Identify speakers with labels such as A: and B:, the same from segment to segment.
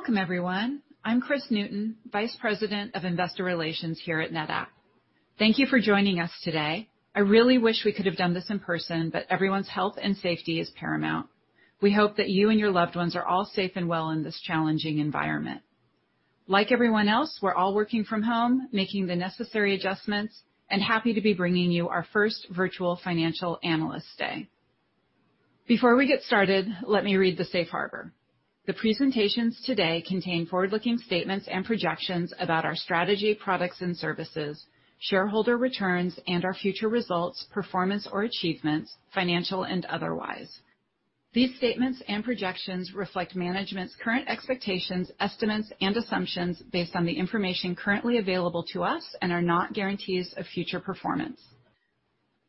A: Welcome, everyone. I'm Kris Newton, Vice President of Investor Relations here at NetApp. Thank you for joining us today. I really wish we could have done this in person, but everyone's health and safety is paramount. We hope that you and your loved ones are all safe and well in this challenging environment. Like everyone else, we're all working from home, making the necessary adjustments, and happy to be bringing you our first Virtual Financial Analyst Day. Before we get started, let me read the Safe Harbor. The presentations today contain forward-looking statements and projections about our strategy, products, and services, shareholder returns, and our future results, performance, or achievements, financial and otherwise. These statements and projections reflect management's current expectations, estimates, and assumptions based on the information currently available to us and are not guarantees of future performance.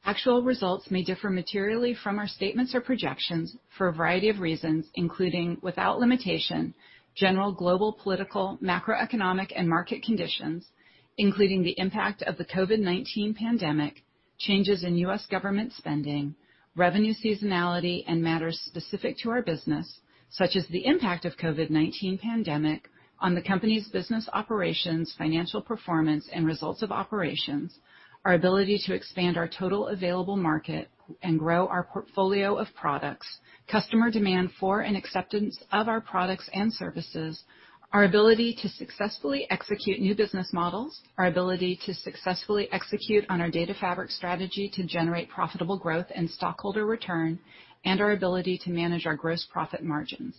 A: Actual results may differ materially from our statements or projections for a variety of reasons, including without limitation, general global political, macroeconomic, and market conditions, including the impact of the COVID-19 pandemic, changes in U.S. government spending, revenue seasonality, and matters specific to our business, such as the impact of the COVID-19 pandemic on the company's business operations, financial performance, and results of operations, our ability to expand our total available market and grow our portfolio of products, customer demand for and acceptance of our products and services, our ability to successfully execute new business models, our ability to successfully execute on our Data Fabric strategy to generate profitable growth and stockholder return, and our ability to manage our gross profit margins.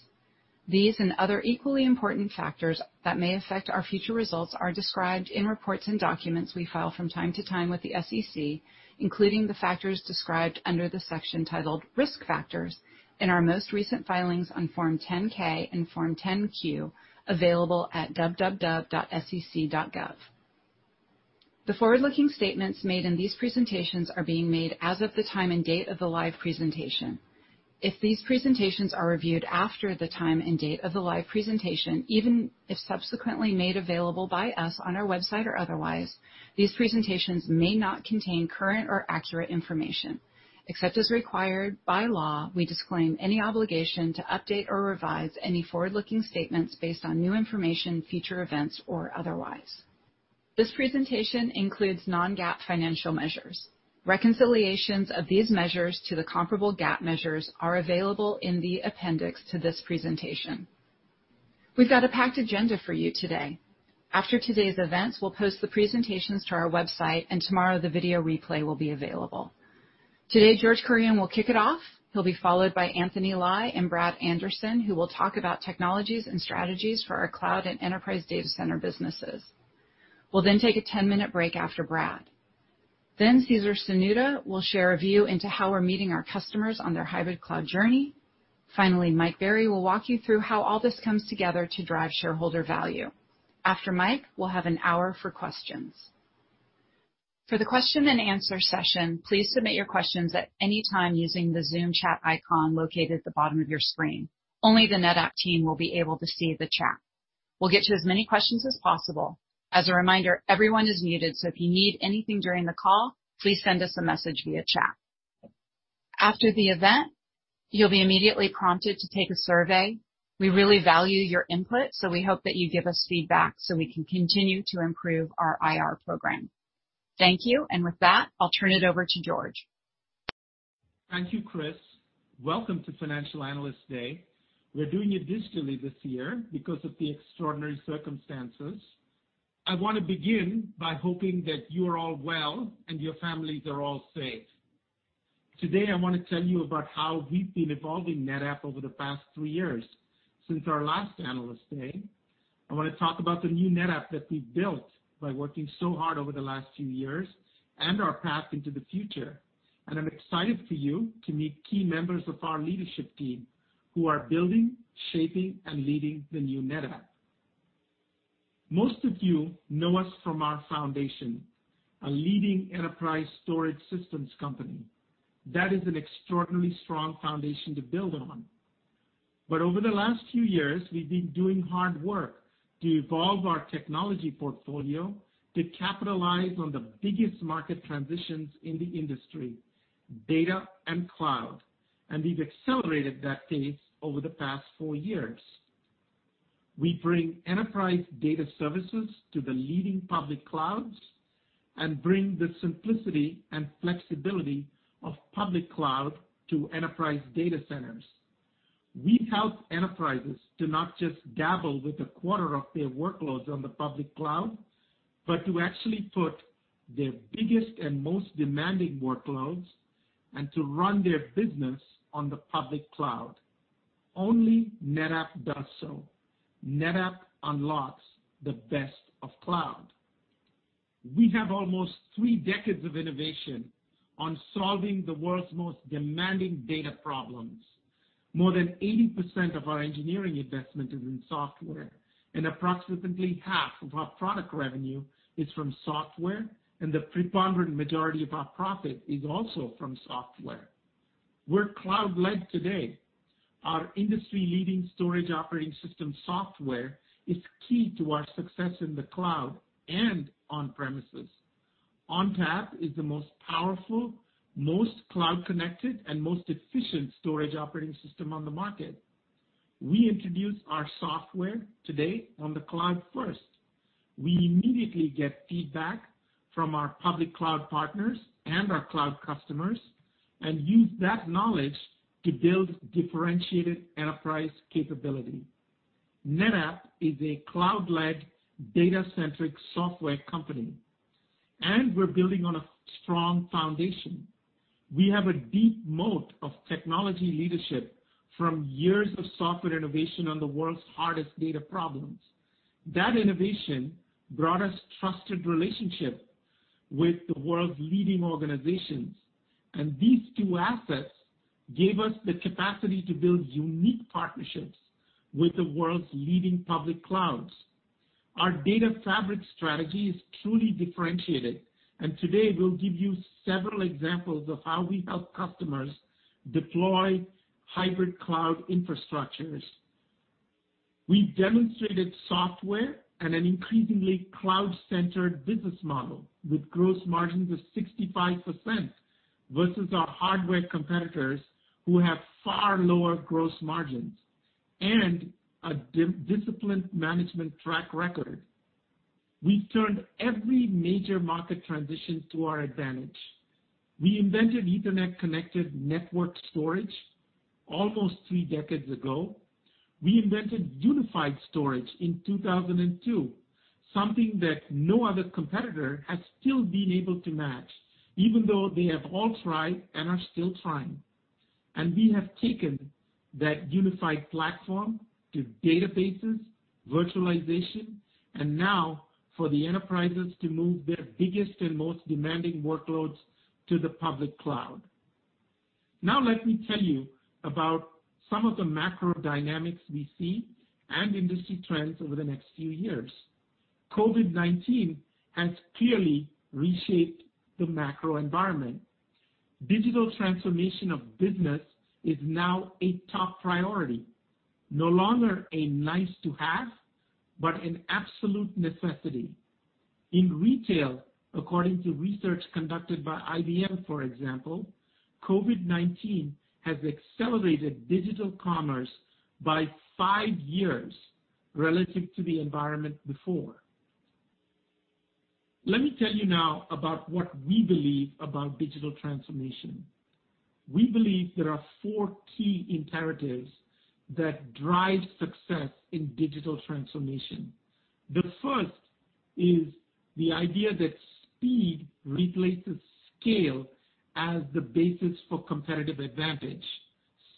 A: These and other equally important factors that may affect our future results are described in reports and documents we file from time to time with the SEC, including the factors described under the section titled Risk Factors in our most recent filings on Form 10-K and Form 10-Q available at www.sec.gov. The forward-looking statements made in these presentations are being made as of the time and date of the live presentation. If these presentations are reviewed after the time and date of the live presentation, even if subsequently made available by us on our website or otherwise, these presentations may not contain current or accurate information. Except as required by law, we disclaim any obligation to update or revise any forward-looking statements based on new information, future events, or otherwise. This presentation includes non-GAAP financial measures. Reconciliations of these measures to the comparable GAAP measures are available in the appendix to this presentation. We've got a packed agenda for you today. After today's events, we'll post the presentations to our website, and tomorrow the video replay will be available. Today, George Kurian will kick it off. He'll be followed by Anthony Lye and Brad Anderson, who will talk about technologies and strategies for our cloud and enterprise data center businesses. We'll then take a 10-minute break after Brad. Then, Cesar Cernuda will share a view into how we're meeting our customers on their hybrid cloud journey. Finally, Mike Berry will walk you through how all this comes together to drive shareholder value. After Mike, we'll have an hour for questions. For the question-and-answer session, please submit your questions at any time using the Zoom chat icon located at the bottom of your screen. Only the NetApp team will be able to see the chat. We'll get to as many questions as possible. As a reminder, everyone is muted, so if you need anything during the call, please send us a message via chat. After the event, you'll be immediately prompted to take a survey. We really value your input, so we hope that you give us feedback so we can continue to improve our IR program. Thank you, and with that, I'll turn it over to George.
B: Thank you, Kris. Welcome to Financial Analyst Day. We're doing it digitally this year because of the extraordinary circumstances. I want to begin by hoping that you are all well and your families are all safe. Today, I want to tell you about how we've been evolving NetApp over the past three years since our last Analyst Day. I want to talk about the new NetApp that we've built by working so hard over the last few years and our path into the future. I'm excited for you to meet key members of our leadership team who are building, shaping, and leading the new NetApp. Most of you know us from our foundation, a leading enterprise storage systems company. That is an extraordinarily strong foundation to build on. Over the last few years, we've been doing hard work to evolve our technology portfolio to capitalize on the biggest market transitions in the industry, data and cloud, and we've accelerated that pace over the past four years. We bring enterprise data services to the leading public clouds and bring the simplicity and flexibility of public cloud to enterprise data centers. We help enterprises to not just dabble with a quarter of their workloads on the public cloud, but to actually put their biggest and most demanding workloads and to run their business on the public cloud. Only NetApp does so. NetApp unlocks the best of cloud. We have almost three decades of innovation on solving the world's most demanding data problems. More than 80% of our engineering investment is in software, and approximately half of our product revenue is from software, and the preponderant majority of our profit is also from software. We're cloud-led today. Our industry-leading storage operating system software is key to our success in the cloud and on-premises. ONTAP is the most powerful, most cloud-connected, and most efficient storage operating system on the market. We introduce our software today on the cloud first. We immediately get feedback from our public cloud partners and our cloud customers and use that knowledge to build differentiated enterprise capability. NetApp is a cloud-led data-centric software company, and we're building on a strong foundation. We have a deep moat of technology leadership from years of software innovation on the world's hardest data problems. That innovation brought us trusted relationships with the world's leading organizations, and these two assets gave us the capacity to build unique partnerships with the world's leading public clouds. Our Data Fabric strategy is truly differentiated, and today we'll give you several examples of how we help customers deploy hybrid cloud infrastructures. We've demonstrated software and an increasingly cloud-centered business model with gross margins of 65% versus our hardware competitors who have far lower gross margins and a disciplined management track record. We've turned every major market transition to our advantage. We invented Ethernet-connected network storage almost three decades ago. We invented unified storage in 2002, something that no other competitor has still been able to match, even though they have all tried and are still trying. We have taken that unified platform to databases, virtualization, and now for the enterprises to move their biggest and most demanding workloads to the public cloud. Let me tell you about some of the macro dynamics we see and industry trends over the next few years. COVID-19 has clearly reshaped the macro environment. Digital transformation of business is now a top priority, no longer a nice-to-have, but an absolute necessity. In retail, according to research conducted by IBM, for example, COVID-19 has accelerated digital commerce by five years relative to the environment before. Let me tell you now about what we believe about digital transformation. We believe there are four key imperatives that drive success in digital transformation. The first is the idea that speed replaces scale as the basis for competitive advantage.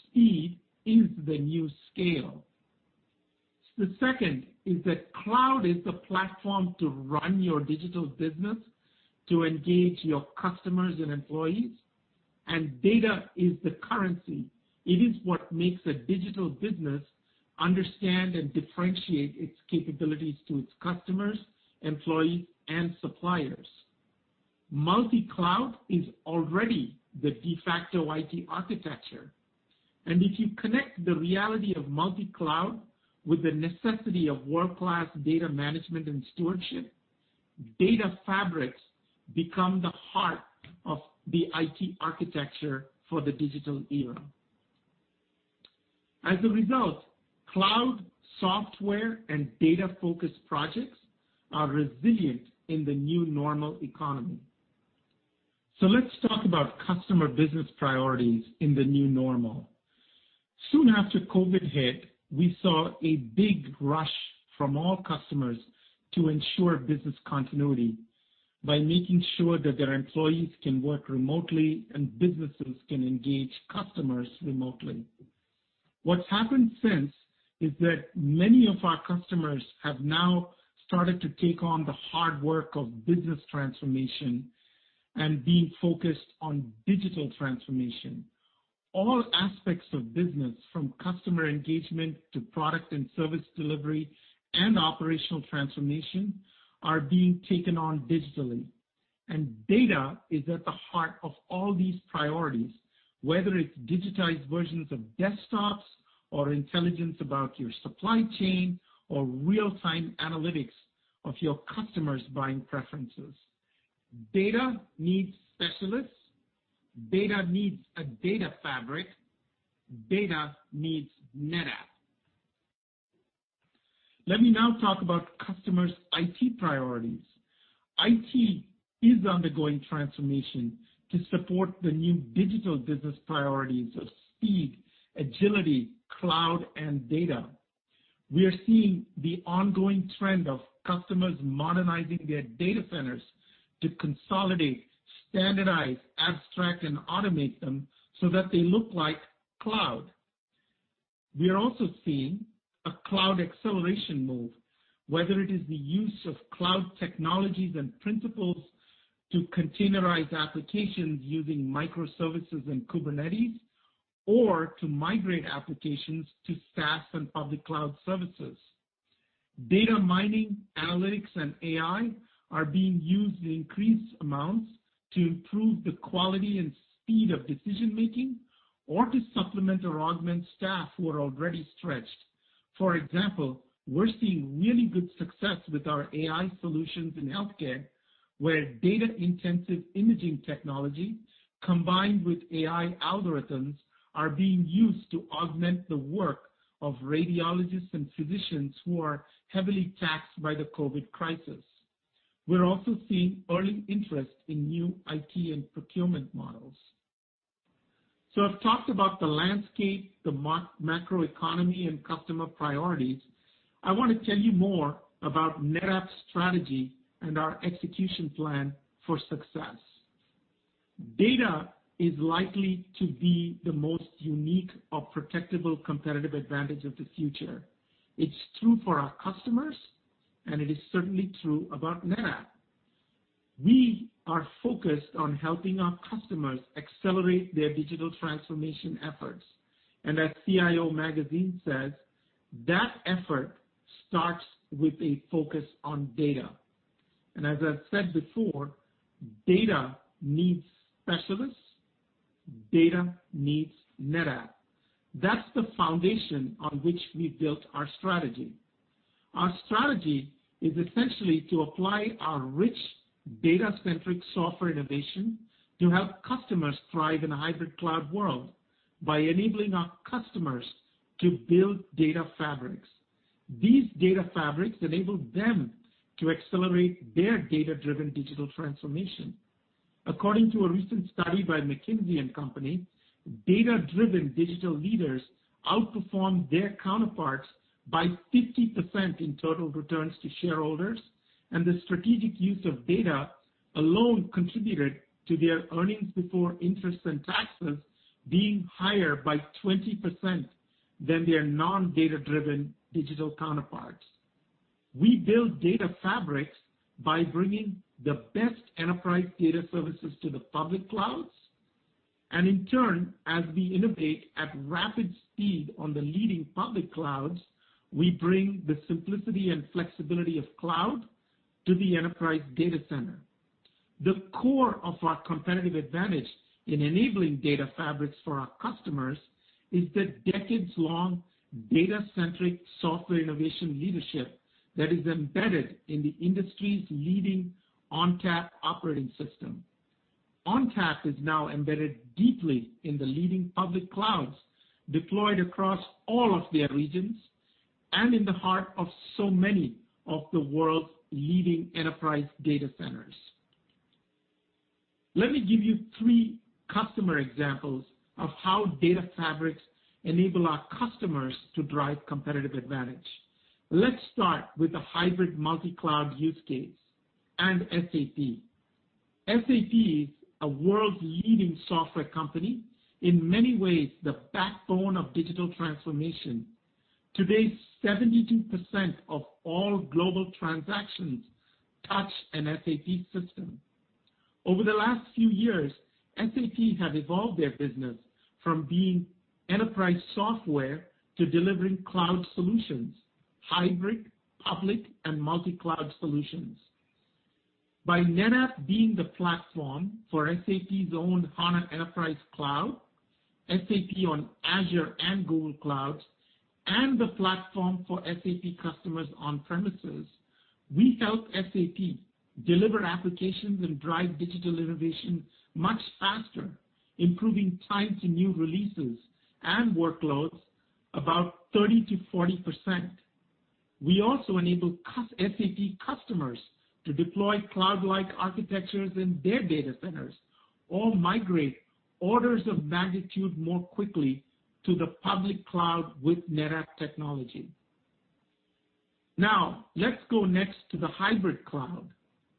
B: Speed is the new scale. The second is that cloud is the platform to run your digital business, to engage your customers and employees, and data is the currency. It is what makes a digital business understand and differentiate its capabilities to its customers, employees, and suppliers. Multi-cloud is already the de facto IT architecture. If you connect the reality of multi-cloud with the necessity of world-class data management and stewardship, Data Fabrics become the heart of the IT architecture for the digital era. As a result, cloud, software, and data-focused projects are resilient in the new normal economy. Let's talk about customer business priorities in the new normal. Soon after COVID hit, we saw a big rush from all customers to ensure business continuity by making sure that their employees can work remotely and businesses can engage customers remotely. What's happened since is that many of our customers have now started to take on the hard work of business transformation and being focused on digital transformation. All aspects of business, from customer engagement to product and service delivery and operational transformation, are being taken on digitally. Data is at the heart of all these priorities, whether it's digitized versions of desktops or intelligence about your supply chain or real-time analytics of your customers' buying preferences. Data needs specialists. Data needs a Data Fabric. Data needs NetApp. Let me now talk about customers' IT priorities. IT is undergoing transformation to support the new digital business priorities of speed, agility, cloud, and data. We are seeing the ongoing trend of customers modernizing their data centers to consolidate, standardize, abstract, and automate them so that they look like cloud. We are also seeing a cloud acceleration move, whether it is the use of cloud technologies and principles to containerize applications using microservices and Kubernetes, or to migrate applications to SaaS and public cloud services. Data mining, analytics, and AI are being used in increased amounts to improve the quality and speed of decision-making or to supplement or augment staff who are already stretched. For example, we're seeing really good success with our AI solutions in healthcare, where data-intensive imaging technology combined with AI algorithms are being used to augment the work of radiologists and physicians who are heavily taxed by the COVID crisis. We're also seeing early interest in new IT and procurement models. I have talked about the landscape, the macro economy, and customer priorities. I want to tell you more about NetApp's strategy and our execution plan for success. Data is likely to be the most unique or protectable competitive advantage of the future. It's true for our customers, and it is certainly true about NetApp. We are focused on helping our customers accelerate their digital transformation efforts. As CIO Magazine says, "That effort starts with a focus on data." As I've said before, data needs specialists. Data needs NetApp. That's the foundation on which we built our strategy. Our strategy is essentially to apply our rich data-centric software innovation to help customers thrive in a hybrid cloud world by enabling our customers to build Data Fabrics. These Data Fabrics enable them to accelerate their data-driven digital transformation. According to a recent study by McKinsey & Company, data-driven digital leaders outperform their counterparts by 50% in total returns to shareholders, and the strategic use of data alone contributed to their earnings before interest and taxes being higher by 20% than their non-data-driven digital counterparts. We build Data Fabrics by bringing the best enterprise data services to the public clouds. In turn, as we innovate at rapid speed on the leading public clouds, we bring the simplicity and flexibility of cloud to the enterprise data center. The core of our competitive advantage in enabling Data Fabrics for our customers is the decades-long data-centric software innovation leadership that is embedded in the industry's leading ONTAP operating system. ONTAP is now embedded deeply in the leading public clouds deployed across all of their regions and in the heart of so many of the world's leading enterprise data centers. Let me give you three customer examples of how Data Fabrics enable our customers to drive competitive advantage. Let's start with the hybrid multi-cloud use case and SAP. SAP is a world's leading software company, in many ways the backbone of digital transformation. Today, 72% of all global transactions touch an SAP system. Over the last few years, SAP has evolved their business from being enterprise software to delivering cloud solutions, hybrid, public, and multi-cloud solutions. By NetApp being the platform for SAP's own SAP HANA Enterprise Cloud, SAP on Azure and Google Cloud, and the platform for SAP customers on premises, we help SAP deliver applications and drive digital innovation much faster, improving time to new releases and workloads about 30 to 40%. We also enable SAP customers to deploy cloud-like architectures in their data centers or migrate orders of magnitude more quickly to the public cloud with NetApp technology. Now let's go next to the hybrid cloud.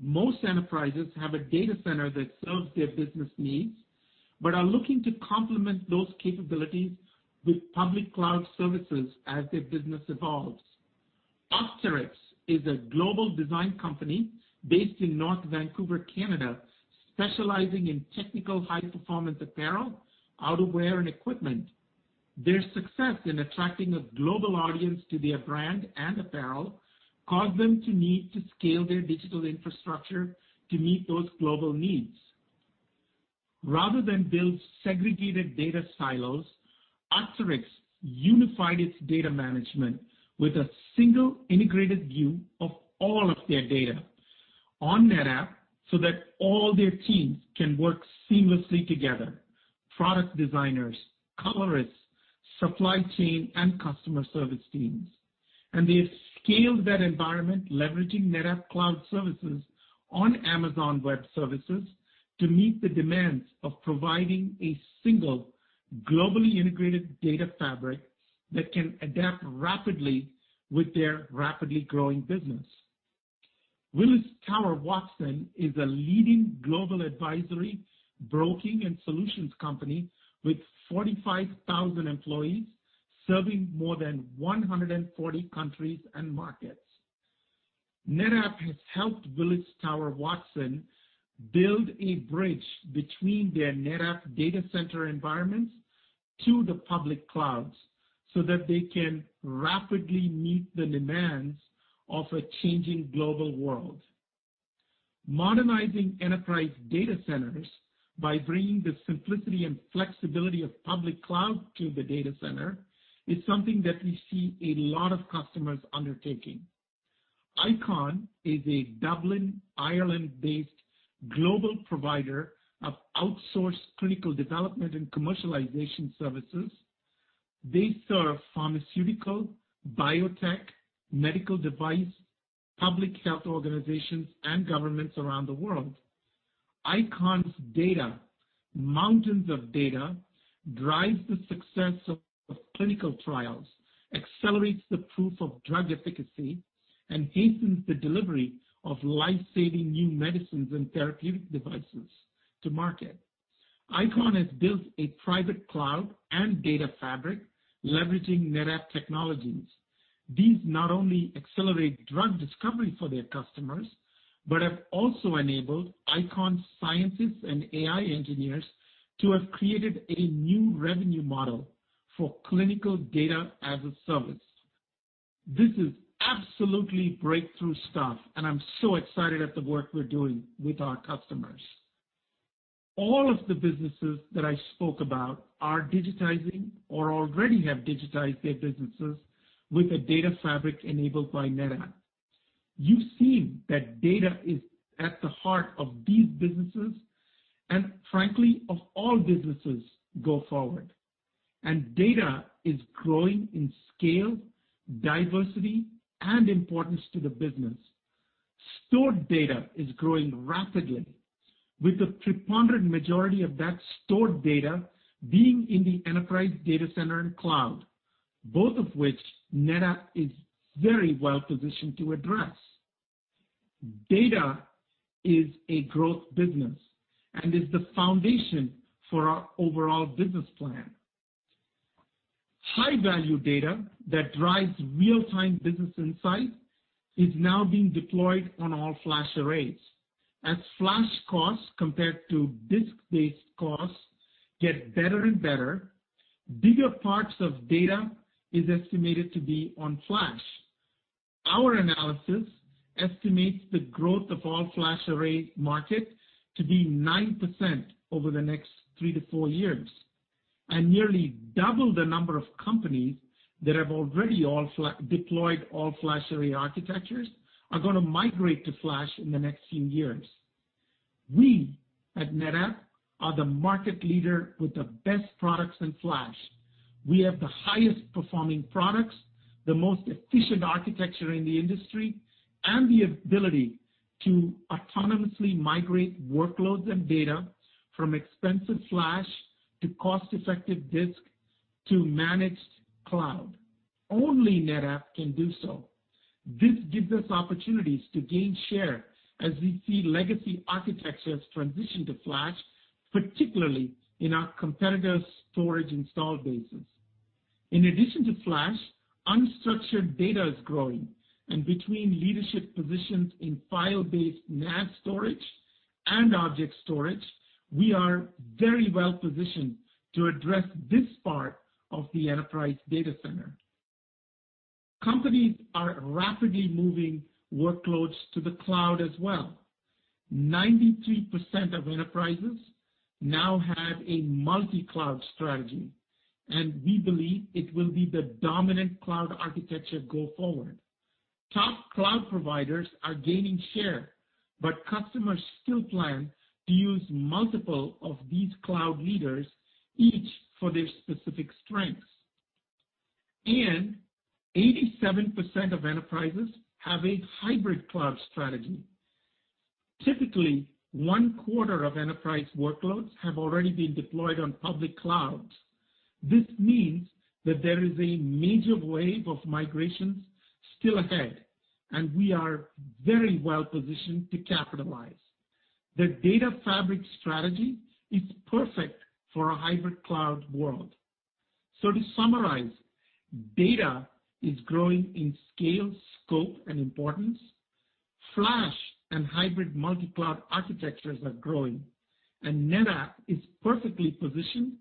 B: Most enterprises have a data center that serves their business needs, but are looking to complement those capabilities with public cloud services as their business evolves. Arc'teryx is a global design company based in North Vancouver, Canada, specializing in technical high-performance apparel, outerwear, and equipment. Their success in attracting a global audience to their brand and apparel caused them to need to scale their digital infrastructure to meet those global needs. Rather than build segregated data silos, Arc'teryx unified its data management with a single integrated view of all of their data on NetApp so that all their teams can work seamlessly together: product designers, colorists, supply chain, and customer service teams. They have scaled that environment, leveraging NetApp cloud services on Amazon Web Services to meet the demands of providing a single globally integrated Data Fabric that can adapt rapidly with their rapidly growing business. Willis Towers Watson is a leading global advisory, broking, and solutions company with 45,000 employees serving more than 140 countries and markets. NetApp has helped Willis Towers Watson build a bridge between their NetApp data center environments to the public clouds so that they can rapidly meet the demands of a changing global world. Modernizing enterprise data centers by bringing the simplicity and flexibility of public cloud to the data center is something that we see a lot of customers undertaking. ICON is a Dublin, Ireland-based global provider of outsourced clinical development and commercialization services. They serve pharmaceutical, biotech, medical device, public health organizations, and governments around the world. ICON's data, mountains of data, drives the success of clinical trials, accelerates the proof of drug efficacy, and hastens the delivery of life-saving new medicines and therapeutic devices to market. ICON has built a private cloud and Data Fabric leveraging NetApp technologies. These not only accelerate drug discovery for their customers, but have also enabled ICON's scientists and AI engineers to have created a new revenue model for clinical data as a service. This is absolutely breakthrough stuff, and I'm so excited at the work we're doing with our customers. All of the businesses that I spoke about are digitizing or already have digitized their businesses with a Data Fabric enabled by NetApp. You've seen that data is at the heart of these businesses and, frankly, of all businesses going forward. Data is growing in scale, diversity, and importance to the business. Stored data is growing rapidly, with the preponderant majority of that stored data being in the enterprise data center and cloud, both of which NetApp is very well positioned to address. Data is a growth business and is the foundation for our overall business plan. High-value data that drives real-time business insight is now being deployed on all-flash arrays. As flash costs compared to disk-based costs get better and better, bigger parts of data is estimated to be on flash. Our analysis estimates the growth of all-flash array market to be 9% over the next three to four years. Nearly double the number of companies that have already deployed all-flash array architectures are going to migrate to flash in the next few years. We at NetApp are the market leader with the best products in flash. We have the highest performing products, the most efficient architecture in the industry, and the ability to autonomously migrate workloads and data from expensive flash to cost-effective disk to managed cloud. Only NetApp can do so. This gives us opportunities to gain share as we see legacy architectures transition to flash, particularly in our competitors' storage installed bases. In addition to flash, unstructured data is growing. Between leadership positions in file-based NAS storage and object storage, we are very well positioned to address this part of the enterprise data center. Companies are rapidly moving workloads to the cloud as well. 93% of enterprises now have a multi-cloud strategy, and we believe it will be the dominant cloud architecture going forward. Top cloud providers are gaining share, but customers still plan to use multiple of these cloud leaders, each for their specific strengths. 87% of enterprises have a hybrid cloud strategy. Typically, one quarter of enterprise workloads have already been deployed on public clouds. This means that there is a major wave of migrations still ahead, and we are very well positioned to capitalize. The Data Fabric strategy is perfect for a hybrid cloud world. To summarize, data is growing in scale, scope, and importance. Flash and hybrid multi-cloud architectures are growing, and NetApp is perfectly positioned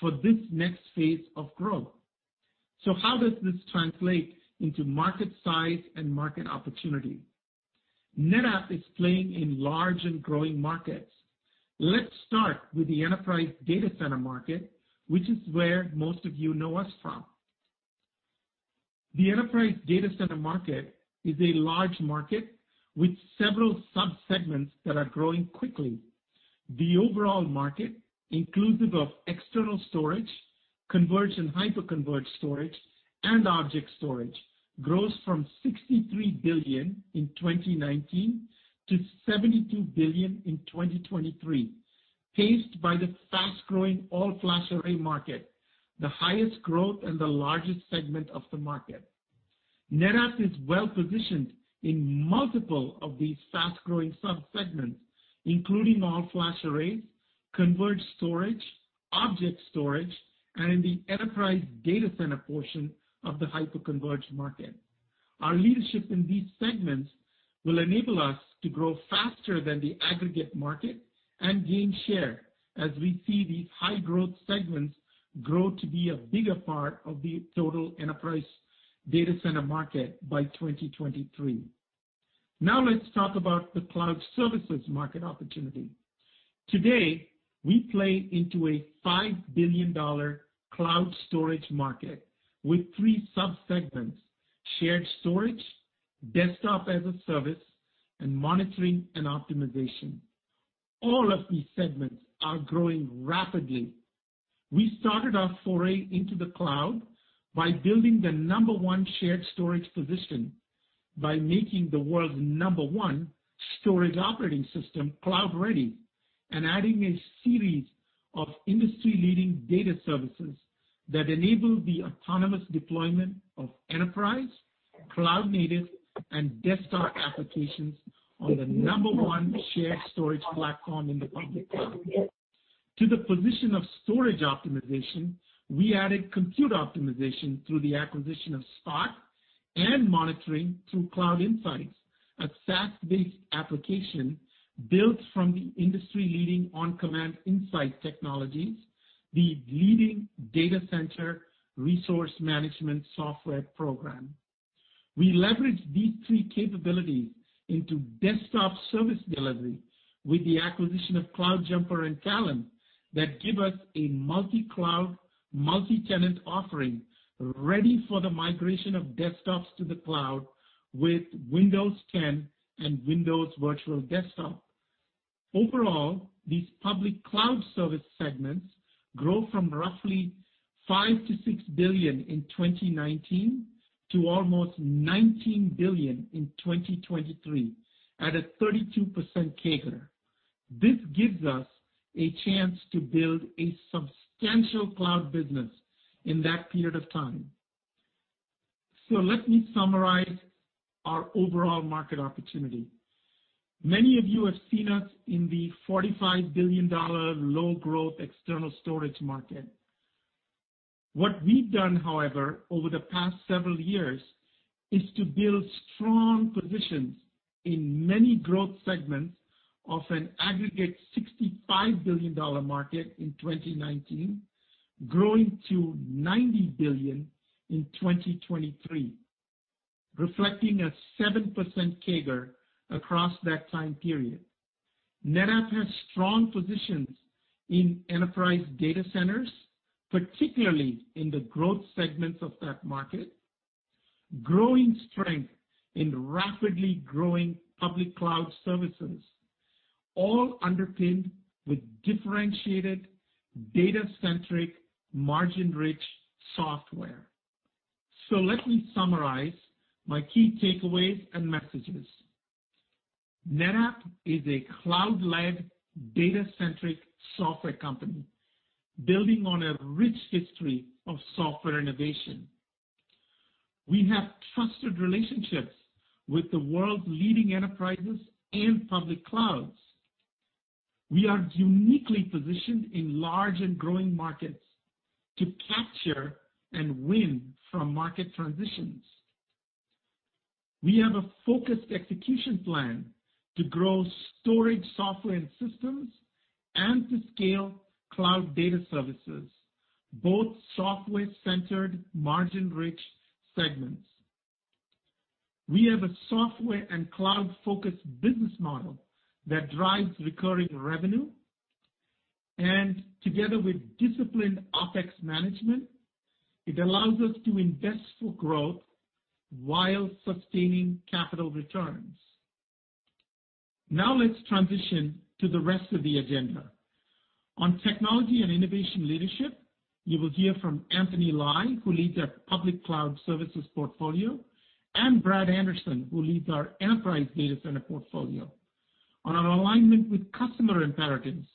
B: for this next phase of growth. How does this translate into market size and market opportunity? NetApp is playing in large and growing markets. Let's start with the enterprise data center market, which is where most of you know us from. The enterprise data center market is a large market with several subsegments that are growing quickly. The overall market, inclusive of external storage, converged and hyper-converged storage, and object storage, grows from $63 billion in 2019 to $72 billion in 2023, paced by the fast-growing all-flash array market, the highest growth and the largest segment of the market. NetApp is well positioned in multiple of these fast-growing subsegments, including all-flash arrays, converged storage, object storage, and in the enterprise data center portion of the hyper-converged market. Our leadership in these segments will enable us to grow faster than the aggregate market and gain share as we see these high-growth segments grow to be a bigger part of the total enterprise data center market by 2023. Now let's talk about the cloud services market opportunity. Today, we play into a $5 billion cloud storage market with three subsegments: shared storage, desktop as a service, and monitoring and optimization. All of these segments are growing rapidly. We started our foray into the cloud by building the number one shared storage position, by making the world's number one storage operating system cloud-ready, and adding a series of industry-leading data services that enable the autonomous deployment of enterprise, cloud-native, and desktop applications on the number one shared storage platform in the public cloud. To the position of storage optimization, we added compute optimization through the acquisition of Spot and monitoring through Cloud Insights, a SaaS-based application built from the industry-leading OnCommand Insight technologies, the leading data center resource management software program. We leverage these three capabilities into desktop service delivery with the acquisition of CloudJumper and Talon that give us a multi-cloud, multi-tenant offering ready for the migration of desktops to the cloud with Windows 10 and Windows Virtual Desktop. Overall, these public cloud service segments grow from roughly $5 billion-$6 billion in 2019 to almost $19 billion in 2023 at a 32% CAGR. This gives us a chance to build a substantial cloud business in that period of time. Let me summarize our overall market opportunity. Many of you have seen us in the $45 billion low-growth external storage market. What we've done, however, over the past several years is to build strong positions in many growth segments of an aggregate $65 billion market in 2019, growing to $90 billion in 2023, reflecting a 7% CAGR across that time period. NetApp has strong positions in enterprise data centers, particularly in the growth segments of that market, growing strength in rapidly growing public cloud services, all underpinned with differentiated data-centric, margin-rich software. Let me summarize my key takeaways and messages. NetApp is a cloud-led, data-centric software company building on a rich history of software innovation. We have trusted relationships with the world's leading enterprises and public clouds. We are uniquely positioned in large and growing markets to capture and win from market transitions. We have a focused execution plan to grow storage software and systems and to scale cloud data services, both software-centered, margin-rich segments. We have a software and cloud-focused business model that drives recurring revenue. Together with disciplined OpEx management, it allows us to invest for growth while sustaining capital returns. Now let's transition to the rest of the agenda. On technology and innovation leadership, you will hear from Anthony Lye, who leads our public cloud services portfolio, and Brad Anderson, who leads our enterprise data center portfolio. On our alignment with customer imperatives,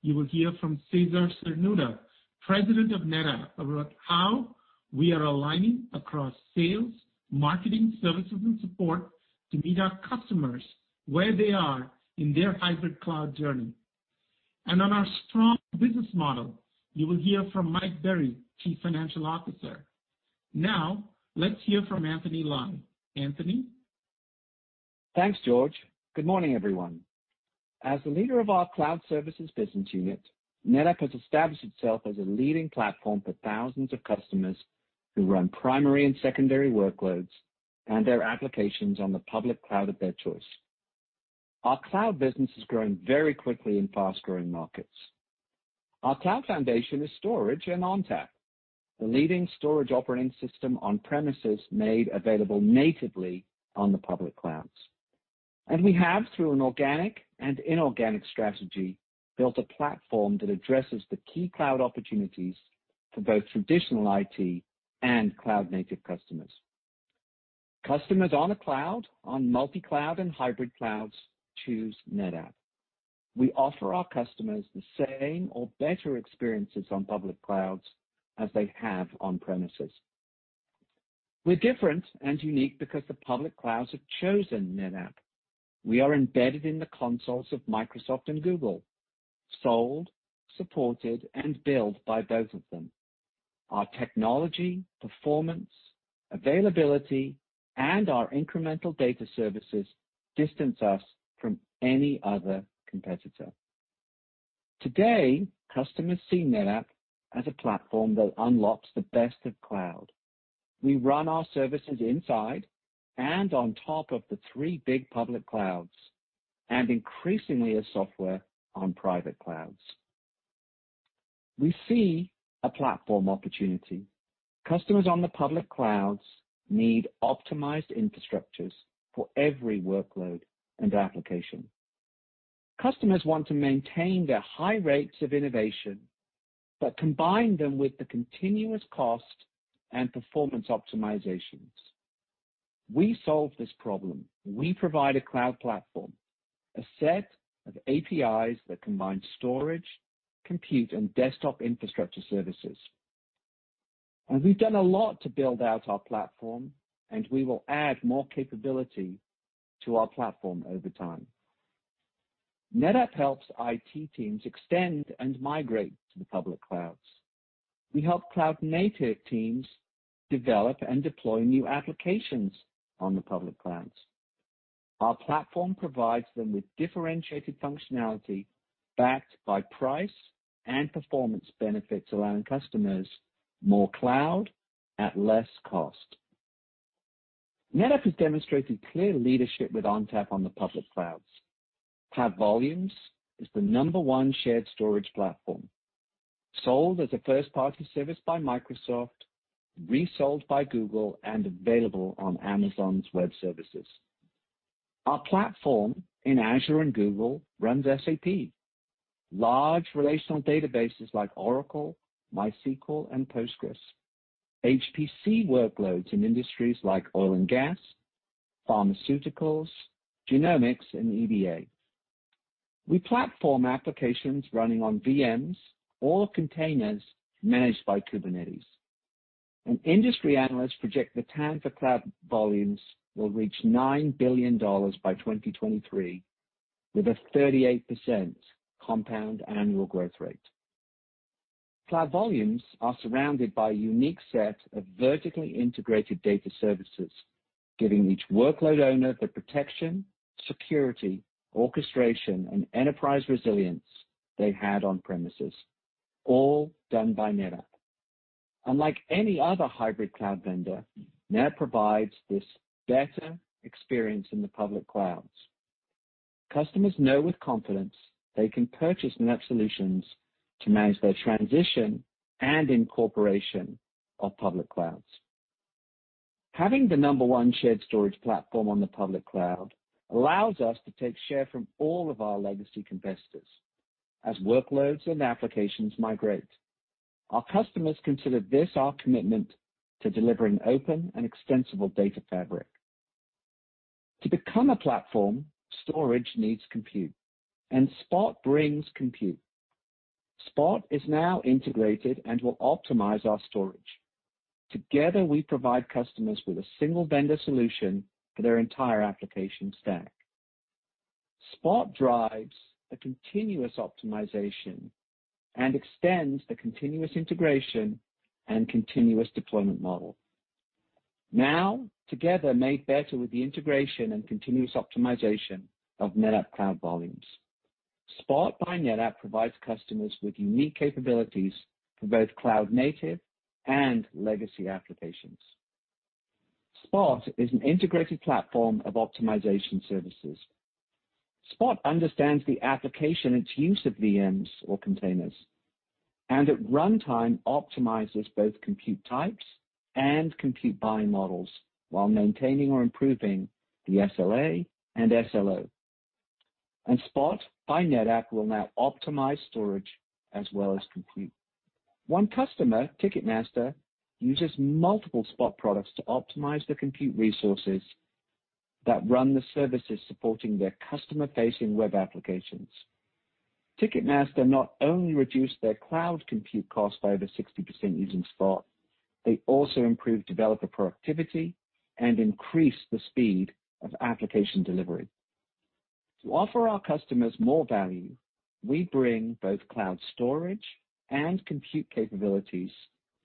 B: you will hear from Cesar Cernuda, President of NetApp, about how we are aligning across sales, marketing, services, and support to meet our customers where they are in their hybrid cloud journey. On our strong business model, you will hear from Mike Berry, Chief Financial Officer. Now let's hear from Anthony Lye. Anthony?
C: Thanks, George. Good morning, everyone. As the leader of our cloud services business unit, NetApp has established itself as a leading platform for thousands of customers who run primary and secondary workloads and their applications on the public cloud of their choice. Our cloud business is growing very quickly in fast-growing markets. Our cloud foundation is storage and ONTAP, the leading storage operating system on-premises made available natively on the public clouds. We have, through an organic and inorganic strategy, built a platform that addresses the key cloud opportunities for both traditional IT and cloud-native customers. Customers on a cloud, on multi-cloud, and hybrid clouds choose NetApp. We offer our customers the same or better experiences on public clouds as they have on-premises. We are different and unique because the public clouds have chosen NetApp. We are embedded in the consoles of Microsoft and Google, sold, supported, and built by both of them. Our technology, performance, availability, and our incremental data services distance us from any other competitor. Today, customers see NetApp as a platform that unlocks the best of cloud. We run our services inside and on top of the three big public clouds and increasingly as software on private clouds. We see a platform opportunity. Customers on the public clouds need optimized infrastructures for every workload and application. Customers want to maintain their high rates of innovation but combine them with the continuous cost and performance optimizations. We solve this problem. We provide a cloud platform, a set of APIs that combine storage, compute, and desktop infrastructure services. We have done a lot to build out our platform, and we will add more capability to our platform over time. NetApp helps IT teams extend and migrate to the public clouds. We help cloud-native teams develop and deploy new applications on the public clouds. Our platform provides them with differentiated functionality backed by price and performance benefits, allowing customers more cloud at less cost. NetApp has demonstrated clear leadership with ONTAP on the public clouds. Cloud Volumes is the number one shared storage platform, sold as a first-party service by Microsoft, resold by Google, and available on Amazon Web Services. Our platform in Azure and Google runs SAP, large relational databases like Oracle, MySQL, and PostgreSQL, HPC workloads in industries like oil and gas, pharmaceuticals, genomics, and EDA. We platform applications running on VMs or containers managed by Kubernetes. Industry analysts project the TAM for Cloud Volumes will reach $9 billion by 2023, with a 38% compound annual growth rate. Cloud Volumes are surrounded by a unique set of vertically integrated data services, giving each workload owner the protection, security, orchestration, and enterprise resilience they had on-premises, all done by NetApp. Unlike any other hybrid cloud vendor, NetApp provides this better experience in the public clouds. Customers know with confidence they can purchase NetApp solutions to manage their transition and incorporation of public clouds. Having the number one shared storage platform on the public cloud allows us to take share from all of our legacy competitors as workloads and applications migrate. Our customers consider this our commitment to delivering open and extensible Data Fabric. To become a platform, storage needs compute, and Spot brings compute. Spot is now integrated and will optimize our storage. Together, we provide customers with a single vendor solution for their entire application stack. Spot drives the continuous optimization and extends the continuous integration and continuous deployment model. Now, together, made better with the integration and continuous optimization of NetApp Cloud Volumes, Spot by NetApp provides customers with unique capabilities for both cloud-native and legacy applications. Spot is an integrated platform of optimization services. Spot understands the application and its use of VMs or containers, and at runtime, optimizes both compute types and compute buying models while maintaining or improving the SLA and SLO. Spot by NetApp will now optimize storage as well as compute. One customer, Ticketmaster, uses multiple Spot products to optimize the compute resources that run the services supporting their customer-facing web applications. Ticketmaster not only reduced their cloud compute cost by over 60% using Spot, they also improved developer productivity and increased the speed of application delivery. To offer our customers more value, we bring both cloud storage and compute capabilities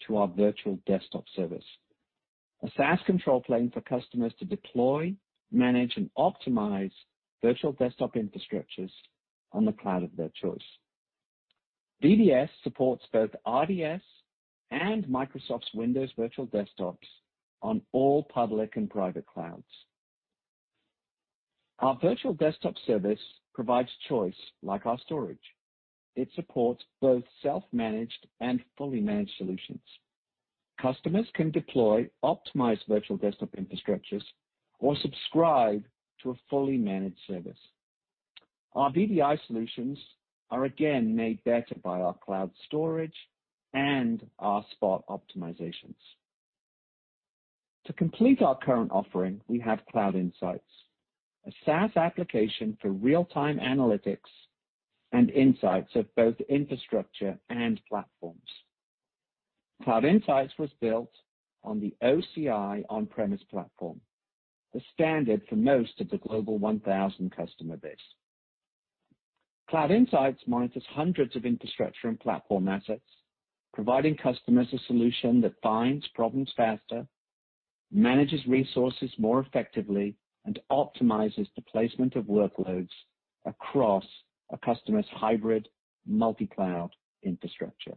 C: to our Virtual Desktop Service, a SaaS control plane for customers to deploy, manage, and optimize virtual desktop infrastructures on the cloud of their choice. VDS supports both RDS and Microsoft's Windows Virtual Desktops on all public and private clouds. Our Virtual Desktop Service provides choice like our storage. It supports both self-managed and fully managed solutions. Customers can deploy optimized virtual desktop infrastructures or subscribe to a fully managed service. Our VDI solutions are again made better by our cloud storage and our Spot optimizations. To complete our current offering, we have Cloud Insights, a SaaS application for real-time analytics and insights of both infrastructure and platforms. Cloud Insights was built on the OCI on-premises platform, the standard for most of the Global 1000 customer base. Cloud Insights monitors hundreds of infrastructure and platform assets, providing customers a solution that finds problems faster, manages resources more effectively, and optimizes the placement of workloads across a customer's hybrid multi-cloud infrastructure.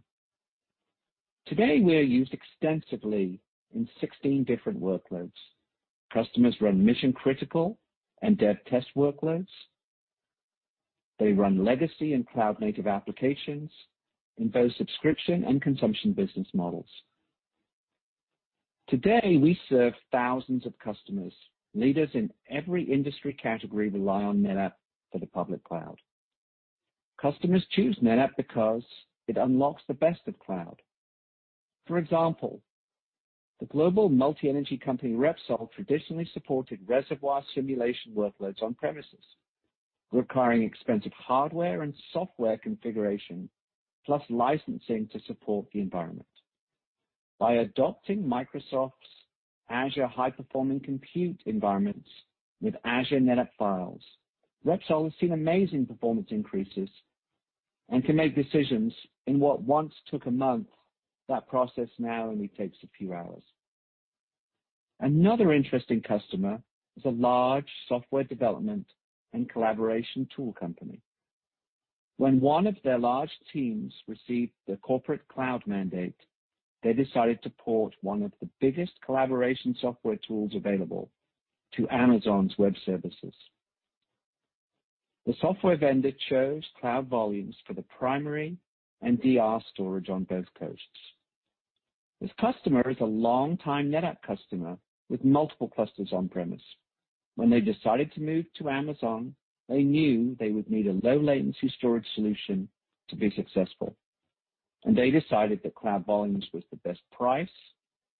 C: Today, we are used extensively in 16 different workloads. Customers run mission-critical and DevTest workloads. They run legacy and cloud-native applications in both subscription and consumption business models. Today, we serve thousands of customers. Leaders in every industry category rely on NetApp for the public cloud. Customers choose NetApp because it unlocks the best of cloud. For example, the global multi-energy company Repsol traditionally supported reservoir simulation workloads on-premises, requiring expensive hardware and software configuration, plus licensing to support the environment. By adopting Microsoft's Azure high-performing compute environments with Azure NetApp Files, Repsol has seen amazing performance increases and can make decisions in what once took a month, that process now only takes a few hours. Another interesting customer is a large software development and collaboration tool company. When one of their large teams received the corporate cloud mandate, they decided to port one of the biggest collaboration software tools available to Amazon Web Services. The software vendor chose Cloud Volumes for the primary and DR storage on both coasts. This customer is a longtime NetApp customer with multiple clusters on-premises. When they decided to move to Amazon, they knew they would need a low-latency storage solution to be successful. They decided that Cloud Volumes was the best price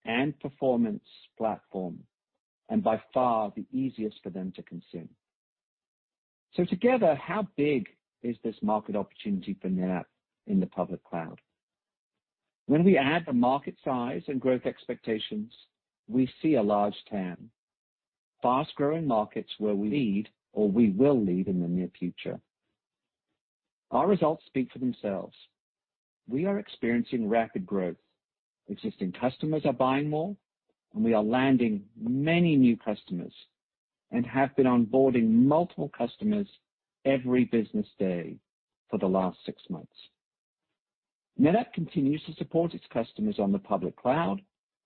C: and performance platform and by far the easiest for them to consume. Together, how big is this market opportunity for NetApp in the public cloud? When we add the market size and growth expectations, we see a large TAM, fast-growing markets where we lead or we will lead in the near future. Our results speak for themselves. We are experiencing rapid growth. Existing customers are buying more, and we are landing many new customers and have been onboarding multiple customers every business day for the last six months. NetApp continues to support its customers on the public cloud,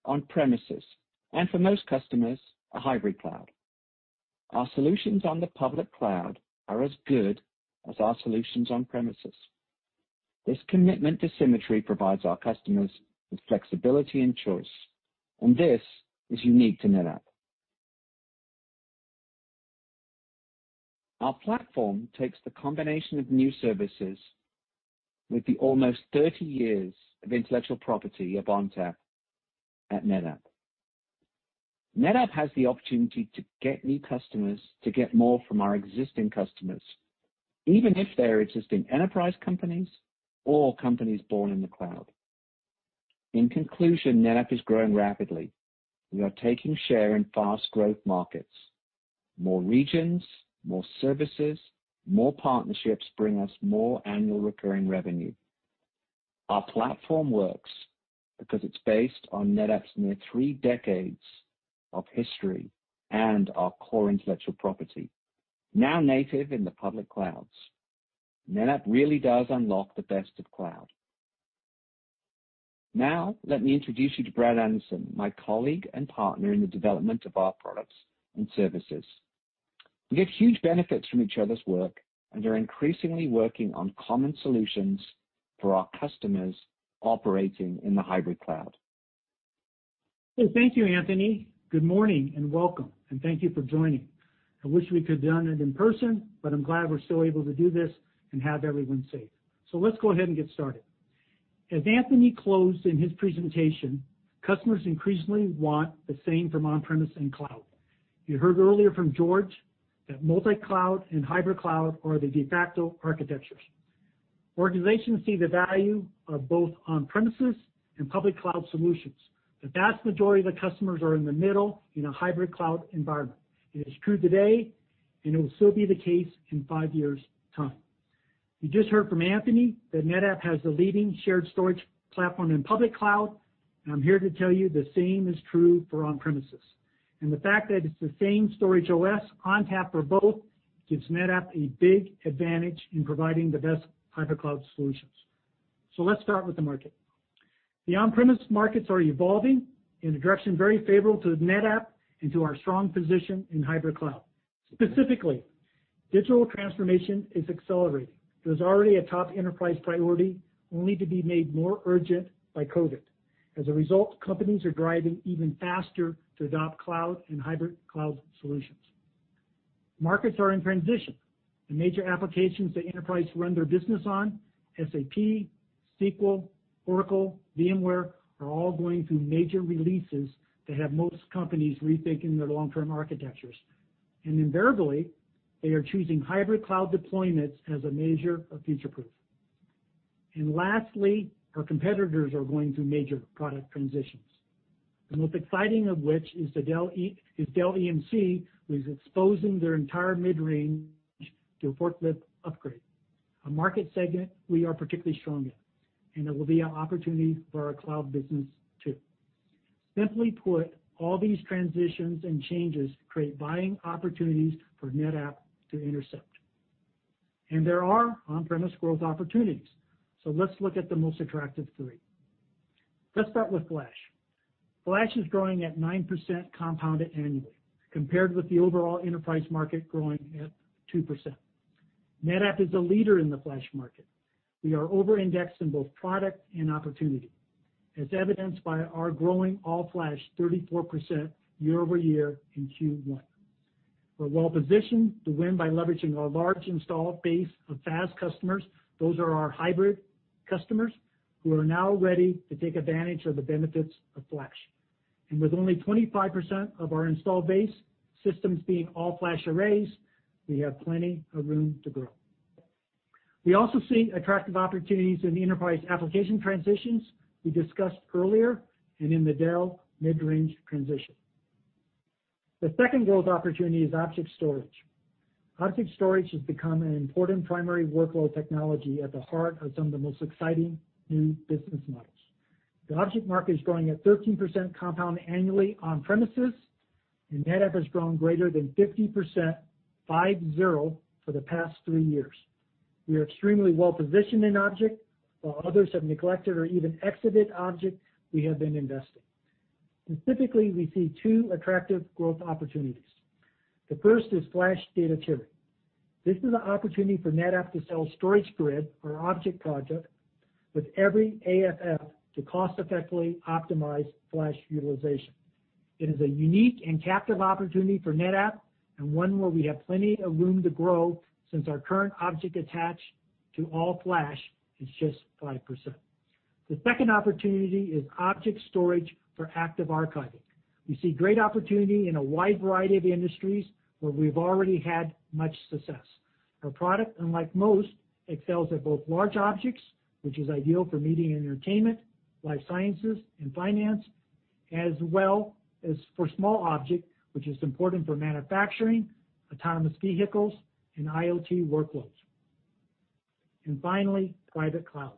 C: on-premises, and for most customers, a hybrid cloud. Our solutions on the public cloud are as good as our solutions on-premises. This commitment to symmetry provides our customers with flexibility and choice, and this is unique to NetApp. Our platform takes the combination of new services with the almost 30 years of intellectual property of ONTAP at NetApp. NetApp has the opportunity to get new customers to get more from our existing customers, even if they're existing enterprise companies or companies born in the cloud. In conclusion, NetApp is growing rapidly. We are taking share in fast-growth markets. More regions, more services, more partnerships bring us more annual recurring revenue. Our platform works because it's based on NetApp's near three decades of history and our core intellectual property, now native in the public clouds. NetApp really does unlock the best of cloud. Now, let me introduce you to Brad Anderson, my colleague and partner in the development of our products and services. We get huge benefits from each other's work and are increasingly working on common solutions for our customers operating in the hybrid cloud.
D: Thank you, Anthony. Good morning and welcome, and thank you for joining. I wish we could have done it in person, but I'm glad we're still able to do this and have everyone safe. Let's go ahead and get started. As Anthony closed in his presentation, customers increasingly want the same from on-premises and cloud. You heard earlier from George that multi-cloud hybrid cloud are the de facto architectures. Organizations see the value of both on-premises and public cloud solutions. The vast majority of the customers are in the middle in hybrid cloud environment. It is true today, and it will still be the case in five years' time. You just heard from Anthony that NetApp has the leading shared storage platform in public cloud, and I'm here to tell you the same is true for on-premises. The fact that it's the same storage OS ONTAP for both gives NetApp a big advantage in providing the hybrid cloud solutions. Let's start with the market. The on-premises markets are evolving in a direction very favorable to NetApp and to our strong position hybrid cloud. Specifically, digital transformation is accelerating. It was already a top enterprise priority, only to be made more urgent by COVID. As a result, companies are driving even faster to adopt cloud hybrid cloud solutions. Markets are in transition. The major applications that enterprises run their business on, SAP, SQL, Oracle, VMware, are all going through major releases that have most companies rethinking their long-term architectures. Invariably, they are hybrid cloud deployments as a measure of future proof. Lastly, our competitors are going through major product transitions, the most exciting of which is Dell EMC, who is exposing their entire mid-range to a forklift upgrade, a market segment we are particularly strong in, and it will be an opportunity for our cloud business too. Simply put, all these transitions and changes create buying opportunities for NetApp to intercept. There are on-premises growth opportunities. Let's look at the most attractive three. Let's start with flash. Flash is growing at 9% compounded annually, compared with the overall enterprise market growing at 2%. NetApp is a leader in the flash market. We are over-indexed in both product and opportunity, as evidenced by our growing all-flash 34% year-over-year in Q1. We are well-positioned to win by leveraging our large installed base of FAS customers. Those are our hybrid customers who are now ready to take advantage of the benefits of flash. With only 25% of our installed base systems being all-flash arrays, we have plenty of room to grow. We also see attractive opportunities in the enterprise application transitions we discussed earlier and in the Dell mid-range transition. The second growth opportunity is object storage. Object storage has become an important primary workload technology at the heart of some of the most exciting new business models. The object market is growing at 13% compound annually on-premises, and NetApp has grown greater than 50%, 5-0, for the past three years. We are extremely well-positioned in object. While others have neglected or even exited object, we have been investing. Specifically, we see two attractive growth opportunities. The first is flash data tiering. This is an opportunity for NetApp to sell StorageGRID, our object product, with every AFF to cost-effectively optimize flash utilization. It is a unique and captive opportunity for NetApp and one where we have plenty of room to grow since our current object attached to all-flash is just 5%. The second opportunity is object storage for active archiving. We see great opportunity in a wide variety of industries where we've already had much success. Our product, unlike most, excels at both large objects, which is ideal for media and entertainment, life sciences, and finance, as well as for small objects, which is important for manufacturing, autonomous vehicles, and IoT workloads. Finally, private cloud.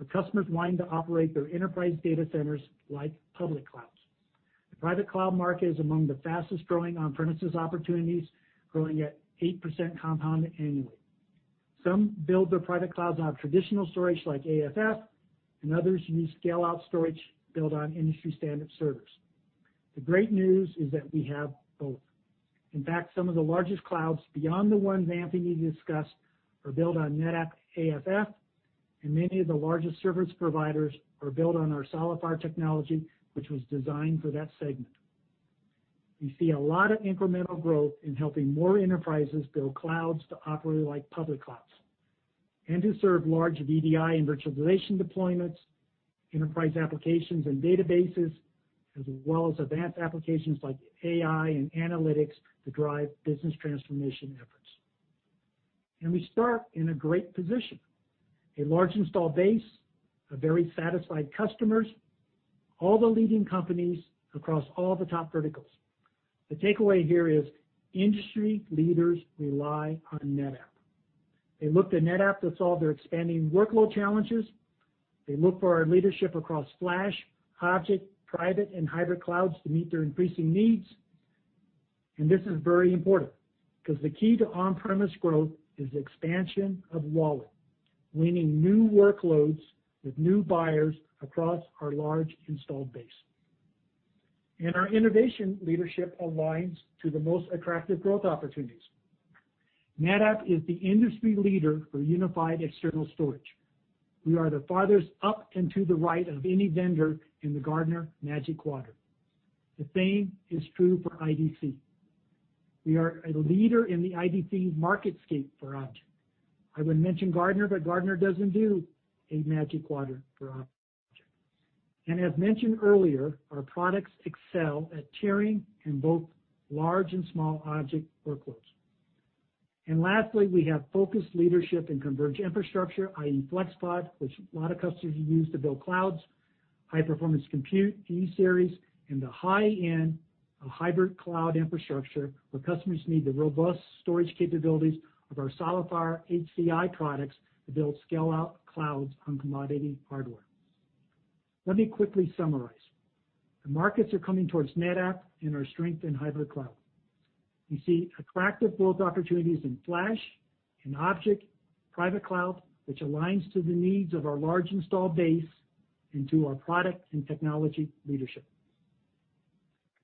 D: Our customers want to operate their enterprise data centers like public clouds. The private cloud market is among the fastest-growing on-premises opportunities, growing at 8% compound annually. Some build their private clouds on traditional storage like AFF, and others use scale-out storage built on industry-standard servers. The great news is that we have both. In fact, some of the largest clouds beyond the ones Anthony discussed are built on NetApp AFF, and many of the largest service providers are built on our SolidFire technology, which was designed for that segment. We see a lot of incremental growth in helping more enterprises build clouds to operate like public clouds and to serve large VDI and virtualization deployments, enterprise applications and databases, as well as advanced applications like AI and analytics to drive business transformation efforts. We start in a great position: a large installed base, very satisfied customers, all the leading companies across all the top verticals. The takeaway here is industry leaders rely on NetApp. They look to NetApp to solve their expanding workload challenges. They look for our leadership across flash, object, private, hybrid clouds to meet their increasing needs. This is very important because the key to on-premises growth is the expansion of wallet, winning new workloads with new buyers across our large installed base. Our innovation leadership aligns to the most attractive growth opportunities. NetApp is the industry leader for unified external storage. We are the farthest up and to the right of any vendor in the Gartner Magic Quadrant. The same is true for IDC. We are a leader in the IDC MarketScape for objects. I would mention Gartner, but Gartner does not do a Magic Quadrant for objects. As mentioned earlier, our products excel at tiering in both large and small object workloads. Lastly, we have focused leadership in converged infrastructure, i.e., FlexPod, which a lot of customers use to build clouds, high-performance compute, E-Series, and the hybrid cloud infrastructure where customers need the robust storage capabilities of our SolidFire HCI products to build scale-out clouds on commodity hardware. Let me quickly summarize. The markets are coming towards NetApp and our strength hybrid cloud. We see attractive growth opportunities in flash, in object, private cloud, which aligns to the needs of our large installed base and to our product and technology leadership.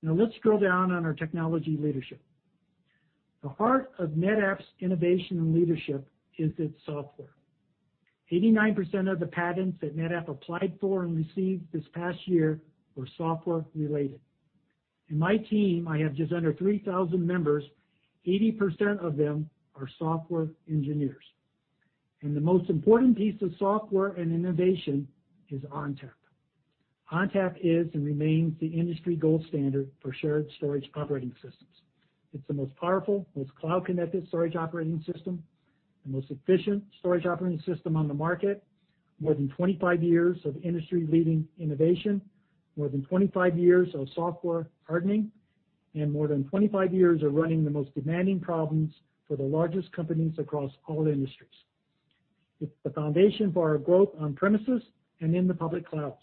D: Now, let's drill down on our technology leadership. The heart of NetApp's innovation and leadership is its software. 89% of the patents that NetApp applied for and received this past year were software-related. In my team, I have just under 3,000 members. 80% of them are software engineers. The most important piece of software and innovation is ONTAP. ONTAP is and remains the industry gold standard for shared storage operating systems. It's the most powerful, most cloud-connected storage operating system, the most efficient storage operating system on the market, more than 25 years of industry-leading innovation, more than 25 years of software hardening, and more than 25 years of running the most demanding problems for the largest companies across all industries. It's the foundation for our growth on-premises and in the public clouds.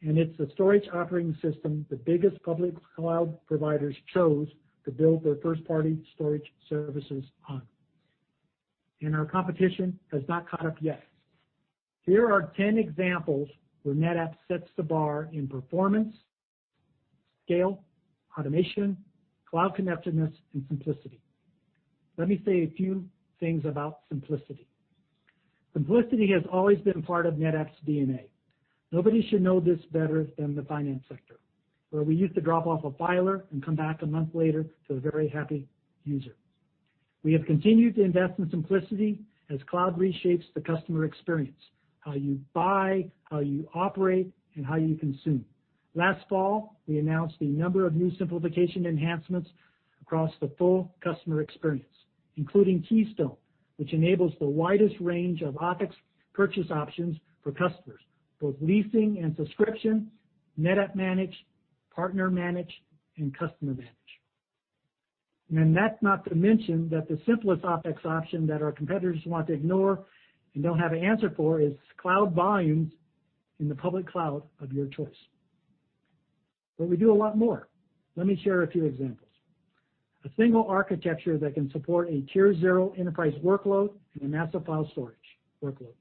D: It's the storage operating system the biggest public cloud providers chose to build their first-party storage services on. Our competition has not caught up yet. Here are 10 examples where NetApp sets the bar in performance, scale, automation, cloud connectedness, and simplicity. Let me say a few things about simplicity. Simplicity has always been part of NetApp's DNA. Nobody should know this better than the finance sector, where we used to drop off a filer and come back a month later to a very happy user. We have continued to invest in simplicity as cloud reshapes the customer experience: how you buy, how you operate, and how you consume. Last fall, we announced a number of new simplification enhancements across the full customer experience, including Keystone, which enables the widest range of OpEx purchase options for customers, both leasing and subscription, NetApp Managed, Partner Managed, and Customer Managed. That's not to mention that the simplest OpEx option that our competitors want to ignore and don't have an answer for is Cloud Volumes in the public cloud of your choice. We do a lot more. Let me share a few examples. A single architecture that can support a tier-zero enterprise workload and a massive file storage workload.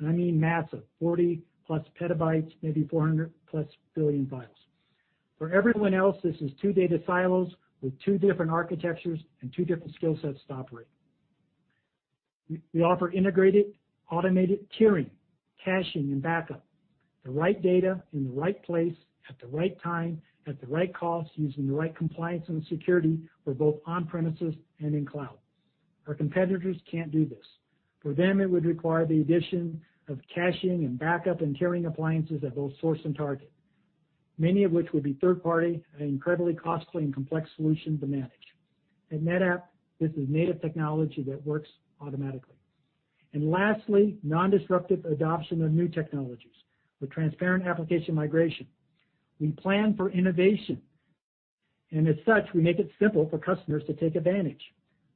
D: I mean massive: 40-plus petabytes, maybe 400-plus billion files. For everyone else, this is two data silos with two different architectures and two different skill sets to operate. We offer integrated, automated tiering, caching, and backup: the right data in the right place at the right time, at the right cost, using the right compliance and security for both on-premises and in cloud. Our competitors can't do this. For them, it would require the addition of caching and backup and tiering appliances at both source and target, many of which would be third-party, an incredibly costly and complex solution to manage. At NetApp, this is native technology that works automatically. Lastly, non-disruptive adoption of new technologies with transparent application migration. We plan for innovation. As such, we make it simple for customers to take advantage.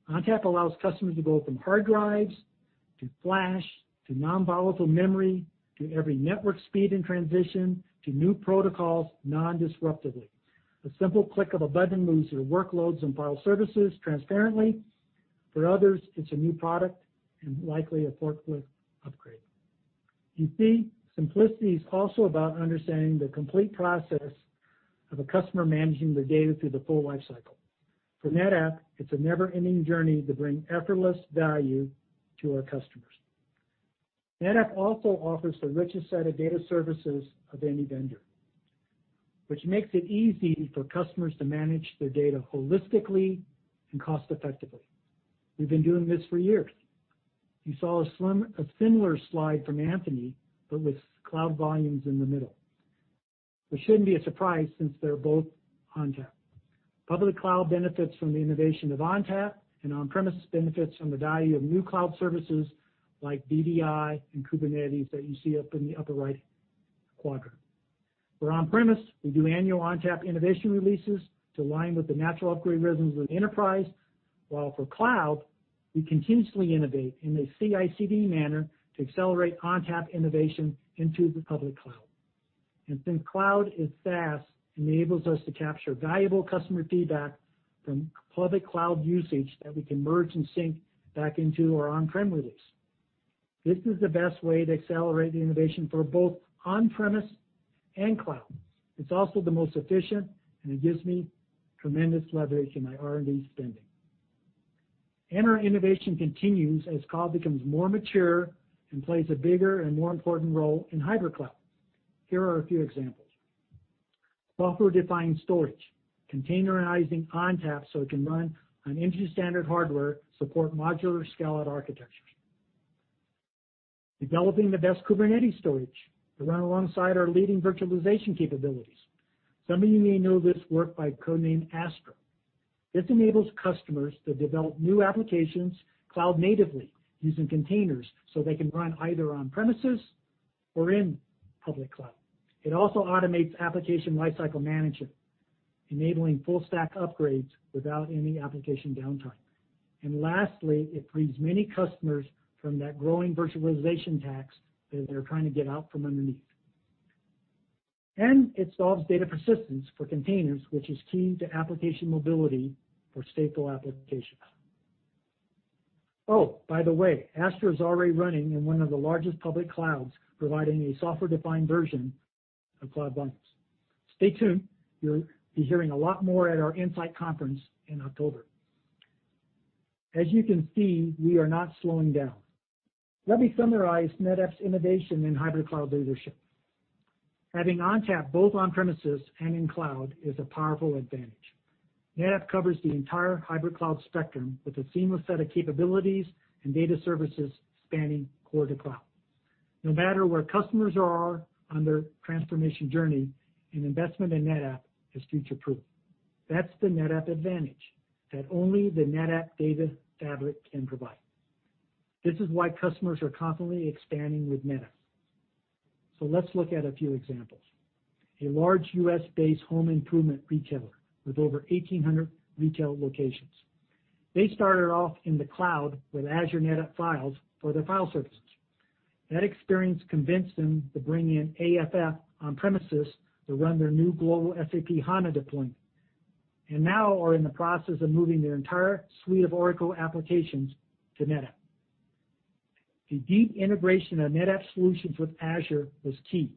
D: ONTAP allows customers to go from hard drives to flash to non-volatile memory to every network speed and transition to new protocols non-disruptively. A simple click of a button moves your workloads and file services transparently. For others, it's a new product and likely a forklift upgrade. You see, simplicity is also about understanding the complete process of a customer managing their data through the full lifecycle. For NetApp, it's a never-ending journey to bring effortless value to our customers. NetApp also offers the richest set of data services of any vendor, which makes it easy for customers to manage their data holistically and cost-effectively. We've been doing this for years. You saw a similar slide from Anthony, but with Cloud Volumes in the middle. It shouldn't be a surprise since they're both ONTAP. Public cloud benefits from the innovation of ONTAP, and on-premises benefits from the value of new cloud services like VDI and Kubernetes that you see up in the upper right quadrant. For on-premises, we do annual ONTAP innovation releases to align with the natural upgrade rhythms of the enterprise, while for cloud, we continuously innovate in a CI/CD manner to accelerate ONTAP innovation into the public cloud. Since cloud is SaaS, it enables us to capture valuable customer feedback from public cloud usage that we can merge and sync back into our on-prem release. This is the best way to accelerate the innovation for both on-premises and cloud. It's also the most efficient, and it gives me tremendous leverage in my R&D spending. Our innovation continues as cloud becomes more mature and plays a bigger and more important role in hybrid cloud. Here are a few examples. Software-defined storage, containerizing ONTAP so it can run on industry-standard hardware, support modular scale-out architectures. Developing the best Kubernetes storage to run alongside our leading virtualization capabilities. Some of you may know this work by codename Astra. This enables customers to develop new applications cloud-natively using containers so they can run either on-premises or in public cloud. It also automates application lifecycle management, enabling full-stack upgrades without any application downtime. Lastly, it frees many customers from that growing virtualization tax that they're trying to get out from underneath. It solves data persistence for containers, which is key to application mobility for stateful applications. Oh, by the way, Astra is already running in one of the largest public clouds, providing a software-defined version of Cloud Volumes. Stay tuned. You'll be hearing a lot more at our Insight Conference in October. As you can see, we are not slowing down. Let me summarize NetApp's innovation in hybrid cloud leadership. Having ONTAP both on-premises and in cloud is a powerful advantage. NetApp covers the hybrid cloud spectrum with a seamless set of capabilities and data services spanning core to cloud. No matter where customers are on their transformation journey, an investment in NetApp is future-proof. That's the NetApp advantage that only the NetApp Data Fabric can provide. This is why customers are constantly expanding with NetApp. Let's look at a few examples. A large U.S.-based home improvement retailer with over 1,800 retail locations. They started off in the cloud with Azure NetApp Files for their file services. That experience convinced them to bring in AFF on-premises to run their new global SAP HANA deployment. They are now in the process of moving their entire suite of Oracle applications to NetApp. The deep integration of NetApp solutions with Azure was key.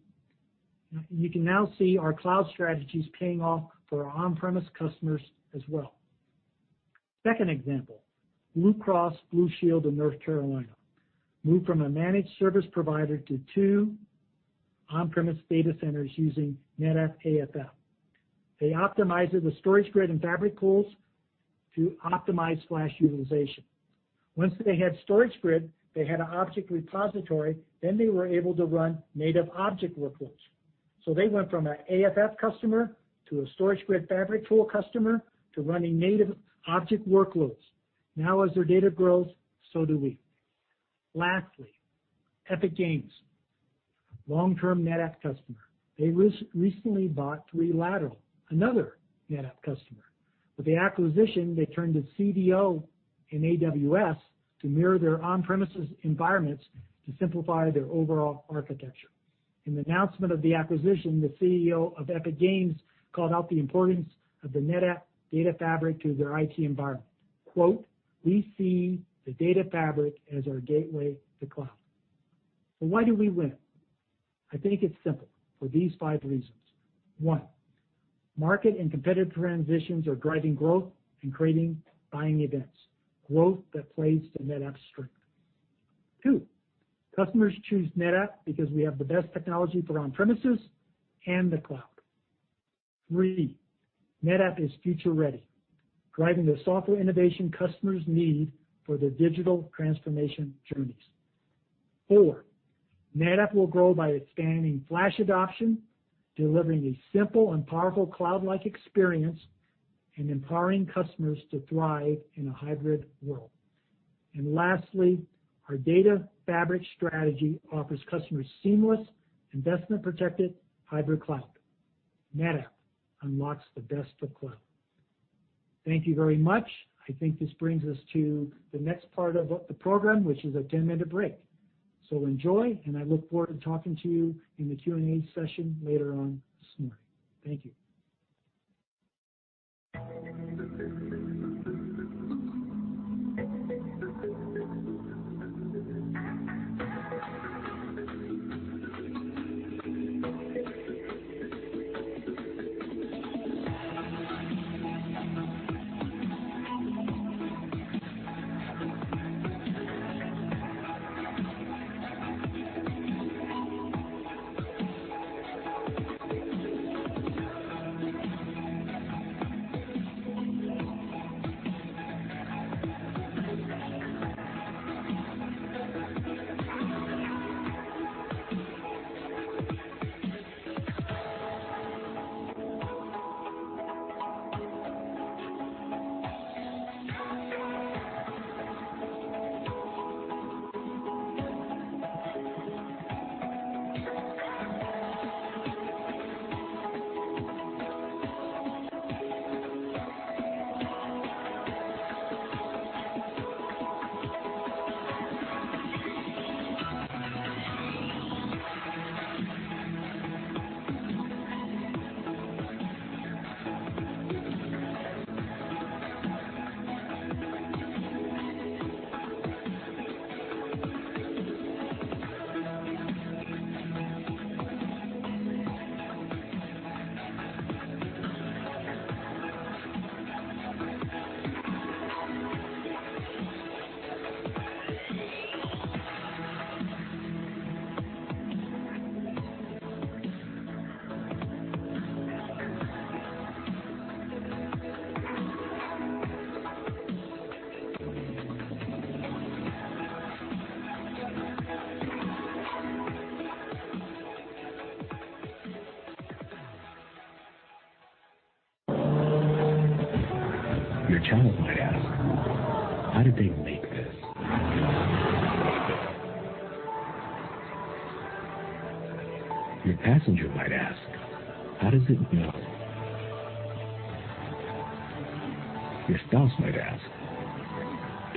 D: You can now see our cloud strategies paying off for our on-premises customers as well. Second example, Blue Cross Blue Shield of North Carolina moved from a managed service provider to two on-premises data centers using NetApp AFF. They optimized the StorageGRID and FabricPool to optimize flash utilization. Once they had StorageGRID, they had an object repository, then they were able to run native object workloads. They went from an AFF customer to a StorageGRID FabricPool customer to running native object workloads. Now, as their data grows, so do we. Lastly, Epic Games, long-term NetApp customer. They recently bought 3Lateral, another NetApp customer. With the acquisition, they turned to CVO and AWS to mirror their on-premises environments to simplify their overall architecture. In the announcement of the acquisition, the CEO of Epic Games called out the importance of the NetApp Data Fabric to their IT environment. "We see the Data Fabric as our gateway to cloud." Why do we win? I think it's simple for these five reasons. One, market and competitive transitions are driving growth and creating buying events, growth that plays to NetApp's strength. Two, customers choose NetApp because we have the best technology for on-premises and the cloud. Three, NetApp is future-ready, driving the software innovation customers need for their digital transformation journeys. Four, NetApp will grow by expanding flash adoption, delivering a simple and powerful cloud-like experience, and empowering customers to thrive in a hybrid world. Lastly, our Data Fabric strategy offers customers seamless, hybrid cloud. NetApp unlocks the best of cloud. Thank you very much. I think this brings us to the next part of the program, which is a 10-minute break. Enjoy, and I look forward to talking to you in the Q&A session later on this morning. Thank you.
E: Your channel might ask, "How did they make this?" Your passenger might ask, "How does it move?" Your spouse might ask,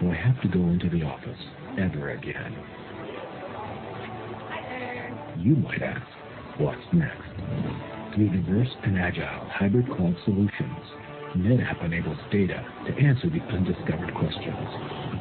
E: "Do I have to go into the office ever again?" You might ask, "What's next?" Through diverse and hybrid cloud solutions, NetApp enables data to answer the undiscovered questions.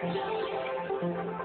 E: We do not fly the planes. We enable transactions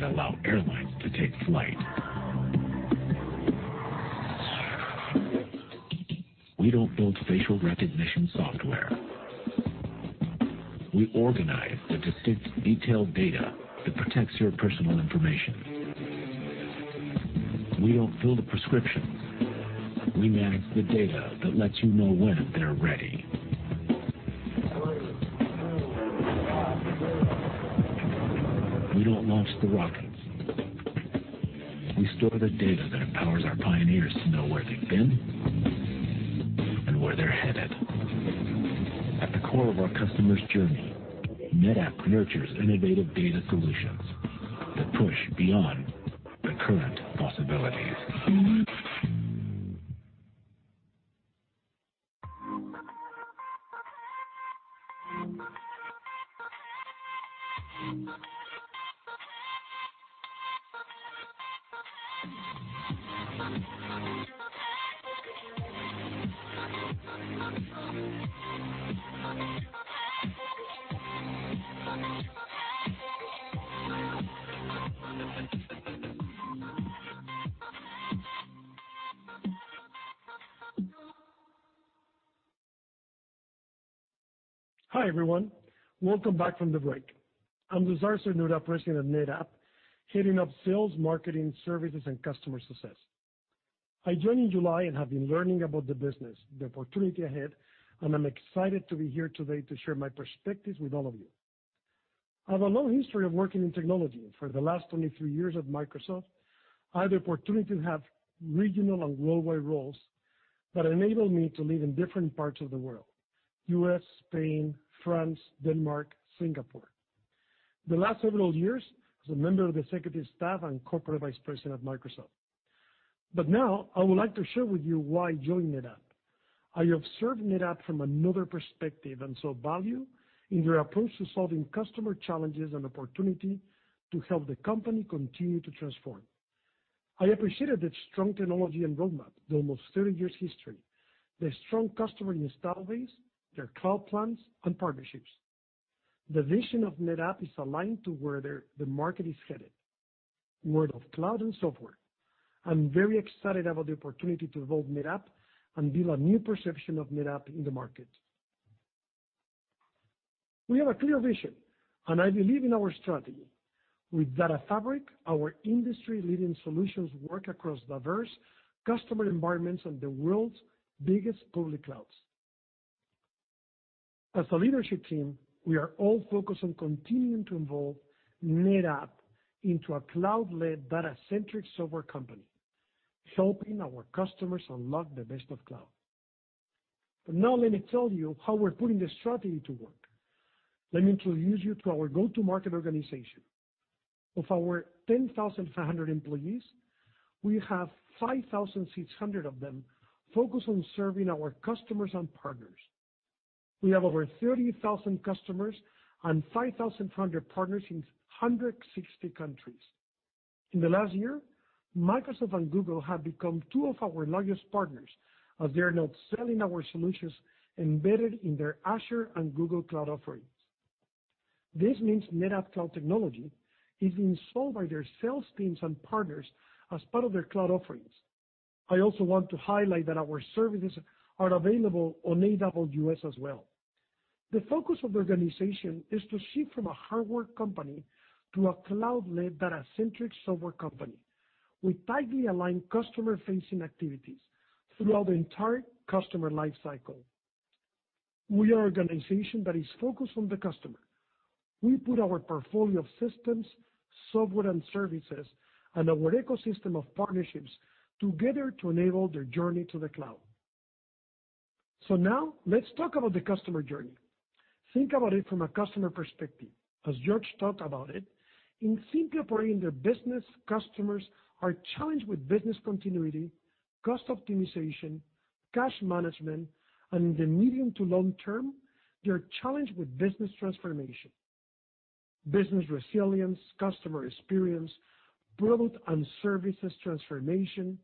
E: that allow airlines to take flight. We do not build facial recognition software. We organize the distinct, detailed data that protects your personal information. We do not fill the prescriptions. We manage the data that lets you know when they are ready. We do not launch the rockets. We store the data that empowers our pioneers to know where they've been and where they're headed. At the core of our customer's journey, NetApp nurtures innovative data solutions that push beyond the current possibilities.
F: Hi, everyone. Welcome back from the break. I'm Cesar Cernuda, President at NetApp, heading up Sales, Marketing, Services, and Customer Success. I joined in July and have been learning about the business, the opportunity ahead, and I'm excited to be here today to share my perspectives with all of you. I have a long history of working in technology. For the last 23 years at Microsoft, I had the opportunity to have regional and worldwide roles that enabled me to live in different parts of the world: U.S., Spain, France, Denmark, Singapore. The last several years, as a member of the executive staff and corporate vice president at Microsoft. Now, I would like to share with you why I joined NetApp. I observed NetApp from another perspective and saw value in their approach to solving customer challenges and opportunity to help the company continue to transform. I appreciated the strong technology and roadmap, the almost 30 years' history, the strong customer install base, their cloud plans, and partnerships. The vision of NetApp is aligned to where the market is headed, world of cloud and software. I'm very excited about the opportunity to evolve NetApp and build a new perception of NetApp in the market. We have a clear vision, and I believe in our strategy. With Data Fabric, our industry-leading solutions work across diverse customer environments and the world's biggest public clouds. As a leadership team, we are all focused on continuing to evolve NetApp into a cloud-led, data-centric software company, helping our customers unlock the best of cloud. Now, let me tell you how we're putting the strategy to work. Let me introduce you to our go-to-market organization. Of our 10,500 employees, we have 5,600 of them focused on serving our customers and partners. We have over 30,000 customers and 5,500 partners in 160 countries. In the last year, Microsoft and Google have become two of our largest partners as they are now selling our solutions embedded in their Azure and Google Cloud offerings. This means NetApp cloud technology is being sold by their sales teams and partners as part of their cloud offerings. I also want to highlight that our services are available on AWS as well. The focus of the organization is to shift from a hardware company to a cloud-led, data-centric software company with tightly aligned customer-facing activities throughout the entire customer lifecycle. We are an organization that is focused on the customer. We put our portfolio of systems, software, and services, and our ecosystem of partnerships together to enable their journey to the cloud. Now, let's talk about the customer journey. Think about it from a customer perspective. As George talked about it, in simply operating their business, customers are challenged with business continuity, cost optimization, cash management, and in the medium to long term, they're challenged with business transformation. Business resilience, customer experience, product and services transformation,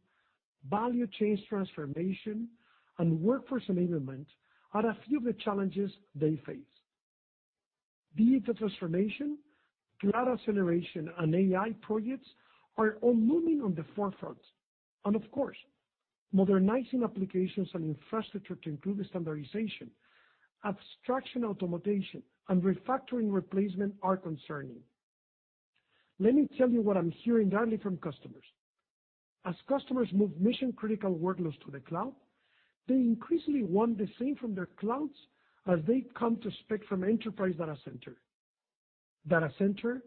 F: value chain transformation, and workforce enablement are a few of the challenges they face. Digital transformation, cloud acceleration, and AI projects are all moving on the forefront. Of course, modernizing applications and infrastructure to include standardization, abstraction, automation, and refactoring replacement are concerning. Let me tell you what I'm hearing directly from customers. As customers move mission-critical workloads to the cloud, they increasingly want the same from their clouds as they come to expect from enterprise data center. Data center,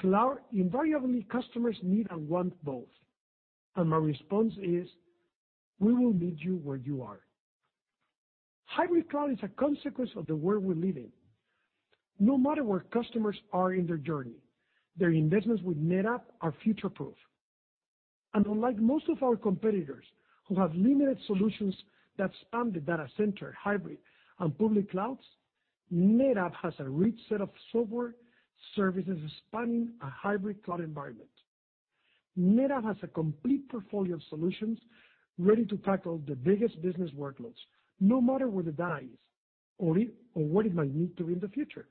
F: cloud, invariably customers need and want both. My response is, "We will meet you where you are." hybrid cloud is a consequence of the world we live in. No matter where customers are in their journey, their investments with NetApp are future-proof. Unlike most of our competitors who have limited solutions that span the data center, hybrid, and public clouds, NetApp has a rich set of software services spanning hybrid cloud environment. NetApp has a complete portfolio of solutions ready to tackle the biggest business workloads, no matter where the data is or where it might need to be in the future.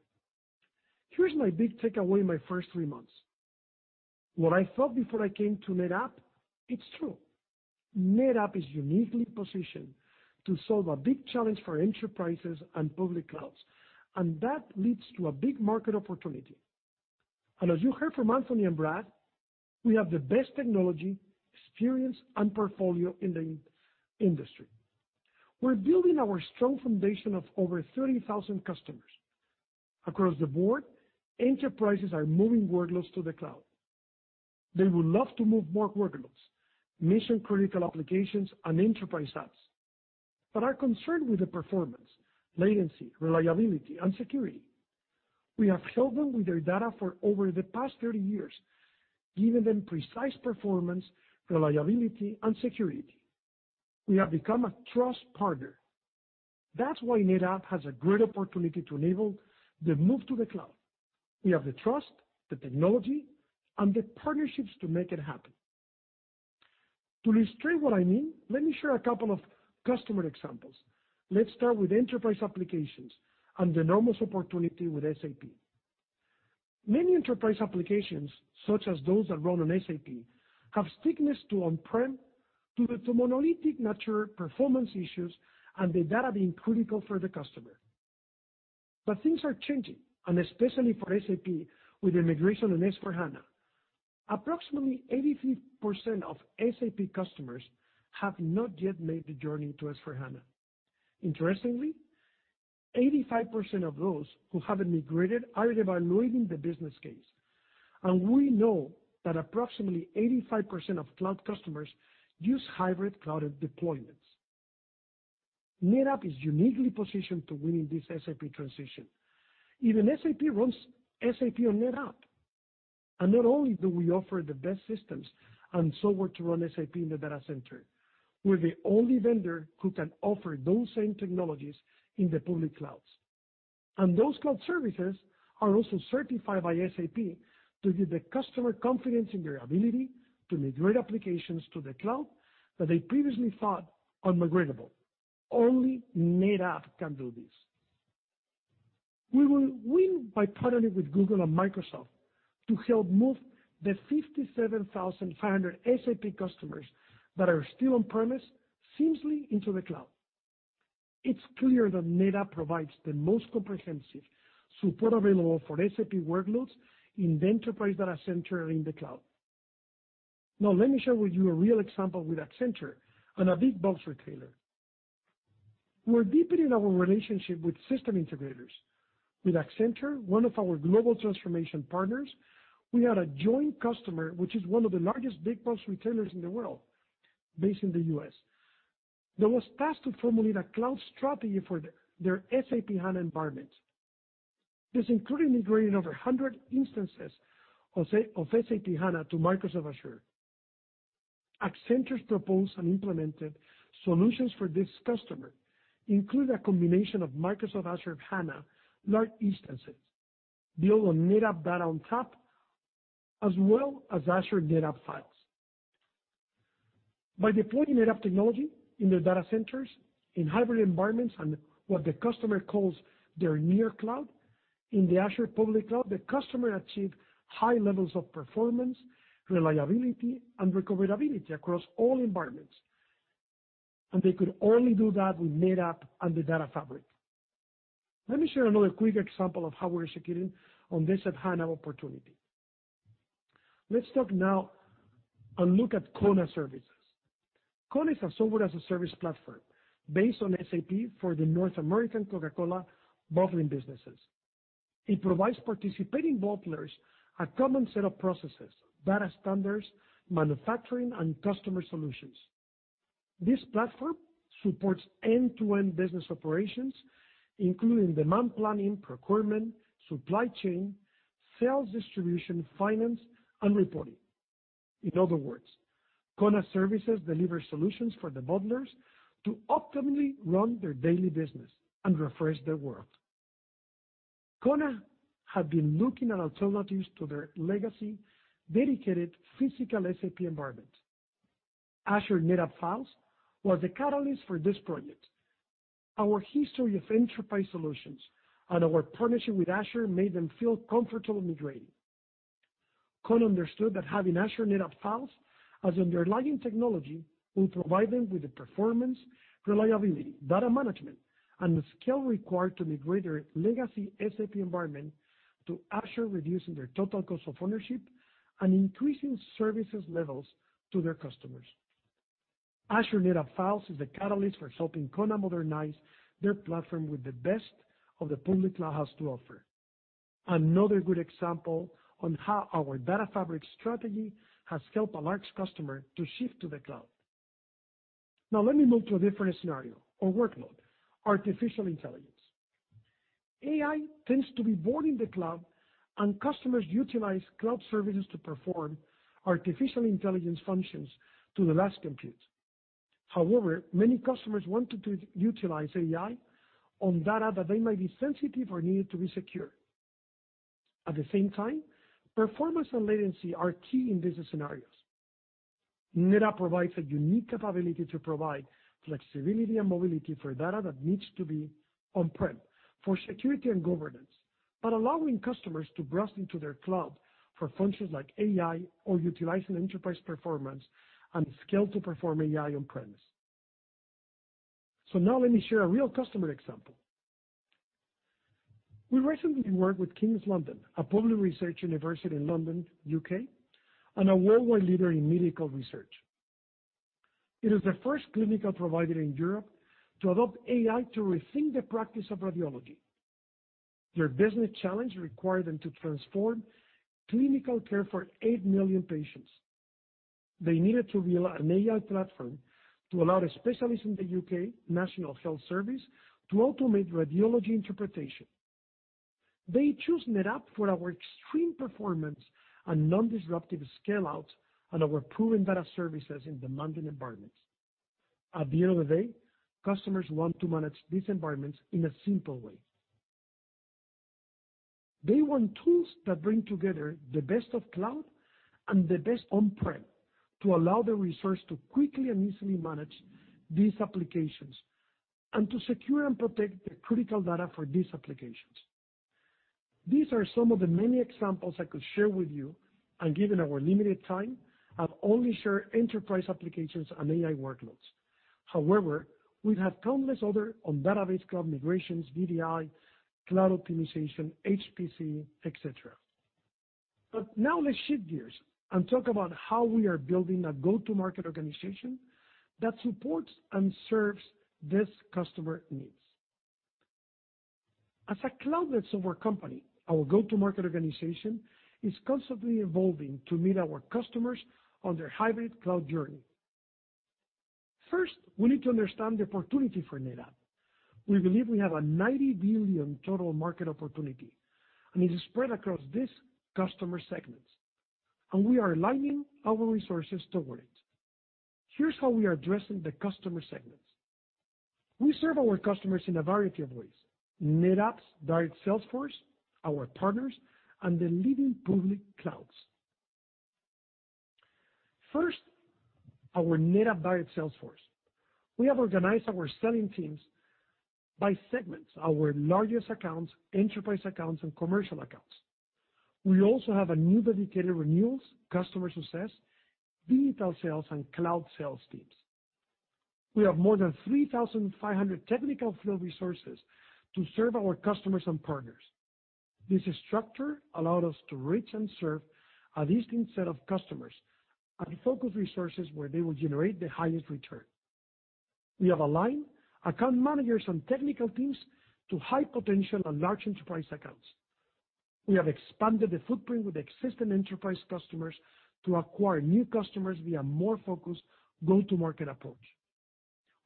F: Here's my big takeaway in my first three months. What I thought before I came to NetApp, it's true. NetApp is uniquely positioned to solve a big challenge for enterprises and public clouds, and that leads to a big market opportunity. As you heard from Anthony and Brad, we have the best technology, experience, and portfolio in the industry. We're building our strong foundation of over 30,000 customers. Across the board, enterprises are moving workloads to the cloud. They would love to move more workloads, mission-critical applications, and enterprise apps, but are concerned with the performance, latency, reliability, and security. We have helped them with their data for over the past 30 years, giving them precise performance, reliability, and security. We have become a trust partner. That's why NetApp has a great opportunity to enable the move to the cloud. We have the trust, the technology, and the partnerships to make it happen. To illustrate what I mean, let me share a couple of customer examples. Let's start with enterprise applications and the enormous opportunity with SAP. Many enterprise applications, such as those that run on SAP, have stickiness to on-prem due to monolithic nature, performance issues, and the data being critical for the customer. Things are changing, especially for SAP with the migration on S/4HANA. Approximately 83% of SAP customers have not yet made the journey to S/4HANA. Interestingly, 85% of those who haven't migrated are evaluating the business case. We know that approximately 85% of cloud customers hybrid cloud deployments. NetApp is uniquely positioned to win in this SAP transition. Even SAP runs SAP on NetApp. Not only do we offer the best systems and software to run SAP in the data center, we are the only vendor who can offer those same technologies in the public clouds. Those cloud services are also certified by SAP to give the customer confidence in their ability to migrate applications to the cloud that they previously thought unmigratable. Only NetApp can do this. We will win by partnering with Google and Microsoft to help move the 57,500 SAP customers that are still on-premises seamlessly into the cloud. It is clear that NetApp provides the most comprehensive support available for SAP workloads in the enterprise data center and in the cloud. Now, let me share with you a real example with Accenture and a big box retailer. We're deepening our relationship with system integrators. With Accenture, one of our global transformation partners, we had a joint customer, which is one of the largest big box retailers in the world, based in the U.S., that was tasked to formulate a cloud strategy for their SAP HANA environment. This included migrating over 100 instances of SAP HANA to Microsoft Azure. Accenture's proposed and implemented solutions for this customer include a combination of Microsoft Azure HANA Large Instances, built on NetApp ONTAP, as well as Azure NetApp Files. By deploying NetApp technology in their data centers, in hybrid environments, and what the customer calls their near cloud, in the Azure public cloud, the customer achieved high levels of performance, reliability, and recoverability across all environments. They could only do that with NetApp and the Data Fabric. Let me share another quick example of how we're executing on this SAP HANA opportunity. Let's talk now and look at CONA Services. CONA is a Software as a Service platform based on SAP for the North American Coca-Cola bottling businesses. It provides participating bottlers a common set of processes, data standards, manufacturing, and customer solutions. This platform supports end-to-end business operations, including demand planning, procurement, supply chain, sales distribution, finance, and reporting. In other words, CONA Services delivers solutions for the bottlers to optimally run their daily business and refresh their work. CONA had been looking at alternatives to their legacy dedicated physical SAP environment. Azure NetApp Files were the catalyst for this project. Our history of enterprise solutions and our partnership with Azure made them feel comfortable migrating. Services understood that having Azure NetApp Files as an underlying technology will provide them with the performance, reliability, data management, and the skill required to migrate their legacy SAP environment to Azure, reducing their total cost of ownership and increasing service levels to their customers. Azure NetApp Files is the catalyst for helping CONA modernize their platform with the best the public cloud has to offer. Another good example on how our Data Fabric strategy has helped a large customer to shift to the cloud. Now, let me move to a different scenario or workload, artificial intelligence. AI tends to be born in the cloud, and customers utilize cloud services to perform artificial intelligence functions to the last compute. However, many customers want to utilize AI on data that they might be sensitive or needed to be secure. At the same time, performance and latency are key in these scenarios. NetApp provides a unique capability to provide flexibility and mobility for data that needs to be on-prem for security and governance, but allowing customers to browse into their cloud for functions like AI or utilizing enterprise performance and skill to perform AI on-premises. Now, let me share a real customer example. We recently worked with King's College London, a public research university in London, U.K., and a worldwide leader in medical research. It is the first clinical provider in Europe to adopt AI to rethink the practice of radiology. Their business challenge required them to transform clinical care for 8 million patients. They needed to build an AI platform to allow specialists in the U.K. National Health Service to automate radiology interpretation. They chose NetApp for our extreme performance and non-disruptive scale-out and our proven data services in demanding environments. At the end of the day, customers want to manage these environments in a simple way. They want tools that bring together the best of cloud and the best on-prem to allow the resource to quickly and easily manage these applications and to secure and protect the critical data for these applications. These are some of the many examples I could share with you, and given our limited time, I'll only share enterprise applications and AI workloads. However, we have countless others on database cloud migrations, VDI, cloud optimization, HPC, etc. Now, let's shift gears and talk about how we are building a go-to-market organization that supports and serves this customer needs. As a cloud-led software company, our go-to-market organization is constantly evolving to meet our customers on their hybrid cloud journey. First, we need to understand the opportunity for NetApp. We believe we have a $90 billion total market opportunity, and it is spread across these customer segments. We are aligning our resources toward it. Here is how we are addressing the customer segments. We serve our customers in a variety of ways: NetApp's direct sales force, our partners, and the leading public clouds. First, our NetApp direct sales force. We have organized our selling teams by segments: our largest accounts, enterprise accounts, and commercial accounts. We also have a new dedicated Renewals, Customer Success, Digital Sales, and Cloud Sales teams. We have more than 3,500 technical field resources to serve our customers and partners. This structure allowed us to reach and serve a distinct set of customers and focus resources where they will generate the highest return. We have aligned account managers and technical teams to high potential and large enterprise accounts. We have expanded the footprint with existing enterprise customers to acquire new customers via a more focused go-to-market approach.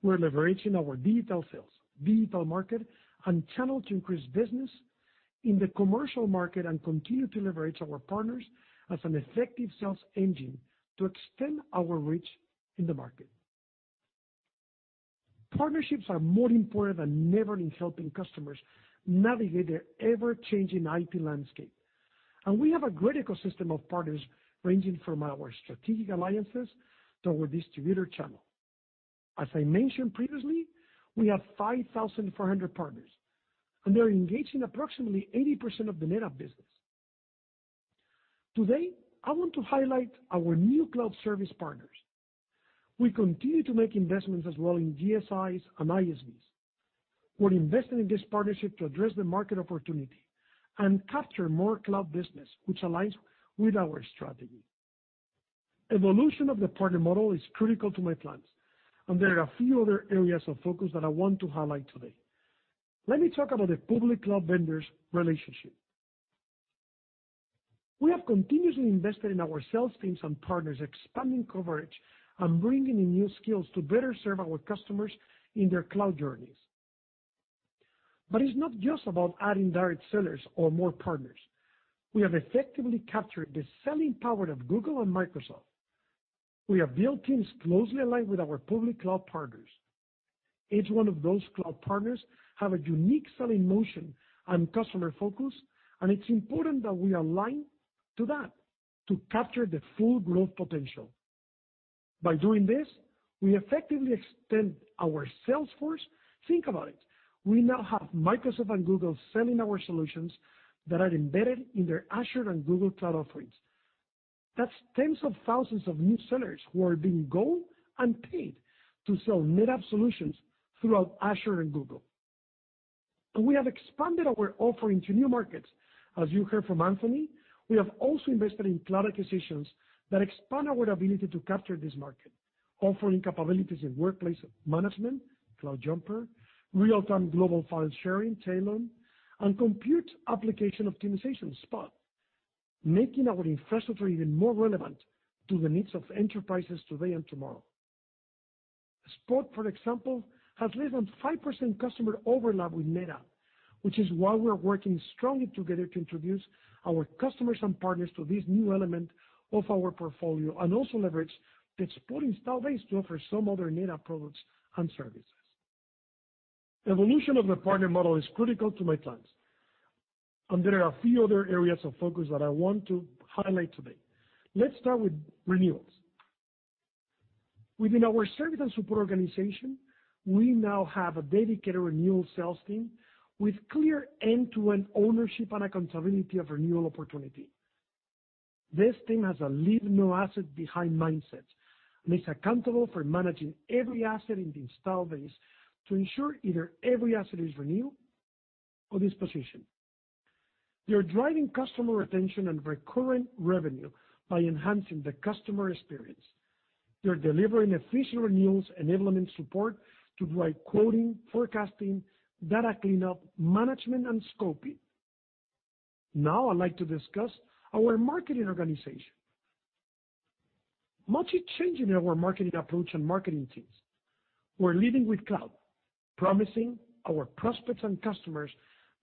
F: We're leveraging our digital sales, digital market, and channel to increase business in the commercial market and continue to leverage our partners as an effective sales engine to extend our reach in the market. Partnerships are more important than ever in helping customers navigate their ever-changing IT landscape. We have a great ecosystem of partners ranging from our strategic alliances to our distributor channel. As I mentioned previously, we have 5,400 partners, and they're engaging approximately 80% of the NetApp business. Today, I want to highlight our new cloud service partners. We continue to make investments as well in GSIs and ISVs. We're investing in this partnership to address the market opportunity and capture more cloud business, which aligns with our strategy. Evolution of the partner model is critical to my plans, and there are a few other areas of focus that I want to highlight today. Let me talk about the public cloud vendors' relationship. We have continuously invested in our sales teams and partners, expanding coverage and bringing in new skills to better serve our customers in their cloud journeys. It is not just about adding direct sellers or more partners. We have effectively captured the selling power of Google and Microsoft. We have built teams closely aligned with our public cloud partners. Each one of those cloud partners has a unique selling motion and customer focus, and it's important that we align to that to capture the full growth potential. By doing this, we effectively extend our sales force. Think about it. We now have Microsoft and Google selling our solutions that are embedded in their Azure and Google Cloud offerings. That's tens of thousands of new sellers who are being gold and paid to sell NetApp solutions throughout Azure and Google. We have expanded our offering to new markets. As you heard from Anthony, we have also invested in cloud acquisitions that expand our ability to capture this market, offering capabilities in workplace management, CloudJumper, real-time global file sharing, Talon Storage, and compute application optimization, Spot, making our infrastructure even more relevant to the needs of enterprises today and tomorrow. Spot, for example, has less than 5% customer overlap with NetApp, which is why we are working strongly together to introduce our customers and partners to this new element of our portfolio and also leverage the Spot install base to offer some other NetApp products and services. Evolution of the partner model is critical to my plans, and there are a few other areas of focus that I want to highlight today. Let's start with renewals. Within our service and support organization, we now have a dedicated Renewal Sales team with clear end-to-end ownership and accountability of renewal opportunity. This team has a leave-no-asset-behind mindset and is accountable for managing every asset in the install base to ensure either every asset is renewed or dispositioned. They're driving customer retention and recurrent revenue by enhancing the customer experience. They're delivering efficient renewals and enablement support to drive quoting, forecasting, data cleanup, management, and scoping. Now, I'd like to discuss our marketing organization. Much is changing in our marketing approach and marketing teams. We're leading with cloud, promising our prospects and customers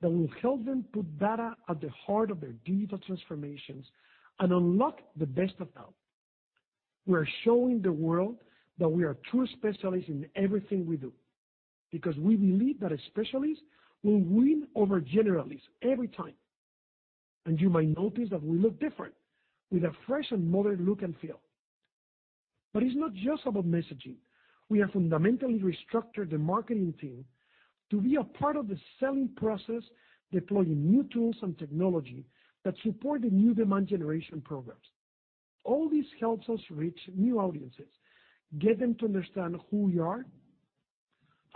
F: that we will help them put data at the heart of their digital transformations and unlock the best of that. We're showing the world that we are true specialists in everything we do because we believe that a specialist will win over generalists every time. You might notice that we look different with a fresh and modern look and feel. It is not just about messaging. We have fundamentally restructured the marketing team to be a part of the selling process, deploying new tools and technology that support the new demand generation programs. All this helps us reach new audiences, get them to understand who we are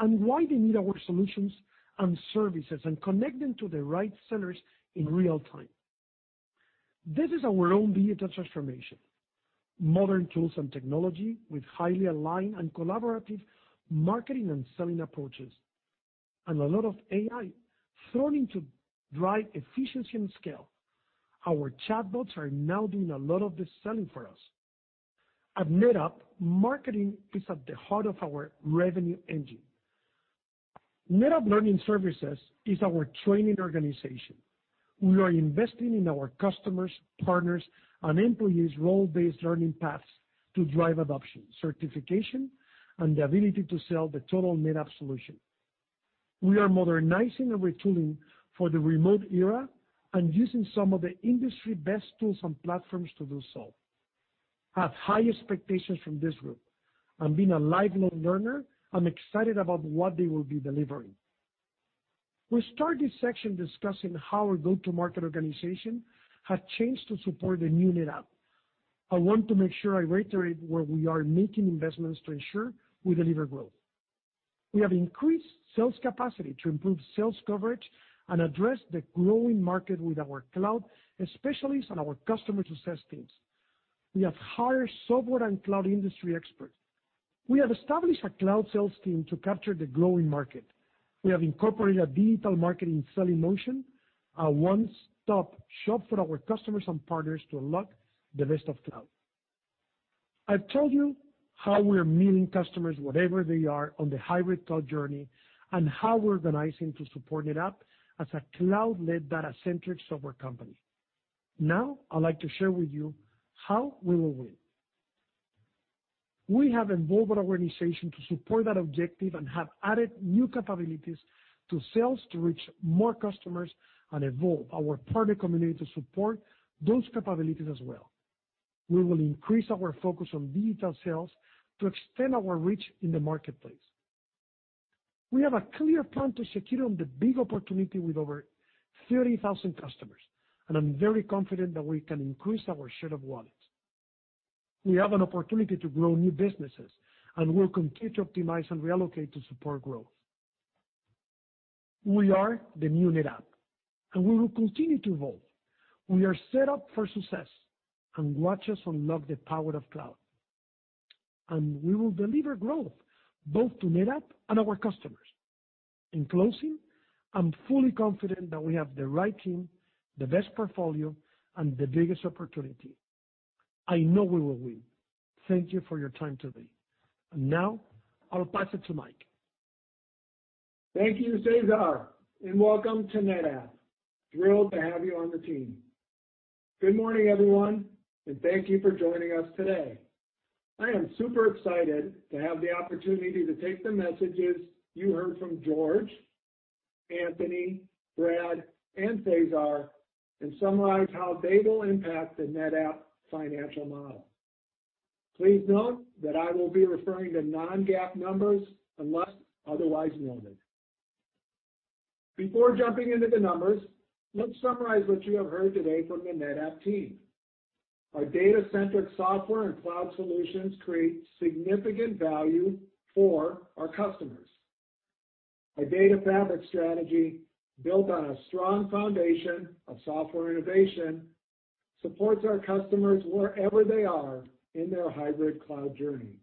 F: and why they need our solutions and services, and connect them to the right sellers in real time. This is our own digital transformation: modern tools and technology with highly aligned and collaborative marketing and selling approaches, and a lot of AI thrown in to drive efficiency and scale. Our chatbots are now doing a lot of the selling for us. At NetApp, marketing is at the heart of our revenue engine. NetApp Learning Services is our training organization. We are investing in our customers, partners, and employees' role-based learning paths to drive adoption, certification, and the ability to sell the total NetApp solution. We are modernizing and retooling for the remote era and using some of the industry-best tools and platforms to do so. I have high expectations from this group. I'm being a lifelong learner. I'm excited about what they will be delivering. We'll start this section discussing how our go-to-market organization has changed to support the new NetApp. I want to make sure I reiterate where we are making investments to ensure we deliver growth. We have increased sales capacity to improve sales coverage and address the growing market with our cloud specialists and our Customer Success teams. We have hired software and cloud industry experts. We have established a Cloud Sales team to capture the growing market. We have incorporated a digital marketing selling motion, a one-stop shop for our customers and partners to unlock the best of cloud. I've told you how we are meeting customers wherever they are on hybrid cloud journey and how we're organizing to support NetApp as a cloud-led data-centric software company. Now, I'd like to share with you how we will win. We have evolved our organization to support that objective and have added new capabilities to sales to reach more customers and evolve our partner community to support those capabilities as well. We will increase our focus on digital sales to extend our reach in the marketplace. We have a clear plan to secure the big opportunity with over 30,000 customers, and I'm very confident that we can increase our share of wallet. We have an opportunity to grow new businesses, and we'll continue to optimize and reallocate to support growth. We are the new NetApp, and we will continue to evolve. We are set up for success, and watch us unlock the power of cloud. We will deliver growth both to NetApp and our customers. In closing, I'm fully confident that we have the right team, the best portfolio, and the biggest opportunity. I know we will win. Thank you for your time today. Now, I'll pass it to Mike.
G: Thank you, Cesar, and welcome to NetApp. Thrilled to have you on the team. Good morning, everyone, and thank you for joining us today. I am super excited to have the opportunity to take the messages you heard from George, Anthony, Brad, and Cesar and summarize how they will impact the NetApp financial model. Please note that I will be referring to non-GAAP numbers unless otherwise noted. Before jumping into the numbers, let's summarize what you have heard today from the NetApp team. Our data-centric software and cloud solutions create significant value for our customers. Our Data Fabric strategy, built on a strong foundation of software innovation, supports our customers wherever they are in hybrid cloud journey.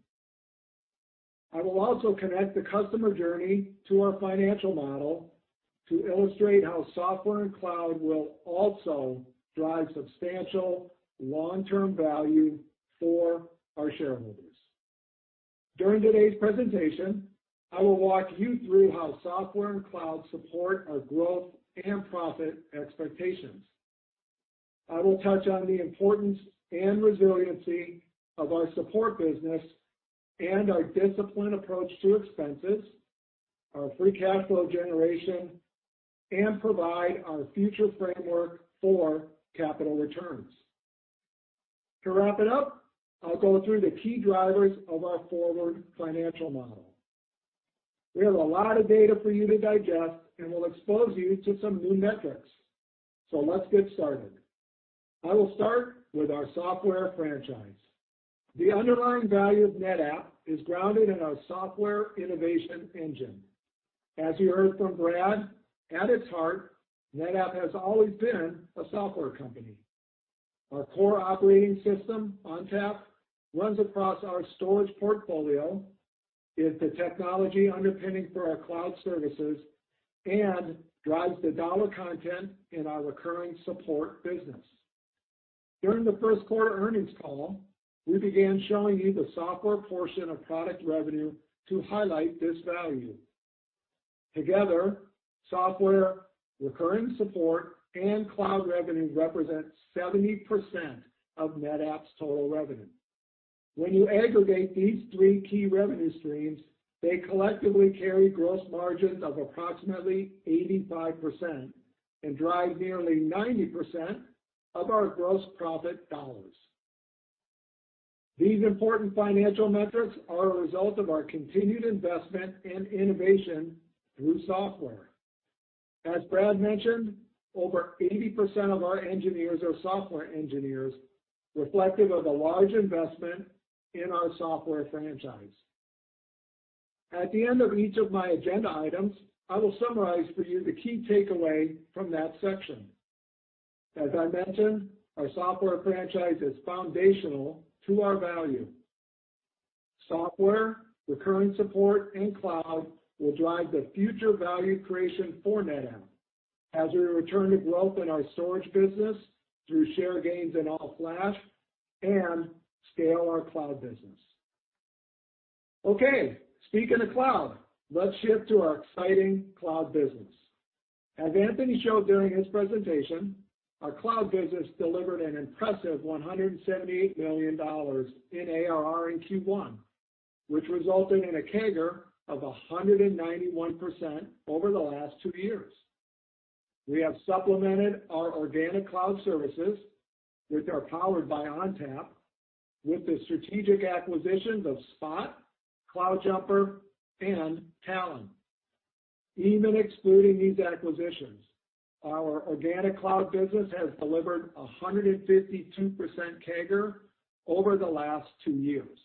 G: I will also connect the customer journey to our financial model to illustrate how software and cloud will also drive substantial long-term value for our shareholders. During today's presentation, I will walk you through how software and cloud support our growth and profit expectations. I will touch on the importance and resiliency of our support business and our disciplined approach to expenses, our free cash flow generation, and provide our future framework for capital returns. To wrap it up, I'll go through the key drivers of our forward financial model. We have a lot of data for you to digest, and we'll expose you to some new metrics. Let's get started. I will start with our software franchise. The underlying value of NetApp is grounded in our software innovation engine. As you heard from Brad, at its heart, NetApp has always been a software company. Our core operating system, ONTAP, runs across our storage portfolio, is the technology underpinning for our cloud services, and drives the dollar content in our recurring support business. During the first quarter earnings call, we began showing you the software portion of product revenue to highlight this value. Together, software, recurring support, and cloud revenue represent 70% of NetApp's total revenue. When you aggregate these three key revenue streams, they collectively carry gross margins of approximately 85% and drive nearly 90% of our gross profit dollars. These important financial metrics are a result of our continued investment and innovation through software. As Brad mentioned, over 80% of our engineers are software engineers, reflective of a large investment in our software franchise. At the end of each of my agenda items, I will summarize for you the key takeaway from that section. As I mentioned, our software franchise is foundational to our value. Software, recurring support, and cloud will drive the future value creation for NetApp as we return to growth in our storage business through share gains and all-flash and scale our cloud business. Okay, speaking of cloud, let's shift to our exciting cloud business. As Anthony showed during his presentation, our cloud business delivered an impressive $178 million in ARR in Q1, which resulted in a CAGR of 191% over the last two years. We have supplemented our organic cloud services which are powered by ONTAP with the strategic acquisitions of Spot, CloudJumper, and Talon. Even excluding these acquisitions, our organic cloud business has delivered 152% CAGR over the last two years.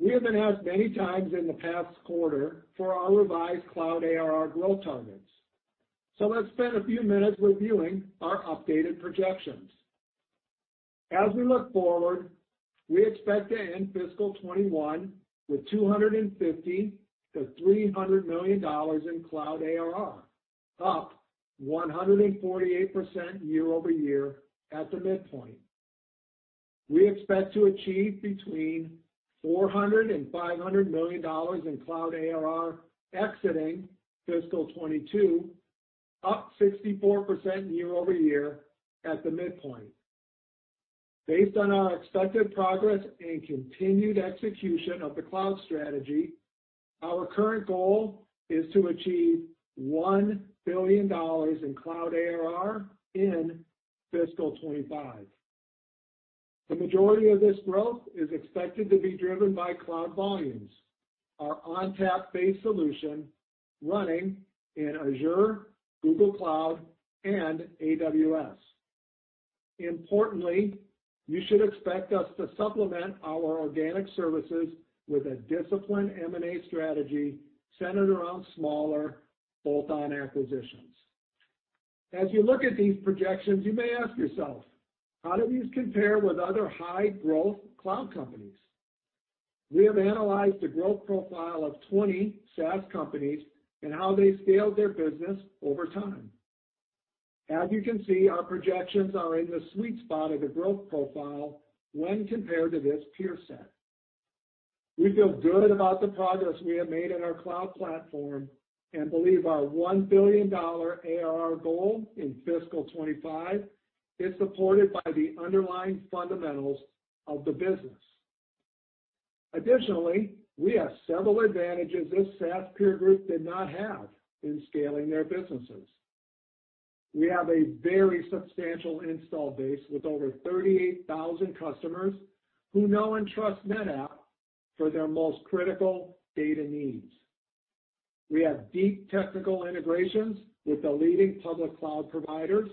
G: We have been asked many times in the past quarter for our revised cloud ARR growth targets. Let's spend a few minutes reviewing our updated projections. As we look forward, we expect to end fiscal 2021 with $250 million-$300 million in cloud ARR, up 148% year-over-year at the midpoint. We expect to achieve between $400 million and $500 million in cloud ARR exiting fiscal 2022, up 64% year-over-year at the midpoint. Based on our expected progress and continued execution of the cloud strategy, our current goal is to achieve $1 billion in cloud ARR in fiscal 2025. The majority of this growth is expected to be driven by Cloud Volumes, our ONTAP-based solution running in Azure, Google Cloud, and AWS. Importantly, you should expect us to supplement our organic services with a disciplined M&A strategy centered around smaller bolt-on acquisitions. As you look at these projections, you may ask yourself, how do these compare with other high-growth cloud companies? We have analyzed the growth profile of 20 SaaS companies and how they scaled their business over time. As you can see, our projections are in the sweet spot of the growth profile when compared to this peer set. We feel good about the progress we have made in our cloud platform and believe our $1 billion ARR goal in fiscal 2025 is supported by the underlying fundamentals of the business. Additionally, we have several advantages this SaaS peer group did not have in scaling their businesses. We have a very substantial install base with over 38,000 customers who know and trust NetApp for their most critical data needs. We have deep technical integrations with the leading public cloud providers,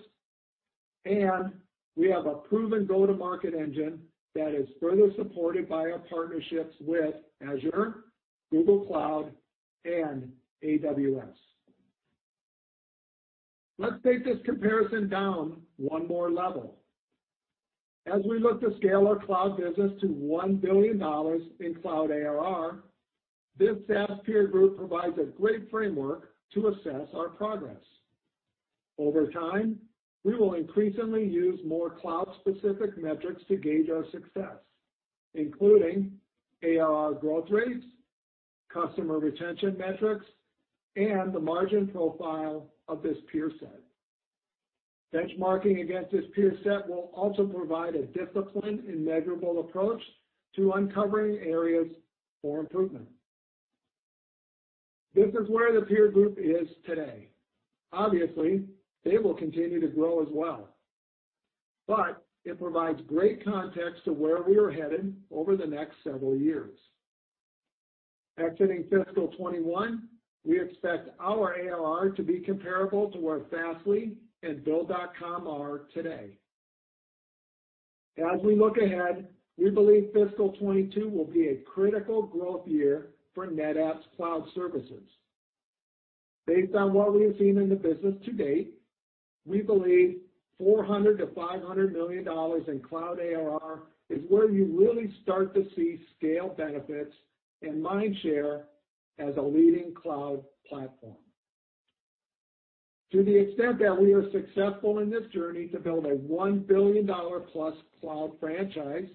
G: and we have a proven go-to-market engine that is further supported by our partnerships with Azure, Google Cloud, and AWS. Let's take this comparison down one more level. As we look to scale our cloud business to $1 billion in cloud ARR, this SaaS peer group provides a great framework to assess our progress. Over time, we will increasingly use more cloud-specific metrics to gauge our success, including ARR growth rates, customer retention metrics, and the margin profile of this peer set. Benchmarking against this peer set will also provide a disciplined and measurable approach to uncovering areas for improvement. This is where the peer group is today. Obviously, they will continue to grow as well, but it provides great context to where we are headed over the next several years. Exiting fiscal 2021, we expect our ARR to be comparable to where Fastly and Bill.com are today. As we look ahead, we believe fiscal 2022 will be a critical growth year for NetApp's cloud services. Based on what we have seen in the business to date, we believe $400-$500 million in cloud ARR is where you really start to see scale benefits and mind share as a leading cloud platform. To the extent that we are successful in this journey to build a $1 billion-plus cloud franchise,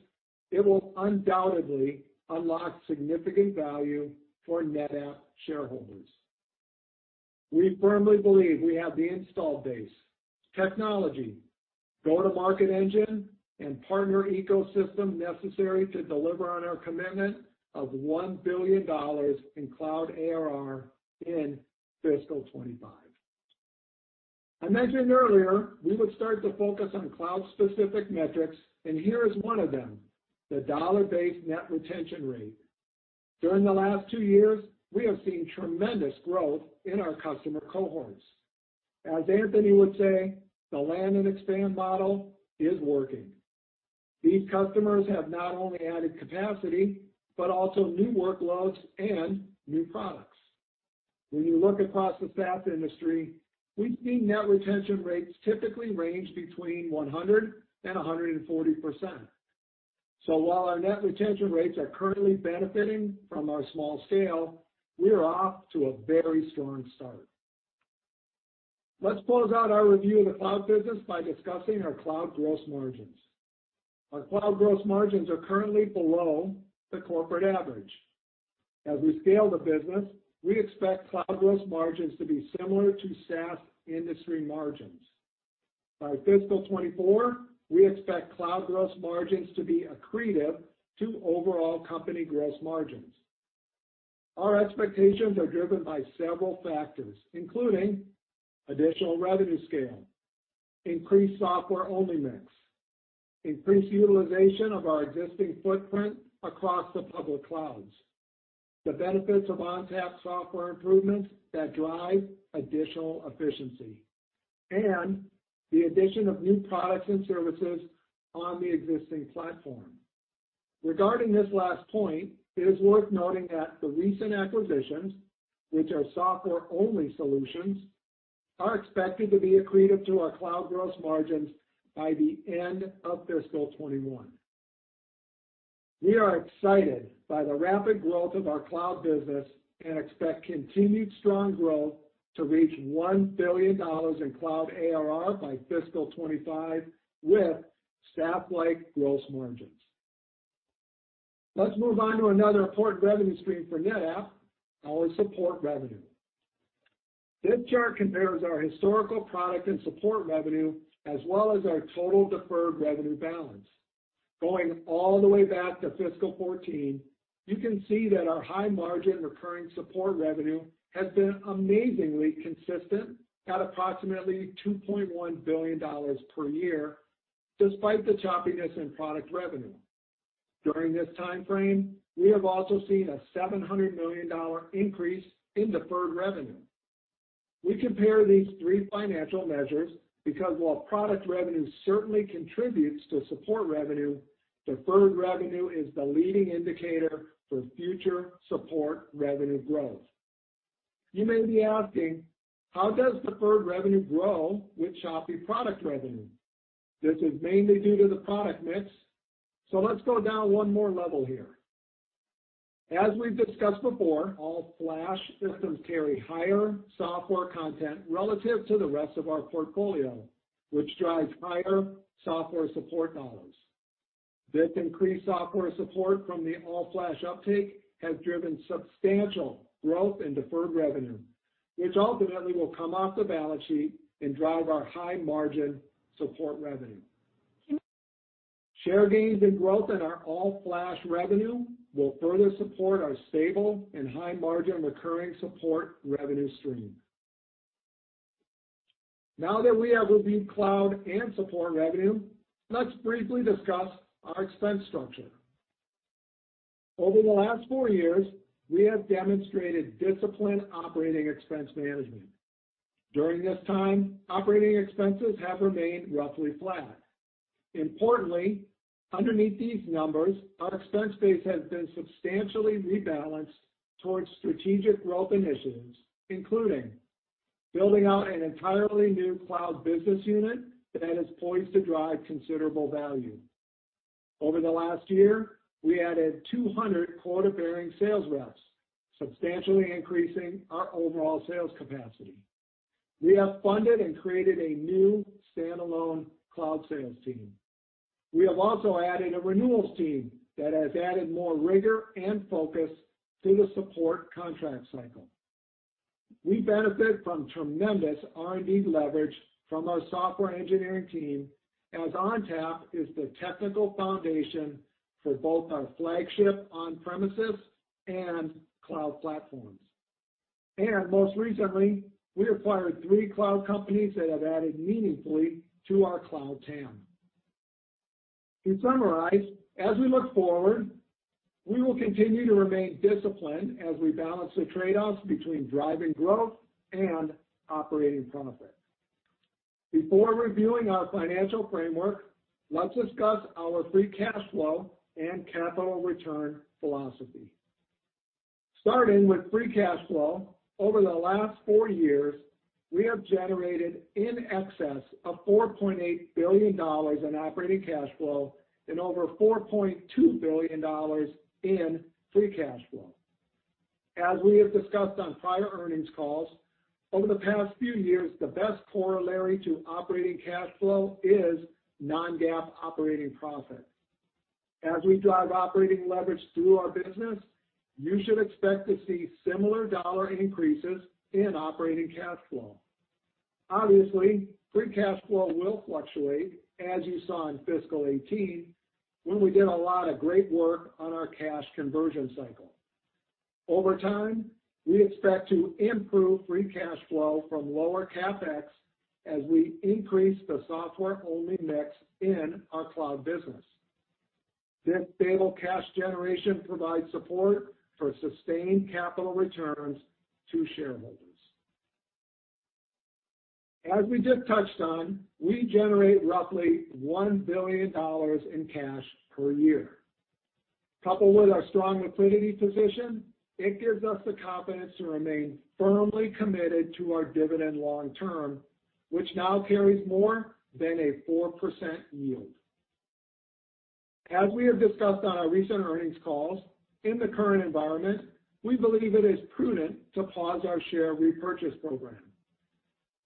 G: it will undoubtedly unlock significant value for NetApp shareholders. We firmly believe we have the install base, technology, go-to-market engine, and partner ecosystem necessary to deliver on our commitment of $1 billion in cloud ARR in fiscal 2025. I mentioned earlier we would start to focus on cloud-specific metrics, and here is one of them, the dollar-based net retention rate. During the last two years, we have seen tremendous growth in our customer cohorts. As Anthony would say, the land and expand model is working. These customers have not only added capacity but also new workloads and new products. When you look across the SaaS industry, we've seen net retention rates typically range between 100% and 140%. While our net retention rates are currently benefiting from our small scale, we are off to a very strong start. Let's close out our review of the cloud business by discussing our cloud gross margins. Our cloud gross margins are currently below the corporate average. As we scale the business, we expect cloud gross margins to be similar to SaaS industry margins. By fiscal 2024, we expect cloud gross margins to be accretive to overall company gross margins. Our expectations are driven by several factors, including additional revenue scale, increased software-only mix, increased utilization of our existing footprint across the public clouds, the benefits of ONTAP software improvements that drive additional efficiency, and the addition of new products and services on the existing platform. Regarding this last point, it is worth noting that the recent acquisitions, which are software-only solutions, are expected to be accretive to our cloud gross margins by the end of fiscal 2021. We are excited by the rapid growth of our cloud business and expect continued strong growth to reach $1 billion in cloud ARR by fiscal 2025 with SaaS-like gross margins. Let's move on to another important revenue stream for NetApp, our support revenue. This chart compares our historical product and support revenue as well as our total deferred revenue balance. Going all the way back to fiscal 2014, you can see that our high-margin recurring support revenue has been amazingly consistent at approximately $2.1 billion per year despite the choppiness in product revenue. During this timeframe, we have also seen a $700 million increase in deferred revenue. We compare these three financial measures because while product revenue certainly contributes to support revenue, deferred revenue is the leading indicator for future support revenue growth. You may be asking, how does deferred revenue grow with choppy product revenue? This is mainly due to the product mix. Let's go down one more level here. As we've discussed before, all-flash systems carry higher software content relative to the rest of our portfolio, which drives higher software support dollars. This increased software support from the all-flash uptake has driven substantial growth in deferred revenue, which ultimately will come off the balance sheet and drive our high-margin support revenue. Share gains and growth in our all-flash revenue will further support our stable and high-margin recurring support revenue stream. Now that we have reviewed cloud and support revenue, let's briefly discuss our expense structure. Over the last four years, we have demonstrated disciplined operating expense management. During this time, operating expenses have remained roughly flat. Importantly, underneath these numbers, our expense base has been substantially rebalanced towards strategic growth initiatives, including building out an entirely new cloud business unit that is poised to drive considerable value. Over the last year, we added 200 quota-bearing sales reps, substantially increasing our overall sales capacity. We have funded and created a new standalone cloud sales team. We have also added a renewals team that has added more rigor and focus to the support contract cycle. We benefit from tremendous R&D leverage from our software engineering team as ONTAP is the technical foundation for both our flagship on-premises and cloud platforms. Most recently, we acquired three cloud companies that have added meaningfully to our cloud TAM. To summarize, as we look forward, we will continue to remain disciplined as we balance the trade-offs between driving growth and operating profit. Before reviewing our financial framework, let's discuss our free cash flow and capital return philosophy. Starting with free cash flow, over the last four years, we have generated in excess of $4.8 billion in operating cash flow and over $4.2 billion in free cash flow. As we have discussed on prior earnings calls, over the past few years, the best corollary to operating cash flow is non-GAAP operating profit. As we drive operating leverage through our business, you should expect to see similar dollar increases in operating cash flow. Obviously, free cash flow will fluctuate as you saw in fiscal 2018 when we did a lot of great work on our cash conversion cycle. Over time, we expect to improve free cash flow from lower CapEx as we increase the software-only mix in our cloud business. This stable cash generation provides support for sustained capital returns to shareholders. As we just touched on, we generate roughly $1 billion in cash per year. Coupled with our strong liquidity position, it gives us the confidence to remain firmly committed to our dividend long-term, which now carries more than a 4% yield. As we have discussed on our recent earnings calls, in the current environment, we believe it is prudent to pause our share repurchase program.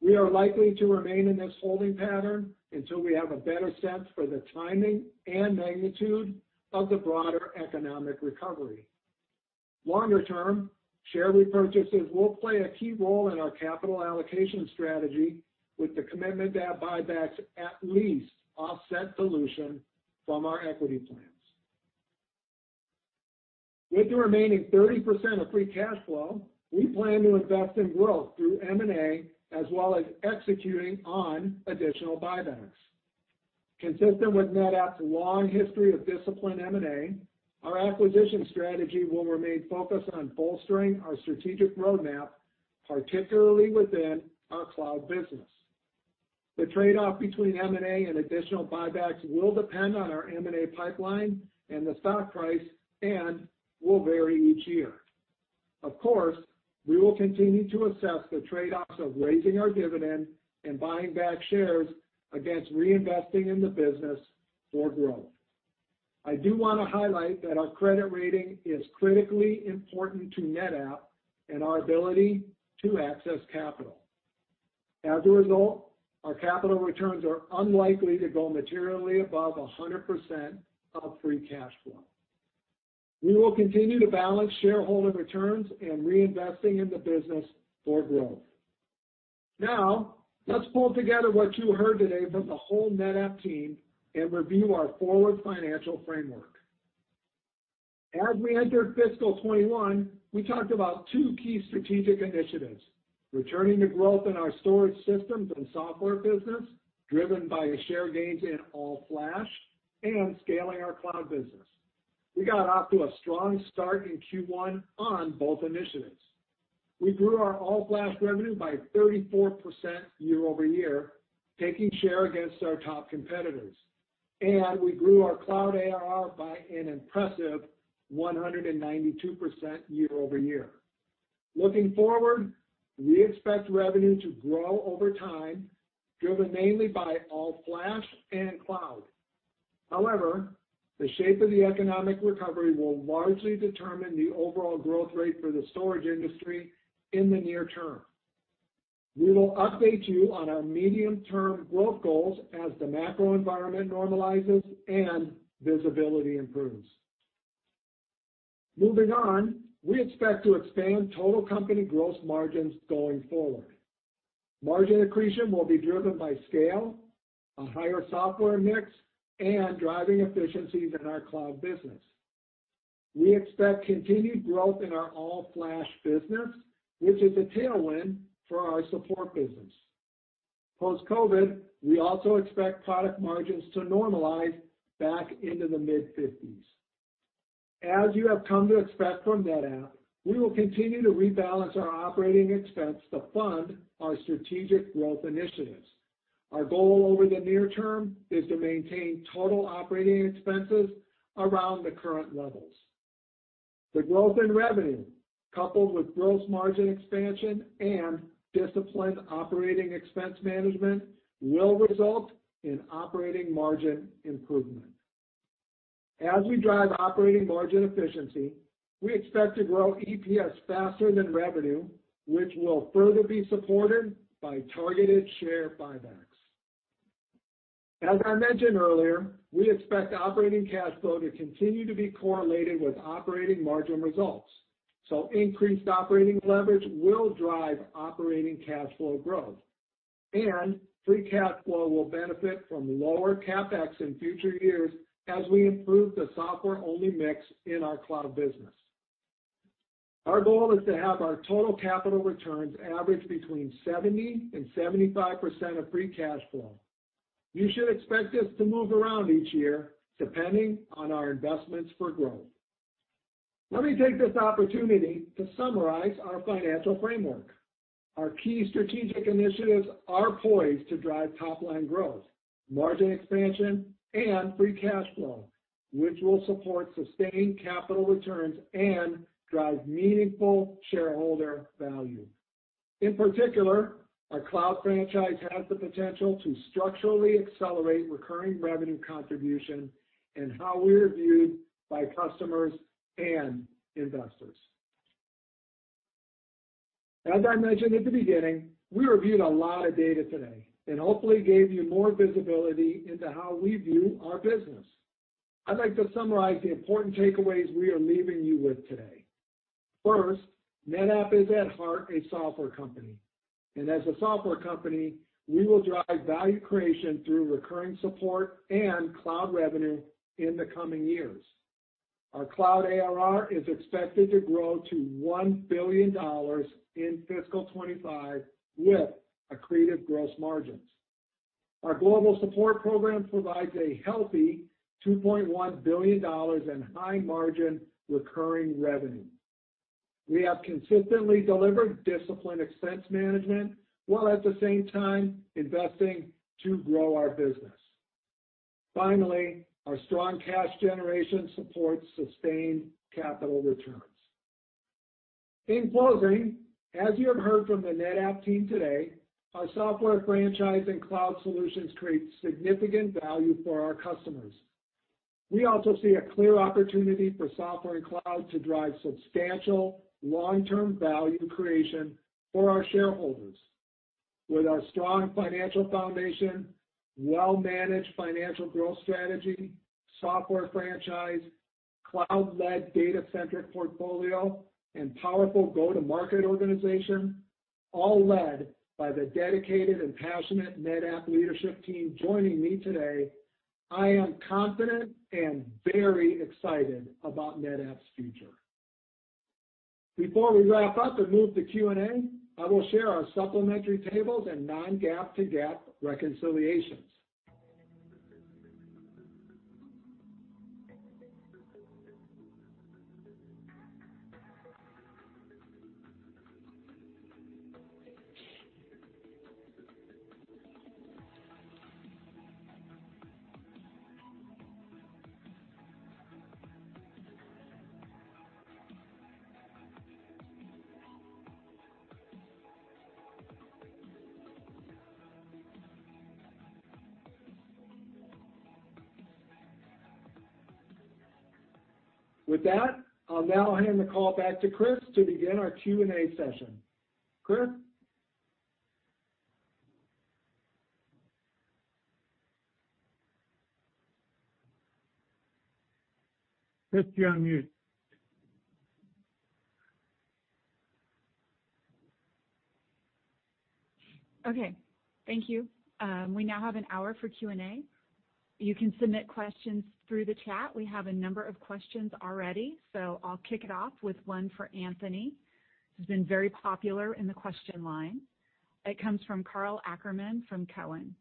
G: We are likely to remain in this holding pattern until we have a better sense for the timing and magnitude of the broader economic recovery. Longer-term, share repurchases will play a key role in our capital allocation strategy with the commitment that buybacks at least offset dilution from our equity plans. With the remaining 30% of free cash flow, we plan to invest in growth through M&A as well as executing on additional buybacks. Consistent with NetApp's long history of disciplined M&A, our acquisition strategy will remain focused on bolstering our strategic roadmap, particularly within our cloud business. The trade-off between M&A and additional buybacks will depend on our M&A pipeline and the stock price and will vary each year. Of course, we will continue to assess the trade-offs of raising our dividend and buying back shares against reinvesting in the business for growth. I do want to highlight that our credit rating is critically important to NetApp and our ability to access capital. As a result, our capital returns are unlikely to go materially above 100% of free cash flow. We will continue to balance shareholder returns and reinvesting in the business for growth. Now, let's pull together what you heard today from the whole NetApp team and review our forward financial framework. As we entered fiscal 2021, we talked about two key strategic initiatives: returning to growth in our storage systems and software business driven by share gains in all-flash and scaling our cloud business. We got off to a strong start in Q1 on both initiatives. We grew our all-flash revenue by 34% year-over-year, taking share against our top competitors. We grew our cloud ARR by an impressive 192% year-over-year. Looking forward, we expect revenue to grow over time, driven mainly by all-flash and cloud. However, the shape of the economic recovery will largely determine the overall growth rate for the storage industry in the near term. We will update you on our medium-term growth goals as the macro environment normalizes and visibility improves. Moving on, we expect to expand total company gross margins going forward. Margin accretion will be driven by scale, a higher software mix, and driving efficiencies in our cloud business. We expect continued growth in our all-flash business, which is a tailwind for our support business. Post-COVID, we also expect product margins to normalize back into the mid-50s. As you have come to expect from NetApp, we will continue to rebalance our operating expense to fund our strategic growth initiatives. Our goal over the near term is to maintain total operating expenses around the current levels. The growth in revenue, coupled with gross margin expansion and disciplined operating expense management, will result in operating margin improvement. As we drive operating margin efficiency, we expect to grow EPS faster than revenue, which will further be supported by targeted share buybacks. As I mentioned earlier, we expect operating cash flow to continue to be correlated with operating margin results. Increased operating leverage will drive operating cash flow growth. Free cash flow will benefit from lower CapEx in future years as we improve the software-only mix in our cloud business. Our goal is to have our total capital returns average between 70-75% of free cash flow. You should expect us to move around each year depending on our investments for growth. Let me take this opportunity to summarize our financial framework. Our key strategic initiatives are poised to drive top-line growth, margin expansion, and free cash flow, which will support sustained capital returns and drive meaningful shareholder value. In particular, our cloud franchise has the potential to structurally accelerate recurring revenue contribution and how we are viewed by customers and investors. As I mentioned at the beginning, we reviewed a lot of data today and hopefully gave you more visibility into how we view our business. I'd like to summarize the important takeaways we are leaving you with today. First, NetApp is at heart a software company. And as a software company, we will drive value creation through recurring support and cloud revenue in the coming years. Our cloud ARR is expected to grow to $1 billion in fiscal 2025 with accretive gross margins. Our global support program provides a healthy $2.1 billion in high-margin recurring revenue. We have consistently delivered disciplined expense management while at the same time investing to grow our business. Finally, our strong cash generation supports sustained capital returns. In closing, as you have heard from the NetApp team today, our software franchise and cloud solutions create significant value for our customers. We also see a clear opportunity for software and cloud to drive substantial long-term value creation for our shareholders. With our strong financial foundation, well-managed financial growth strategy, software franchise, cloud-led data-centric portfolio, and powerful go-to-market organization, all led by the dedicated and passionate NetApp leadership team joining me today, I am confident and very excited about NetApp's future. Before we wrap up and move to Q&A, I will share our supplementary tables and non-GAAP to GAAP reconciliations. With that, I'll now hand the call back to Kris to begin our Q&A session. Kris? Kris, you're on mute.
A: Okay. Thank you. We now have an hour for Q&A. You can submit questions through the chat. We have a number of questions already. I will kick it off with one for Anthony. This has been very popular in the question line. It comes from Karl Ackerman from Cowen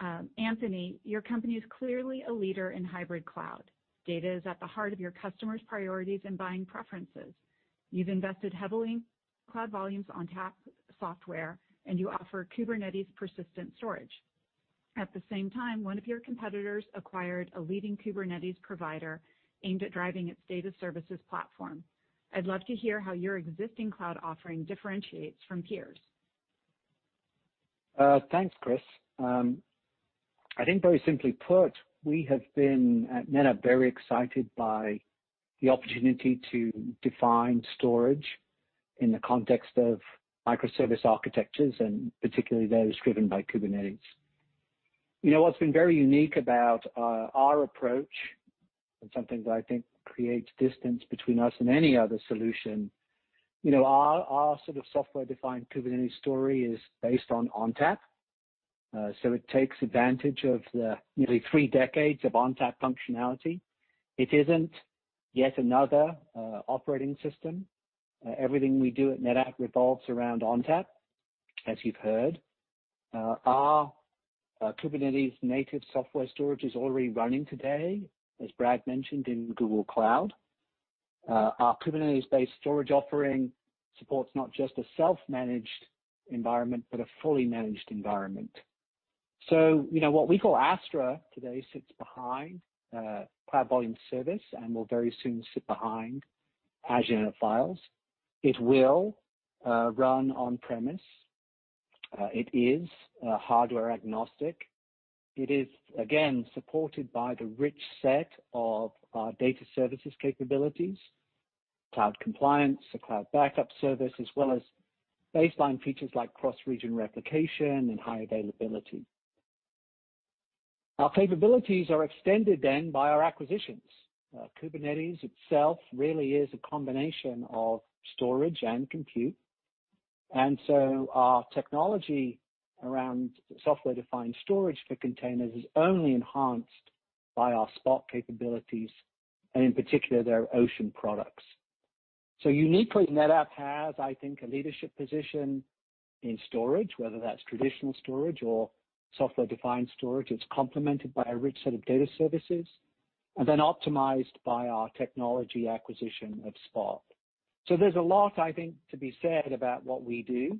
A: and Company. Anthony, your company is clearly a leader hybrid cloud. Data is at the heart of your customers' priorities and buying preferences. You've invested heavily in Cloud Volumes ONTAP software, and you offer Kubernetes persistent storage. At the same time, one of your competitors acquired a leading Kubernetes provider aimed at driving its data services platform. I'd love to hear how your existing cloud offering differentiates from peers.
C: Thanks, Kris. I think very simply put, we have been at NetApp very excited by the opportunity to define storage in the context of microservice architectures and particularly those driven by Kubernetes. What's been very unique about our approach and something that I think creates distance between us and any other solution, our sort of software-defined Kubernetes story is based on ONTAP. It takes advantage of the nearly three decades of ONTAP functionality. It isn't yet another operating system. Everything we do at NetApp revolves around ONTAP, as you've heard. Our Kubernetes-native software storage is already running today, as Brad mentioned, in Google Cloud. Our Kubernetes-based storage offering supports not just a self-managed environment, but a fully managed environment. What we call Astra today sits behind Cloud Volumes Service and will very soon sit behind Azure Files. It will run on-premises. It is hardware-agnostic. It is, again, supported by the rich set of our data services capabilities, Cloud Compliance, a Cloud Backup Service, as well as baseline features like cross-region replication and high availability. Our capabilities are extended then by our acquisitions. Kubernetes itself really is a combination of storage and compute. Our technology around software-defined storage for containers is only enhanced by our Spot capabilities and, in particular, their Ocean products. Uniquely, NetApp has, I think, a leadership position in storage, whether that's traditional storage or software-defined storage. It's complemented by a rich set of data services and then optimized by our technology acquisition of Spot. There's a lot, I think, to be said about what we do.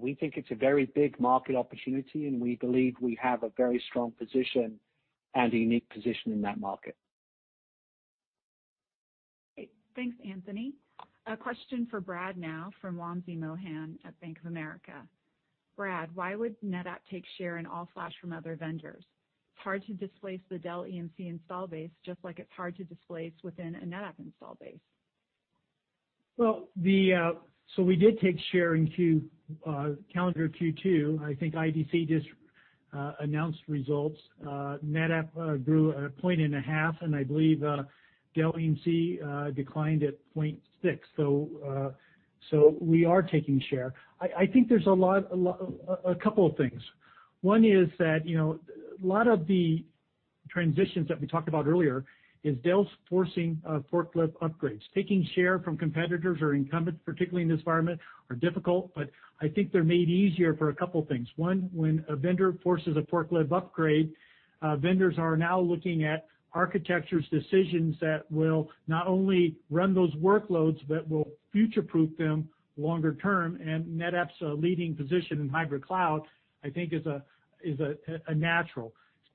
C: We think it's a very big market opportunity, and we believe we have a very strong position and a unique position in that market.
A: Thanks, Anthony. A question for Brad now from Wamsi Mohan at Bank of America. Brad, why would NetApp take share in all-flash from other vendors? It's hard to displace the Dell EMC install base just like it's hard to displace within a NetApp install base.
D: We did take share in calendar Q2. I think IDC just announced results. NetApp grew at a point and a half, and I believe Dell EMC declined at 0.6. We are taking share. I think there's a couple of things. One is that a lot of the transitions that we talked about earlier is Dell's forcing forklift upgrades. Taking share from competitors or incumbents, particularly in this environment, is difficult. I think they're made easier for a couple of things. One, when a vendor forces a forklift upgrade, vendors are now looking at architectural decisions that will not only run those workloads, but will future-proof them longer term. NetApp's leading position hybrid cloud, I think, is natural.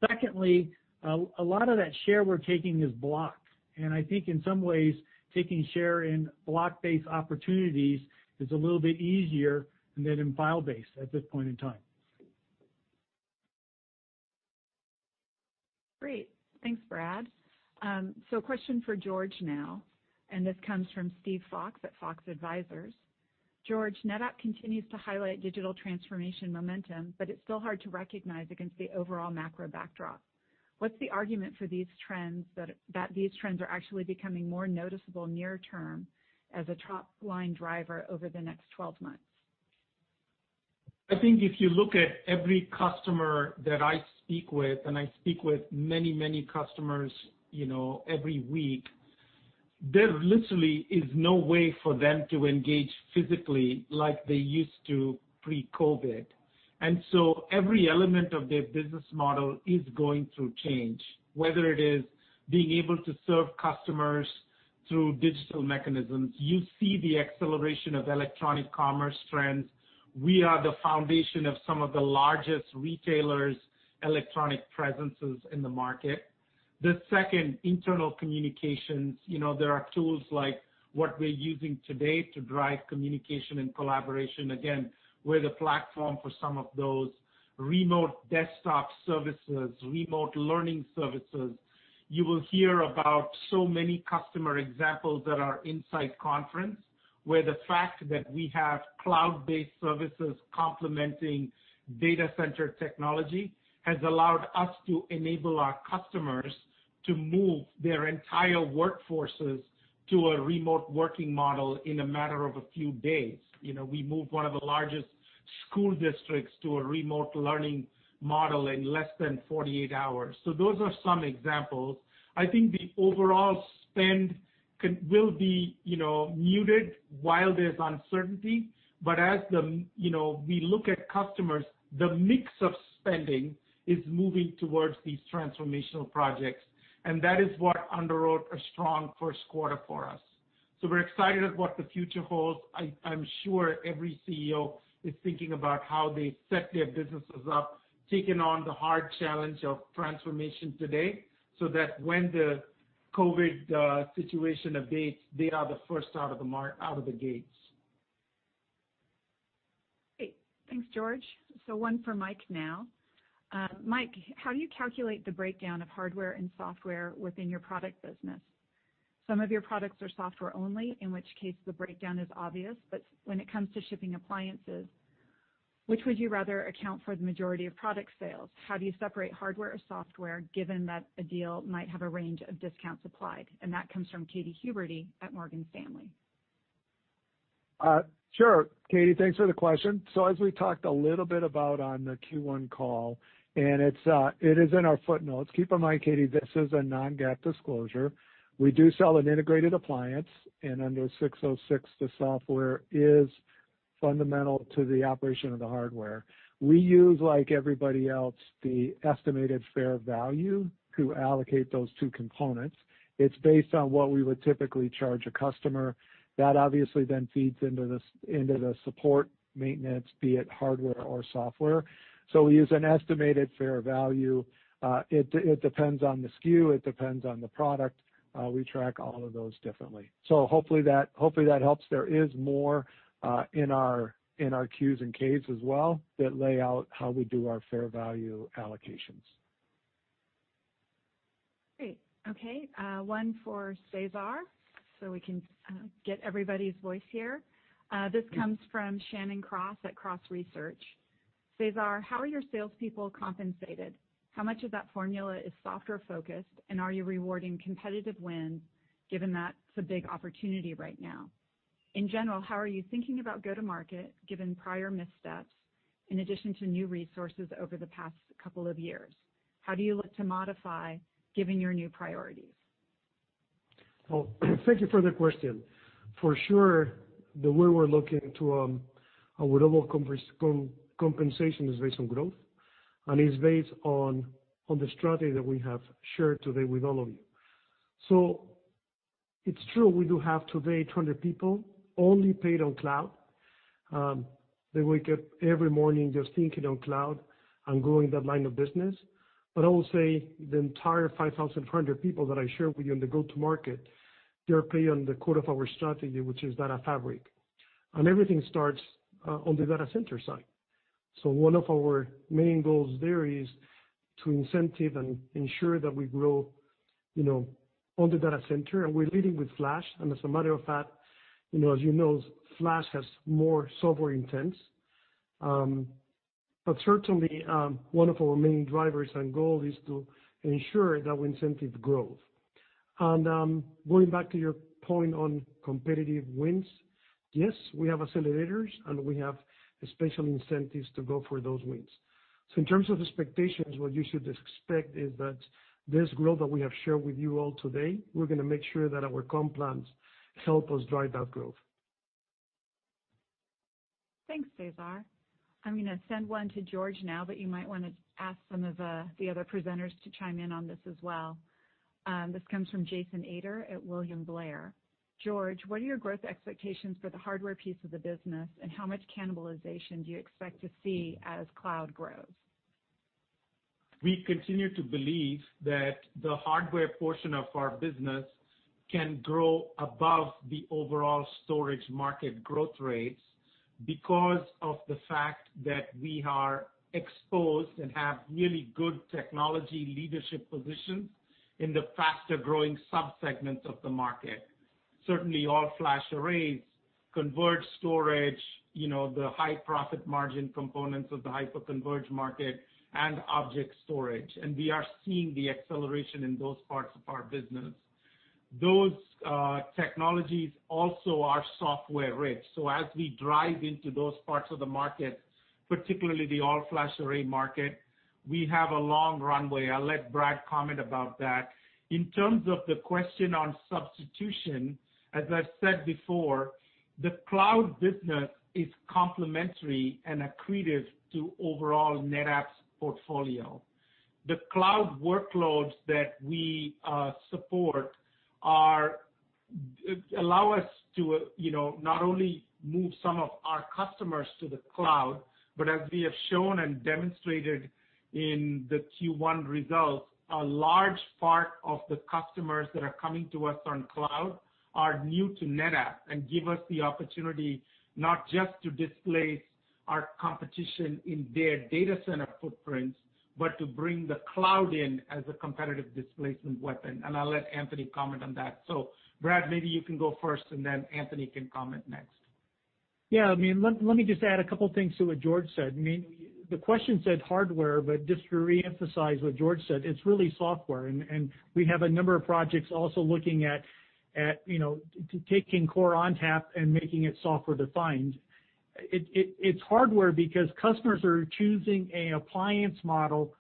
D: Secondly, a lot of that share we're taking is block. I think in some ways, taking share in block-based opportunities is a little bit easier than in file-based at this point in time.
A: Great. Thanks, Brad. A question for George now. This comes from Steven Fox at Fox Advisors. George, NetApp continues to highlight digital transformation momentum, but it's still hard to recognize against the overall macro backdrop. What's the argument for these trends that these trends are actually becoming more noticeable near-term as a top-line driver over the next 12 months?
B: I think if you look at every customer that I speak with, and I speak with many, many customers every week, there literally is no way for them to engage physically like they used to pre-COVID. Every element of their business model is going through change, whether it is being able to serve customers through digital mechanisms. You see the acceleration of electronic commerce trends. We are the foundation of some of the largest retailers' electronic presences in the market. The second, internal communications. There are tools like what we're using today to drive communication and collaboration. Again, we're the platform for some of those remote desktop services, remote learning services. You will hear about so many customer examples at our Insight Conference where the fact that we have cloud-based services complementing data center technology has allowed us to enable our customers to move their entire workforces to a remote working model in a matter of a few days. We moved one of the largest school districts to a remote learning model in less than 48 hours. Those are some examples. I think the overall spend will be muted while there's uncertainty. As we look at customers, the mix of spending is moving towards these transformational projects. That is what underwrote a strong first quarter for us. We're excited at what the future holds. I'm sure every CEO is thinking about how they set their businesses up, taking on the hard challenge of transformation today so that when the COVID situation abates, they are the first out of the gates.
A: Great. Thanks, George. One for Mike now. Mike, how do you calculate the breakdown of hardware and software within your product business? Some of your products are software-only, in which case the breakdown is obvious. When it comes to shipping appliances, which would you rather account for the majority of product sales? How do you separate hardware or software given that a deal might have a range of discounts applied? That comes from Katy Huberty at Morgan Stanley.
G: Sure. Katy, thanks for the question. As we talked a little bit about on the Q1 call, and it is in our footnotes, keep in mind, Katy, this is a non-GAAP disclosure. We do sell an integrated appliance, and under 606, the software is fundamental to the operation of the hardware. We use, like everybody else, the estimated fair value to allocate those two components. It's based on what we would typically charge a customer. That obviously then feeds into the support maintenance, be it hardware or software. We use an estimated fair value. It depends on the SKU. It depends on the product. We track all of those differently. Hopefully that helps. There is more in our Qs and Ks as well that lay out how we do our fair value allocations.
A: Great. Okay. One for Cesar, so we can get everybody's voice here. This comes from Shannon Cross at Cross Research. Cesar, how are your salespeople compensated? How much of that formula is software-focused, and are you rewarding competitive wins given that it's a big opportunity right now? In general, how are you thinking about go-to-market given prior missteps in addition to new resources over the past couple of years? How do you look to modify given your new priorities?
F: Thank you for the question. For sure, the way we're looking to available compensation is based on growth, and it's based on the strategy that we have shared today with all of you. It's true we do have today 200 people only paid on cloud. They wake up every morning just thinking on cloud and growing that line of business. I will say the entire 5,400 people that I shared with you in the go-to-market, they're paid on the core of our strategy, which is Data Fabric. Everything starts on the data center side. One of our main goals there is to incentive and ensure that we grow on the data center. We're leading with flash. As a matter of fact, as you know, flash has more software intents. Certainly, one of our main drivers and goals is to ensure that we incentive growth. Going back to your point on competitive wins, yes, we have accelerators, and we have special incentives to go for those wins. In terms of expectations, what you should expect is that this growth that we have shared with you all today, we're going to make sure that our comp plans help us drive that growth.
A: Thanks, Cesar. I'm going to send one to George now, but you might want to ask some of the other presenters to chime in on this as well. This comes from Jason Ader at William Blair. George, what are your growth expectations for the hardware piece of the business, and how much cannibalization do you expect to see as cloud grows?
B: We continue to believe that the hardware portion of our business can grow above the overall storage market growth rates because of the fact that we are exposed and have really good technology leadership positions in the faster-growing subsegments of the market. Certainly, all-flash arrays, converged storage, the high-profit margin components of the hyper-converged market, and object storage. We are seeing the acceleration in those parts of our business. Those technologies also are software-rich. As we drive into those parts of the market, particularly the all-flash array market, we have a long runway. I'll let Brad comment about that. In terms of the question on substitution, as I've said before, the cloud business is complementary and accretive to overall NetApp's portfolio. The cloud workloads that we support allow us to not only move some of our customers to the cloud, but as we have shown and demonstrated in the Q1 results, a large part of the customers that are coming to us on cloud are new to NetApp and give us the opportunity not just to displace our competition in their data center footprints, but to bring the cloud in as a competitive displacement weapon. I'll let Anthony comment on that. Brad, maybe you can go first, and then Anthony can comment next.
D: Yeah. I mean, let me just add a couple of things to what George said. I mean, the question said hardware, but just to re-emphasize what George said, it's really software. We have a number of projects also looking at taking core ONTAP and making it software-defined. It's hardware because customers are choosing an appliance model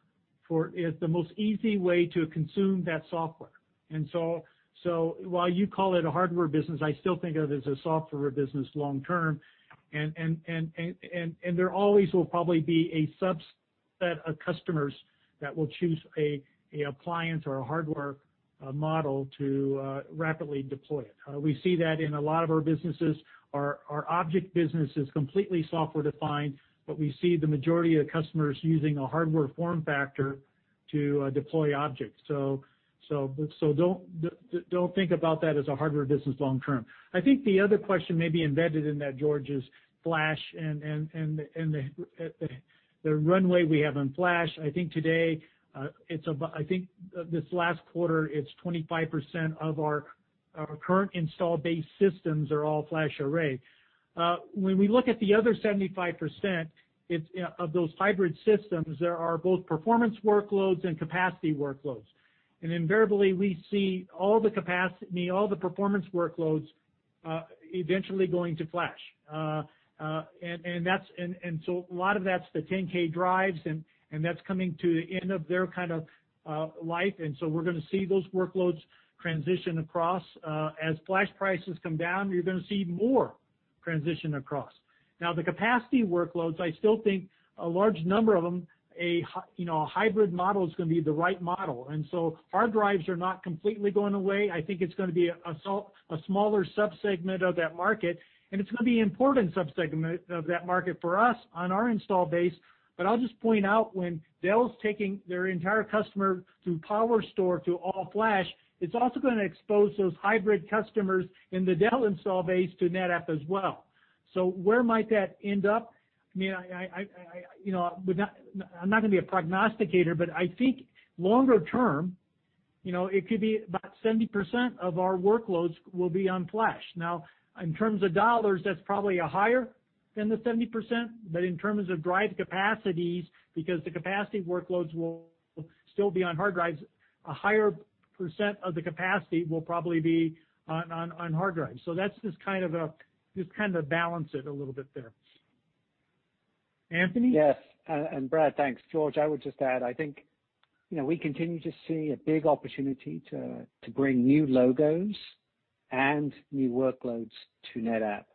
D: as the most easy way to consume that software. While you call it a hardware business, I still think of it as a software business long-term. There always will probably be a subset of customers that will choose an appliance or a hardware model to rapidly deploy it. We see that in a lot of our businesses. Our object business is completely software-defined, but we see the majority of the customers using a hardware form factor to deploy objects. Do not think about that as a hardware business long-term. I think the other question may be embedded in that, George, is flash and the runway we have on flash. I think today, I think this last quarter, it's 25% of our current installed base systems are all-flash array. When we look at the other 75% of those hybrid systems, there are both performance workloads and capacity workloads. Invariably, we see all the capacity, all the performance workloads eventually going to flash. A lot of that's the 10K drives, and that's coming to the end of their kind of life. We're going to see those workloads transition across. As flash prices come down, you're going to see more transition across. The capacity workloads, I still think a large number of them, a hybrid model is going to be the right model. Hard drives are not completely going away. I think it's going to be a smaller subsegment of that market. It's going to be an important subsegment of that market for us on our install base. I'll just point out when Dell's taking their entire customer through PowerStore to all-flash, it's also going to expose those hybrid customers in the Dell install base to NetApp as well. Where might that end up? I mean, I'm not going to be a prognosticator, but I think longer term, it could be about 70% of our workloads will be on flash. Now, in terms of dollars, that's probably higher than the 70%. In terms of drive capacities, because the capacity workloads will still be on hard drives, a higher percent of the capacity will probably be on hard drives. That's just kind of a balance it a little bit there. Anthony?
C: Yes. Brad, thanks. George, I would just add, I think we continue to see a big opportunity to bring new logos and new workloads to NetApp.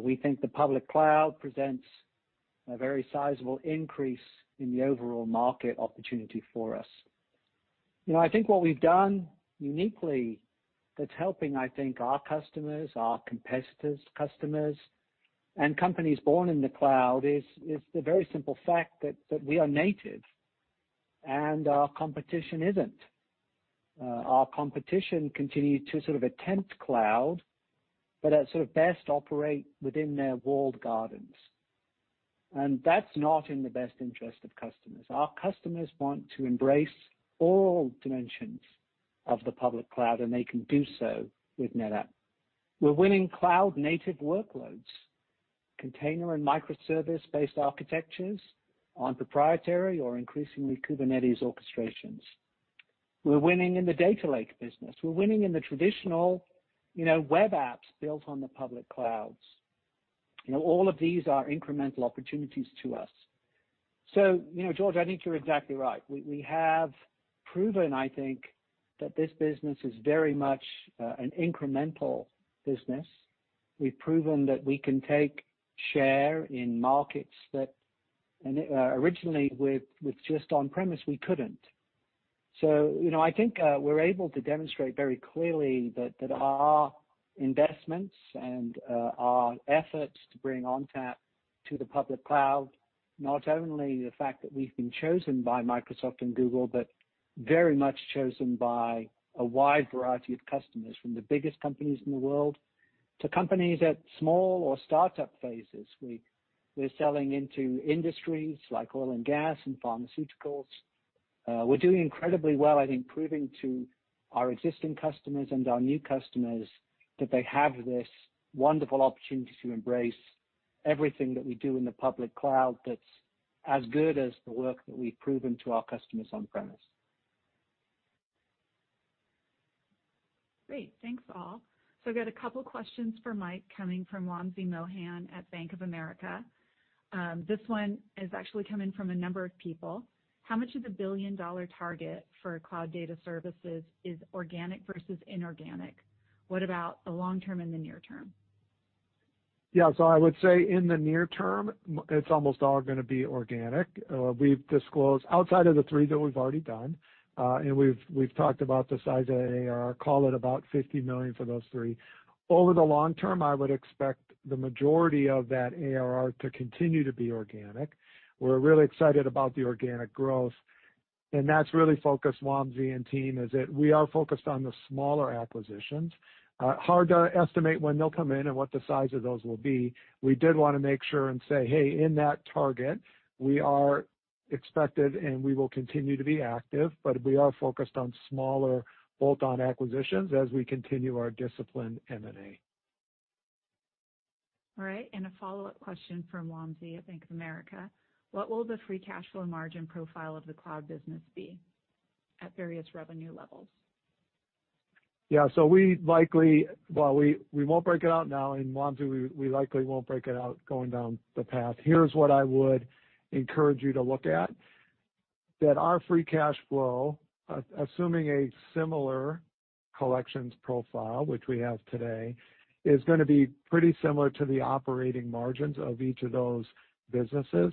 C: We think the public cloud presents a very sizable increase in the overall market opportunity for us. I think what we've done uniquely that's helping, I think, our customers, our competitors' customers, and companies born in the cloud is the very simple fact that we are native and our competition isn't. Our competition continues to sort of attempt cloud, but at sort of best operate within their walled gardens. That is not in the best interest of customers. Our customers want to embrace all dimensions of the public cloud, and they can do so with NetApp. We're winning cloud-native workloads, container and microservice-based architectures on proprietary or increasingly Kubernetes orchestrations. We're winning in the data lake business. We're winning in the traditional web apps built on the public clouds. All of these are incremental opportunities to us. George, I think you're exactly right. We have proven, I think, that this business is very much an incremental business. We've proven that we can take share in markets that originally with just on-premises, we couldn't. I think we're able to demonstrate very clearly that our investments and our efforts to bring ONTAP to the public cloud, not only the fact that we've been chosen by Microsoft and Google, but very much chosen by a wide variety of customers from the biggest companies in the world to companies at small or startup phases. We're selling into industries like oil and gas and pharmaceuticals. We're doing incredibly well, I think, proving to our existing customers and our new customers that they have this wonderful opportunity to embrace everything that we do in the public cloud that's as good as the work that we've proven to our customers on-premises.
A: Great. Thanks, all. We have a couple of questions for Mike coming from Wamsi Mohan at Bank of America. This one is actually coming from a number of people. How much of the billion-dollar target for cloud data services is organic versus inorganic? What about the long-term and the near-term?
G: Yeah. I would say in the near term, it is almost all going to be organic. We have disclosed outside of the three that we have already done, and we have talked about the size of the ARR, call it about $50 million for those three. Over the long term, I would expect the majority of that ARR to continue to be organic. We are really excited about the organic growth. What is really focused, Wamsi and team, is that we are focused on the smaller acquisitions. Hard to estimate when they will come in and what the size of those will be. We did want to make sure and say, "Hey, in that target, we are expected and we will continue to be active." We are focused on smaller bolt-on acquisitions as we continue our discipline M&A.
A: All right. A follow-up question from Wamsi at Bank of America. What will the free cash flow margin profile of the cloud business be at various revenue levels?
G: Yeah. We likely, we will not break it out now. Wamsi, we likely will not break it out going down the path. Here is what I would encourage you to look at. Our free cash flow, assuming a similar collections profile, which we have today, is going to be pretty similar to the operating margins of each of those businesses.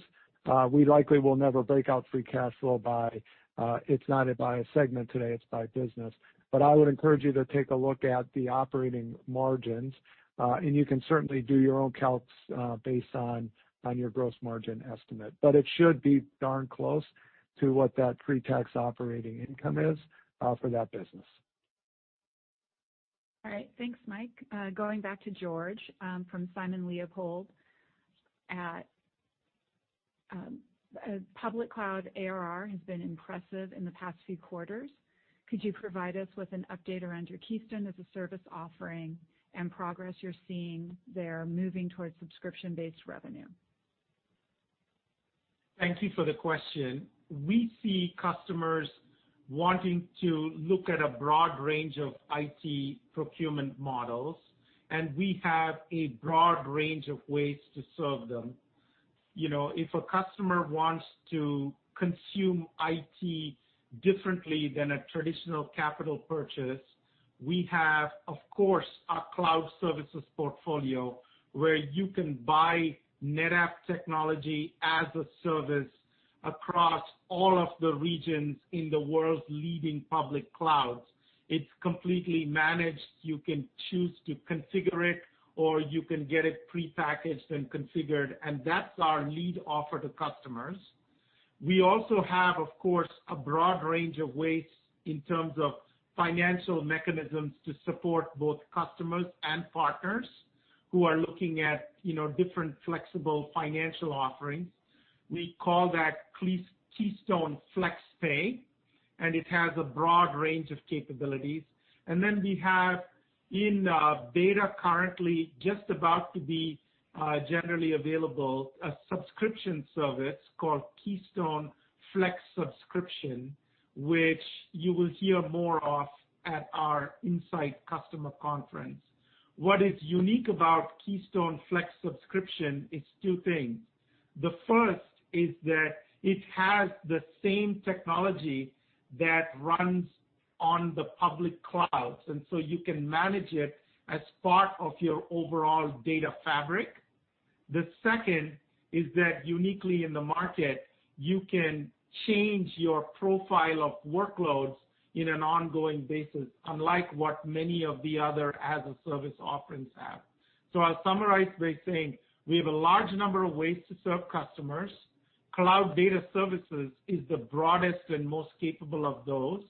G: We likely will never break out free cash flow by, it is not by a segment today, it is by business. I would encourage you to take a look at the operating margins. You can certainly do your own calcs based on your gross margin estimate. It should be darn close to what that pre-tax operating income is for that business.
A: All right. Thanks, Mike. Going back to George from Simon Leopold. Public cloud ARR has been impressive in the past few quarters. Could you provide us with an update around your Keystone as a service offering and progress you're seeing there moving towards subscription-based revenue?
B: Thank you for the question. We see customers wanting to look at a broad range of IT procurement models, and we have a broad range of ways to serve them. If a customer wants to consume IT differently than a traditional capital purchase, we have, of course, our cloud services portfolio where you can buy NetApp technology as a service across all of the regions in the world's leading public clouds. It is completely managed. You can choose to configure it, or you can get it prepackaged and configured. That is our lead offer to customers. We also have, of course, a broad range of ways in terms of financial mechanisms to support both customers and partners who are looking at different flexible financial offerings. We call that Keystone Flex Pay, and it has a broad range of capabilities. We have in beta currently just about to be generally available a subscription service called Keystone Flex Subscription, which you will hear more of at our Insight Customer Conference. What is unique about Keystone Flex Subscription is two things. The first is that it has the same technology that runs on the public clouds. And so you can manage it as part of your overall Data Fabric. The second is that uniquely in the market, you can change your profile of workloads on an ongoing basis, unlike what many of the other as-a-service offerings have. I'll summarize by saying we have a large number of ways to serve customers. Cloud data services is the broadest and most capable of those.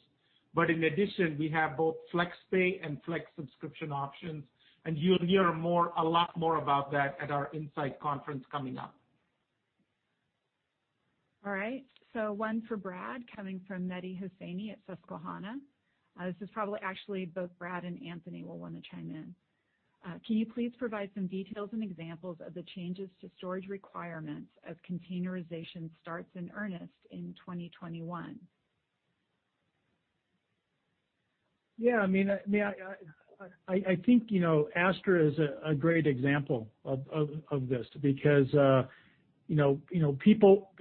B: In addition, we have both Flex Pay and Flex Subscription options. You'll hear a lot more about that at our Insight Conference coming up.
A: All right. One for Brad coming from Mehdi Hosseini at Susquehanna. This is probably actually both Brad and Anthony will want to chime in. Can you please provide some details and examples of the changes to storage requirements as containerization starts in earnest in 2021?
D: Yeah. I mean, I think Astra is a great example of this because people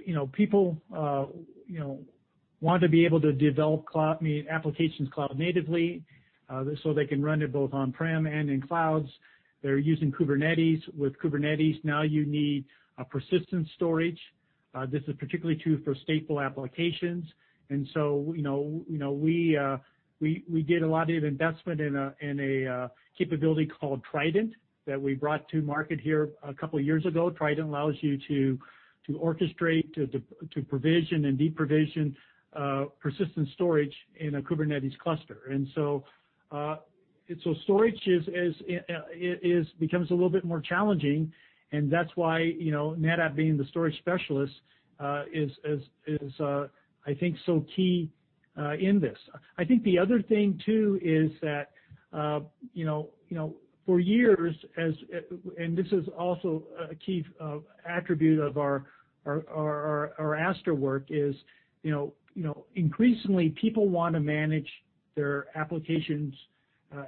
D: want to be able to develop applications cloud-natively so they can run it both on-prem and in clouds. They're using Kubernetes. With Kubernetes, now you need persistent storage. This is particularly true for stateful applications. We did a lot of investment in a capability called Trident that we brought to market here a couple of years ago. Trident allows you to orchestrate, to provision, and deprovision persistent storage in a Kubernetes cluster. Storage becomes a little bit more challenging. That's why NetApp, being the storage specialist, is, I think, so key in this. I think the other thing too is that for years, and this is also a key attribute of our Astra work, is increasingly people want to manage their applications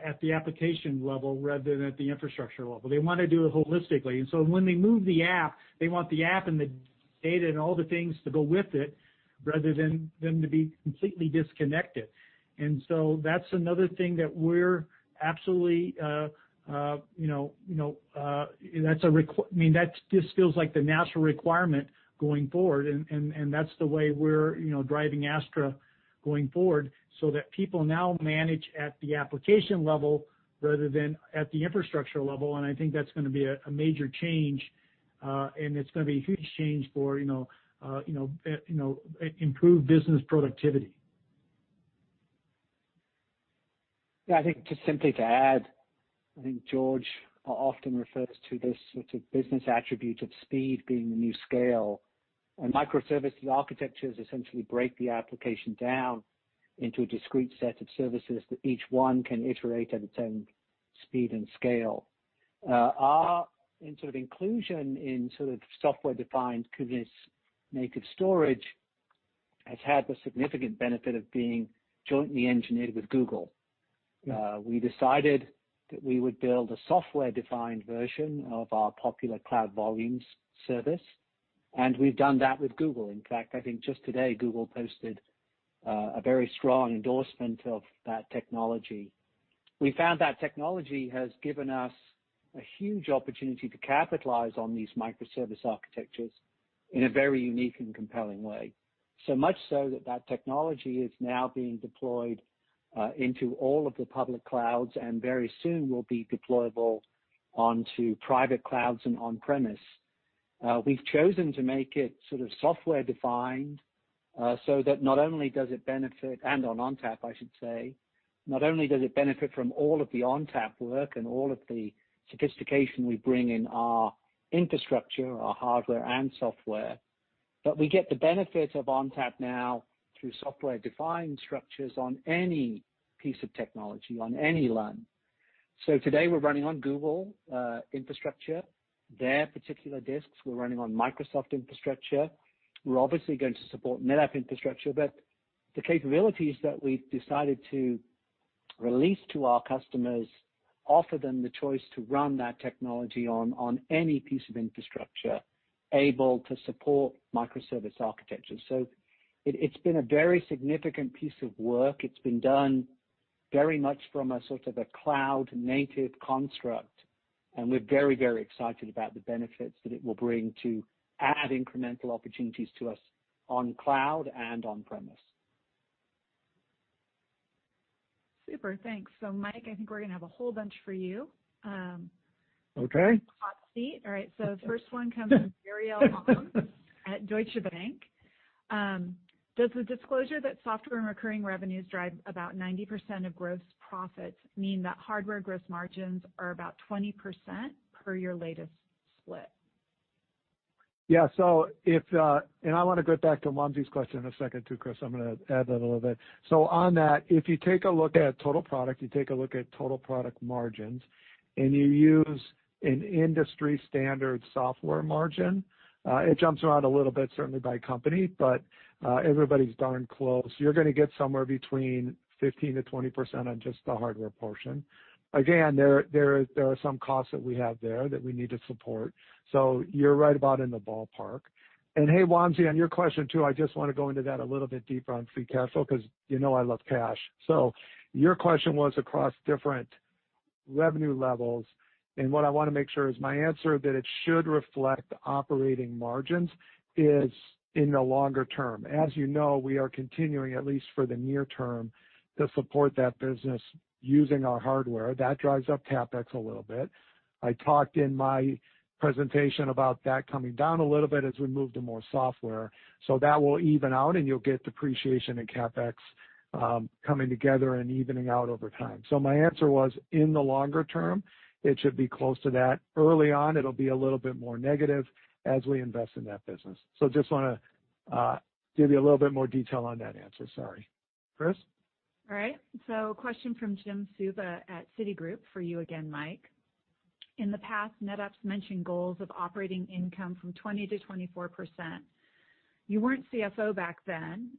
D: at the application level rather than at the infrastructure level. They want to do it holistically. When they move the app, they want the app and the data and all the things to go with it rather than them to be completely disconnected. That is another thing that we're absolutely, I mean, this feels like the natural requirement going forward. That is the way we're driving Astra going forward so that people now manage at the application level rather than at the infrastructure level. I think that's going to be a major change. It's going to be a huge change for improved business productivity.
C: Yeah. I think just simply to add, I think George often refers to this sort of business attribute of speed being the new scale. Microservices architectures essentially break the application down into a discrete set of services that each one can iterate at its own speed and scale. Our sort of inclusion in software-defined Kubernetes native storage has had the significant benefit of being jointly engineered with Google. We decided that we would build a software-defined version of our popular Cloud Volumes Service. We have done that with Google. In fact, I think just today, Google posted a very strong endorsement of that technology. We found that technology has given us a huge opportunity to capitalize on these microservice architectures in a very unique and compelling way. That technology is now being deployed into all of the public clouds and very soon will be deployable onto private clouds and on-premises. We've chosen to make it sort of software-defined so that not only does it benefit, and ONTAP, I should say, not only does it benefit from all of the ONTAP work and all of the sophistication we bring in our infrastructure, our hardware and software, but we get the benefit of ONTAP now through software-defined structures on any piece of technology, on any LUN. Today we're running on Google infrastructure, their particular disks. We're running on Microsoft infrastructure. We're obviously going to support NetApp infrastructure, but the capabilities that we've decided to release to our customers offer them the choice to run that technology on any piece of infrastructure able to support microservice architectures. It has been a very significant piece of work. It has been done very much from a sort of a cloud-native construct. We are very, very excited about the benefits that it will bring to add incremental opportunities to us on cloud and on-premises.
A: Super. Thanks. Mike, I think we are going to have a whole bunch for you.
G: Okay.
A: Hot seat. All right. The first one comes from Jeriel Ong at Deutsche Bank. Does the disclosure that software and recurring revenues drive about 90% of gross profits mean that hardware gross margins are about 20% per your latest split?
G: Yeah. I want to go back to Wamsi's question in a second too, Kris. I am going to add that a little bit. If you take a look at total product, you take a look at total product margins, and you use an industry-standard software margin, it jumps around a little bit, certainly by company, but everybody's darn close. You're going to get somewhere between 15%-20% on just the hardware portion. Again, there are some costs that we have there that we need to support. You're right about in the ballpark. Hey, Wamsi, on your question too, I just want to go into that a little bit deeper on free cash flow because you know I love cash. Your question was across different revenue levels. What I want to make sure is my answer that it should reflect operating margins is in the longer term. As you know, we are continuing, at least for the near term, to support that business using our hardware. That drives up CapEx a little bit. I talked in my presentation about that coming down a little bit as we move to more software. That will even out, and you'll get depreciation and CapEx coming together and evening out over time. My answer was in the longer term, it should be close to that. Early on, it'll be a little bit more negative as we invest in that business. Just want to give you a little bit more detail on that answer. Sorry. Kris?
A: All right. Question from Jim Suva at Citigroup for you again, Mike. In the past, NetApp's mentioned goals of operating income from 20-24%. You weren't CFO back then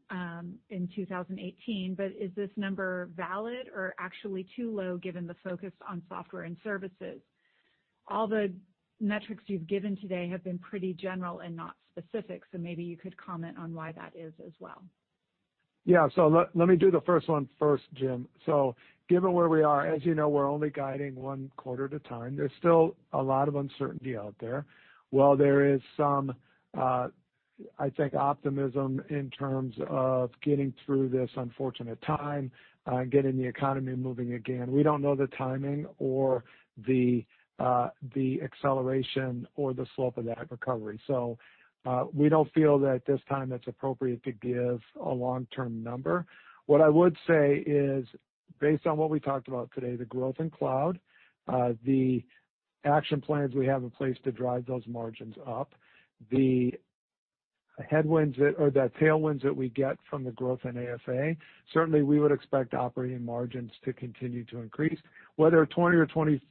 A: in 2018, but is this number valid or actually too low given the focus on software and services? All the metrics you've given today have been pretty general and not specific. Maybe you could comment on why that is as well.
G: Yeah. Let me do the first one first, Jim. Given where we are, as you know, we're only guiding one quarter at a time. There's still a lot of uncertainty out there. While there is some, I think, optimism in terms of getting through this unfortunate time and getting the economy moving again, we don't know the timing or the acceleration or the slope of that recovery. We don't feel that at this time it's appropriate to give a long-term number. What I would say is, based on what we talked about today, the growth in cloud, the action plans we have in place to drive those margins up, the headwinds or the tailwinds that we get from the growth in AFA, certainly we would expect operating margins to continue to increase. Whether 20-24% is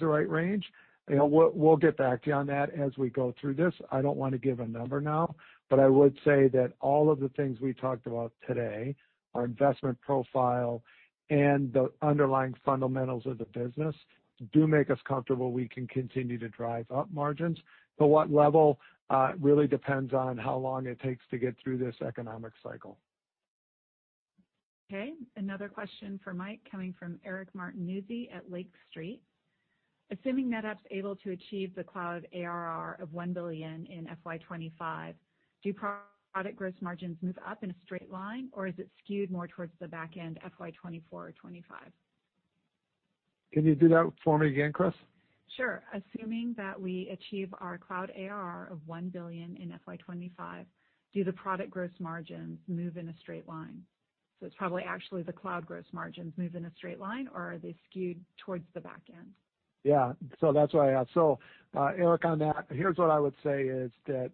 G: the right range, we'll get back to you on that as we go through this. I don't want to give a number now, but I would say that all of the things we talked about today, our investment profile, and the underlying fundamentals of the business do make us comfortable we can continue to drive up margins. What level really depends on how long it takes to get through this economic cycle.
A: Okay. Another question for Mike coming from Eric Martinuzzi at Lake Street. Assuming NetApp's able to achieve the cloud ARR of $1 billion in FY2025, do product gross margins move up in a straight line, or is it skewed more towards the back end FY2024 or 2025?
G: Can you do that for me again, Kris?
A: Sure. Assuming that we achieve our cloud ARR of $1 billion in FY2025, do the product gross margins move in a straight line? It's probably actually the cloud gross margins move in a straight line, or are they skewed towards the back end?
G: Yeah. That's why I asked. Eric, on that, here's what I would say is that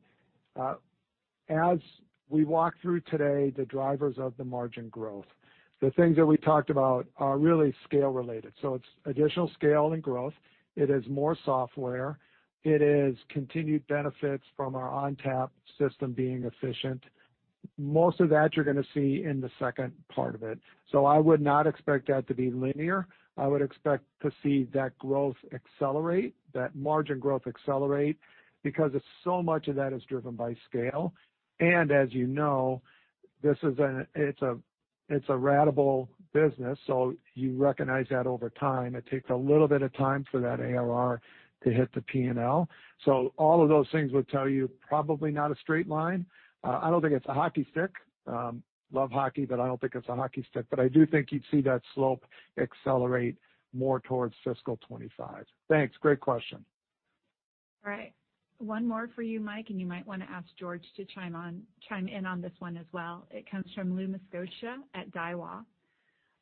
G: as we walk through today the drivers of the margin growth, the things that we talked about are really scale-related. It's additional scale and growth. It is more software. It is continued benefits from our ONTAP system being efficient. Most of that you're going to see in the second part of it. I would not expect that to be linear. I would expect to see that growth accelerate, that margin growth accelerate, because so much of that is driven by scale. As you know, it's a ratable business. You recognize that over time. It takes a little bit of time for that ARR to hit the P&L. All of those things would tell you probably not a straight line. I do not think it's a hockey stick. Love hockey, but I do not think it's a hockey stick. I do think you'd see that slope accelerate more towards fiscal 2025. Thanks. Great question.
A: All right. One more for you, Mike, and you might want to ask George to chime in on this one as well. It comes from Louis Miscioscia at Daiwa.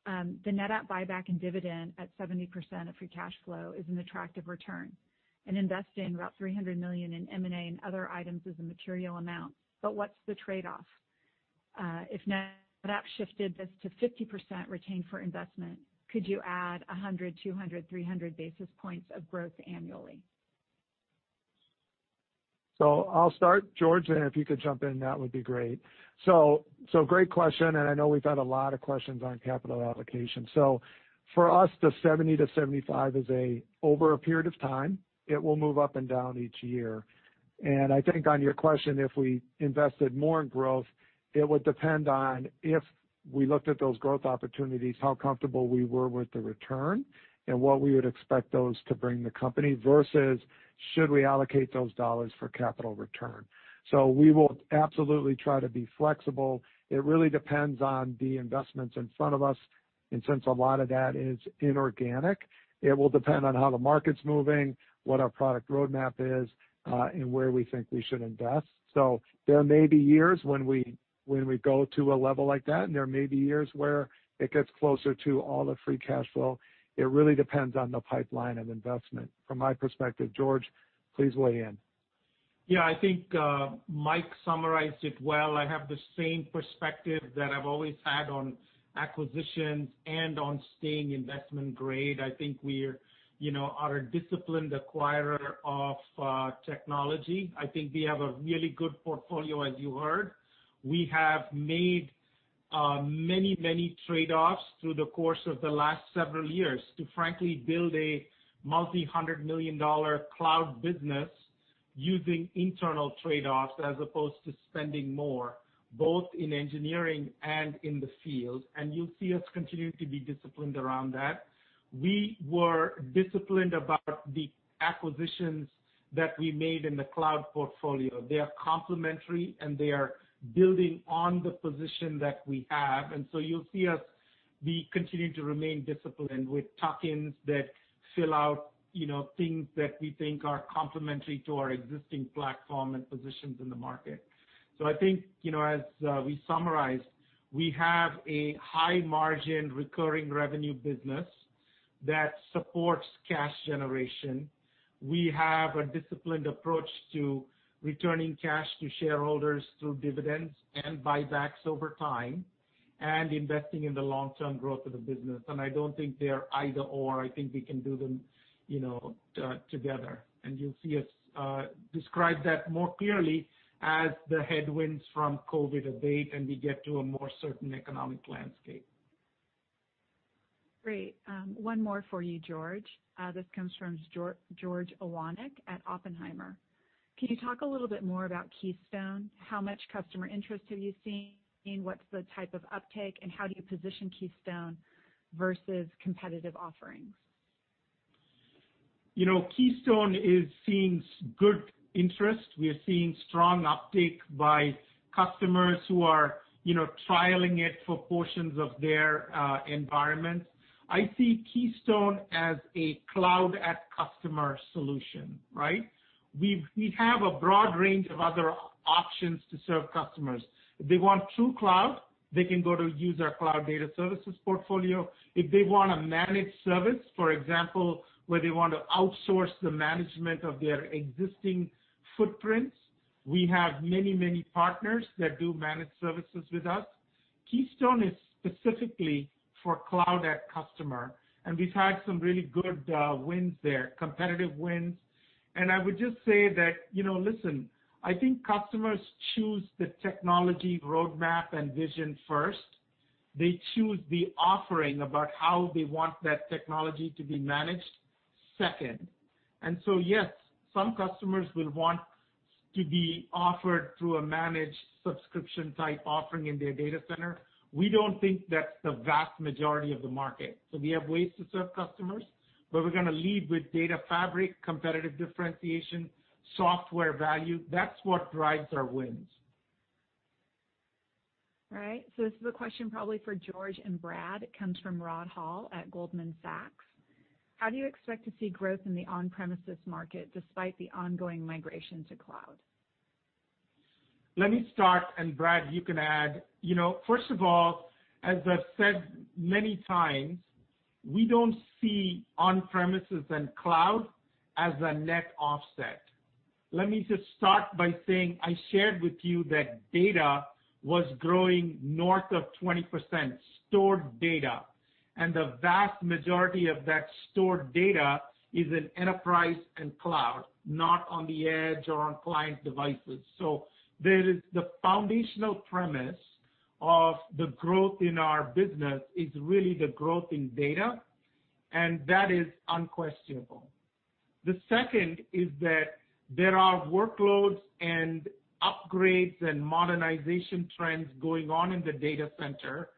A: The NetApp buyback and dividend at 70% of free cash flow is an attractive return. Investing about $300 million in M&A and other items is a material amount. What is the trade-off? If NetApp shifted this to 50% retained for investment, could you add 100, 200, 300 basis points of growth annually?
G: I will start, George, and if you could jump in, that would be great. Great question. I know we have had a lot of questions on capital allocation. For us, the 70-75% is over a period of time. It will move up and down each year. I think on your question, if we invested more in growth, it would depend on if we looked at those growth opportunities, how comfortable we were with the return, and what we would expect those to bring the company versus should we allocate those dollars for capital return. We will absolutely try to be flexible. It really depends on the investments in front of us. Since a lot of that is inorganic, it will depend on how the market's moving, what our product roadmap is, and where we think we should invest. There may be years when we go to a level like that, and there may be years where it gets closer to all the free cash flow. It really depends on the pipeline of investment. From my perspective, George, please weigh in.
B: Yeah. I think Mike summarized it well. I have the same perspective that I've always had on acquisitions and on staying investment grade. I think we are a disciplined acquirer of technology. I think we have a really good portfolio, as you heard. We have made many, many trade-offs through the course of the last several years to, frankly, build a multi-hundred million dollar cloud business using internal trade-offs as opposed to spending more, both in engineering and in the field. You'll see us continue to be disciplined around that. We were disciplined about the acquisitions that we made in the cloud portfolio. They are complementary, and they are building on the position that we have. You'll see us continue to remain disciplined with tokens that fill out things that we think are complementary to our existing platform and positions in the market. I think as we summarized, we have a high-margin recurring revenue business that supports cash generation. We have a disciplined approach to returning cash to shareholders through dividends and buybacks over time and investing in the long-term growth of the business. I do not think they are either/or. I think we can do them together. You will see us describe that more clearly as the headwinds from COVID abate, and we get to a more certain economic landscape.
A: Great. One more for you, George. This comes from George Iwanyc at Oppenheimer. Can you talk a little bit more about Keystone? How much customer interest have you seen? What is the type of uptake, and how do you position Keystone versus competitive offerings?
B: Keystone is seeing good interest. We are seeing strong uptake by customers who are trialing it for portions of their environments. I see Keystone as a cloud-at-customer solution, right? We have a broad range of other options to serve customers. If they want true cloud, they can go to use our cloud data services portfolio. If they want a managed service, for example, where they want to outsource the management of their existing footprints, we have many, many partners that do managed services with us. Keystone is specifically for cloud-at-customer, and we've had some really good wins there, competitive wins. I would just say that, listen, I think customers choose the technology roadmap and vision first. They choose the offering about how they want that technology to be managed second. Yes, some customers will want to be offered through a managed subscription-type offering in their data center. We don't think that's the vast majority of the market. We have ways to serve customers, but we're going to lead with Data Fabric, competitive differentiation, software value. That's what drives our wins.
A: All right. This is a question probably for George and Brad. It comes from Rod Hall at Goldman Sachs. How do you expect to see growth in the on-premises market despite the ongoing migration to cloud?
B: Let me start, and Brad, you can add. First of all, as I've said many times, we don't see on-premises and cloud as a net offset. Let me just start by saying I shared with you that data was growing north of 20%, stored data. The vast majority of that stored data is in enterprise and cloud, not on the edge or on client devices. The foundational premise of the growth in our business is really the growth in data, and that is unquestionable. The second is that there are workloads and upgrades and modernization trends going on in the data center,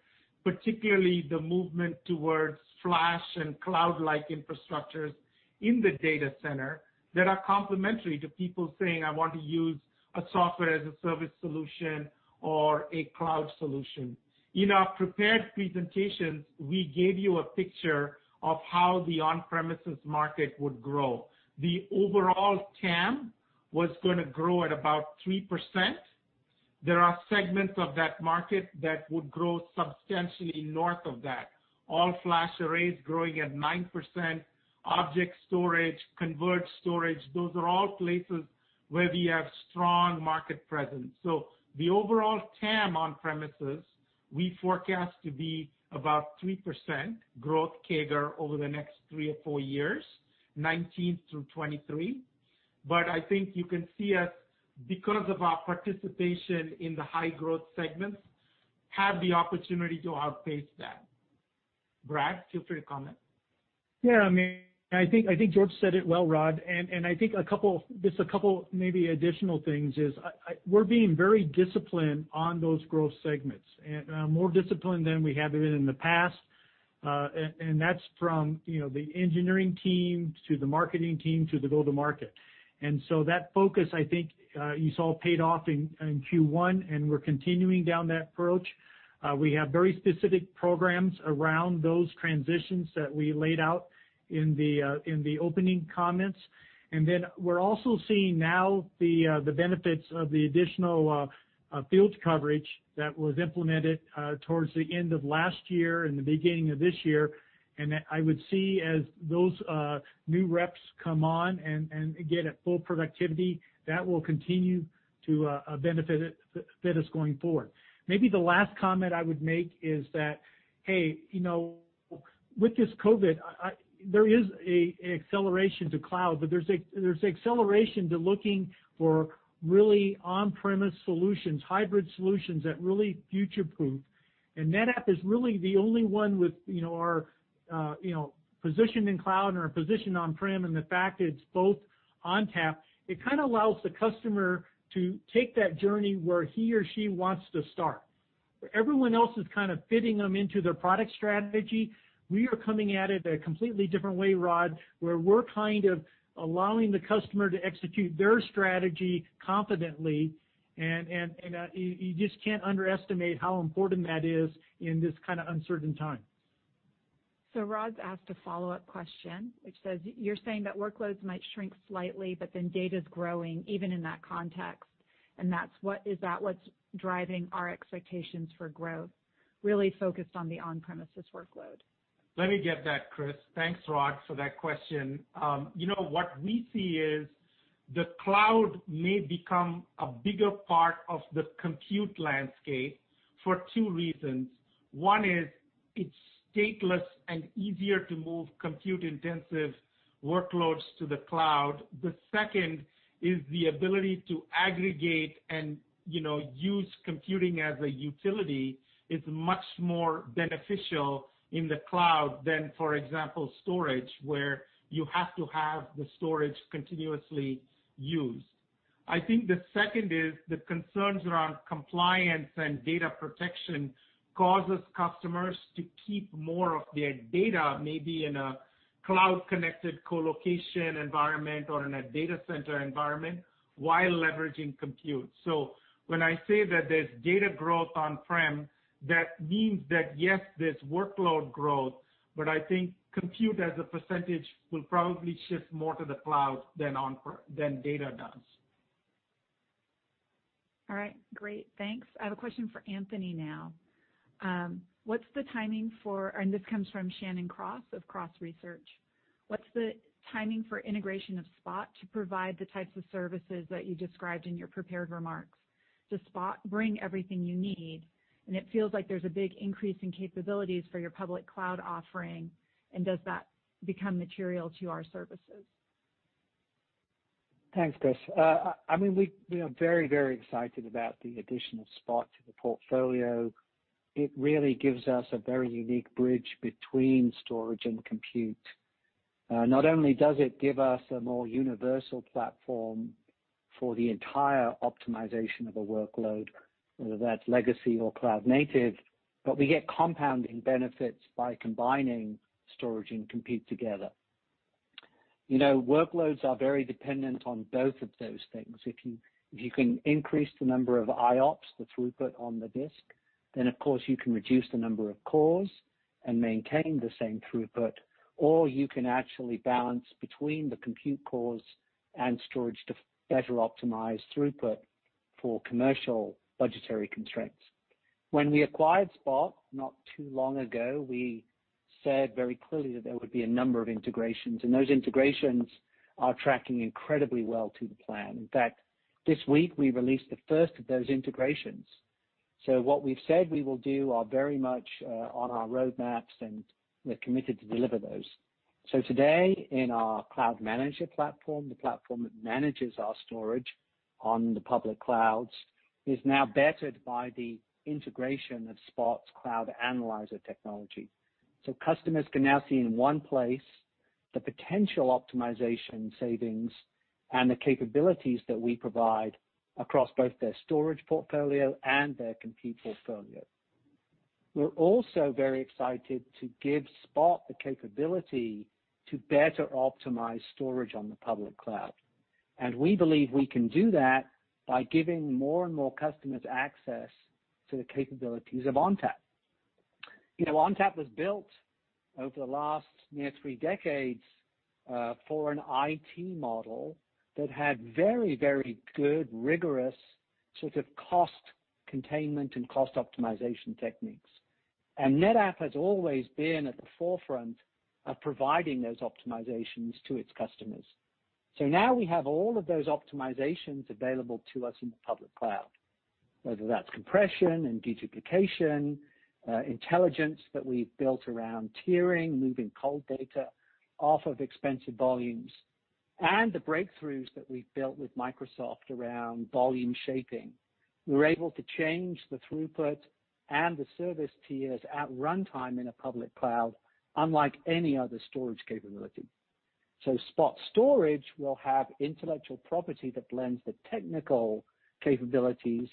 B: particularly the movement towards flash and cloud-like infrastructures in the data center that are complementary to people saying, "I want to use a software as a service solution or a cloud solution." In our prepared presentations, we gave you a picture of how the on-premises market would grow. The overall TAM was going to grow at about 3%. There are segments of that market that would grow substantially north of that. All-flash arrays growing at 9%, object storage, converged storage, those are all places where we have strong market presence. The overall TAM on-premises, we forecast to be about 3% growth CAGR over the next three or four years, 2019 through 2023. I think you can see us, because of our participation in the high-growth segments, have the opportunity to outpace that. Brad, feel free to comment.
D: Yeah. I mean, I think George said it well, Rod. I think just a couple maybe additional things is we're being very disciplined on those growth segments, and more disciplined than we have been in the past. That is from the engineering team to the marketing team to the go-to-market. That focus, I think you saw paid off in Q1, and we're continuing down that approach. We have very specific programs around those transitions that we laid out in the opening comments. We are also seeing now the benefits of the additional field coverage that was implemented towards the end of last year and the beginning of this year. I would see as those new reps come on and get at full productivity, that will continue to benefit us going forward. Maybe the last comment I would make is that, hey, with this COVID, there is an acceleration to cloud, but there is an acceleration to looking for really on-premises solutions, hybrid solutions that really future-proof. NetApp is really the only one with our position in cloud and our position on-prem, and the fact it is both ONTAP, it kind of allows the customer to take that journey where he or she wants to start. Everyone else is kind of fitting them into their product strategy. We are coming at it a completely different way, Rod, where we are kind of allowing the customer to execute their strategy confidently. You just cannot underestimate how important that is in this kind of uncertain time.
A: Rod's asked a follow-up question, which says, "You're saying that workloads might shrink slightly, but then data's growing even in that context." Is that what's driving our expectations for growth, really focused on the on-premises workload?
D: Let me get that, Kris. Thanks, Rod, for that question. What we see is the cloud may become a bigger part of the compute landscape for two reasons. One is it's stateless and easier to move compute-intensive workloads to the cloud. The second is the ability to aggregate and use computing as a utility is much more beneficial in the cloud than, for example, storage, where you have to have the storage continuously used. I think the second is the concerns around compliance and data protection causes customers to keep more of their data, maybe in a cloud-connected colocation environment or in a data center environment while leveraging compute. When I say that there's data growth on-prem, that means that, yes, there's workload growth, but I think compute as a percentage will probably shift more to the cloud than data does.
A: All right. Great. Thanks. I have a question for Anthony now. What's the timing for—and this comes from Shannon Cross of Cross Research—what's the timing for integration of Spot to provide the types of services that you described in your prepared remarks? Does Spot bring everything you need? It feels like there's a big increase in capabilities for your public cloud offering. Does that become material to our services?
C: Thanks, Kris. I mean, we are very, very excited about the addition of Spot to the portfolio. It really gives us a very unique bridge between storage and compute. Not only does it give us a more universal platform for the entire optimization of a workload, whether that's legacy or cloud-native, but we get compounding benefits by combining storage and compute together. Workloads are very dependent on both of those things. If you can increase the number of IOPS, the throughput on the disk, then of course you can reduce the number of cores and maintain the same throughput, or you can actually balance between the compute cores and storage to better optimize throughput for commercial budgetary constraints. When we acquired Spot not too long ago, we said very clearly that there would be a number of integrations, and those integrations are tracking incredibly well to the plan. In fact, this week we released the first of those integrations. What we've said we will do are very much on our roadmaps, and we're committed to deliver those. Today, in our Cloud Manager platform, the platform that manages our storage on the public clouds, is now bettered by the integration of Spot's Cloud Analyzer technology. Customers can now see in one place the potential optimization savings and the capabilities that we provide across both their storage portfolio and their compute portfolio. We're also very excited to give Spot the capability to better optimize storage on the public cloud. We believe we can do that by giving more and more customers access to the capabilities of ONTAP. ONTAP was built over the last near three decades for an IT model that had very, very good, rigorous sort of cost containment and cost optimization techniques. NetApp has always been at the forefront of providing those optimizations to its customers. Now we have all of those optimizations available to us in the public cloud, whether that's compression and deduplication, intelligence that we've built around tiering, moving cold data off of expensive volumes, and the breakthroughs that we've built with Microsoft around volume shaping. We're able to change the throughput and the service tiers at runtime in a public cloud, unlike any other storage capability. Spot Storage will have intellectual property that blends the technical capabilities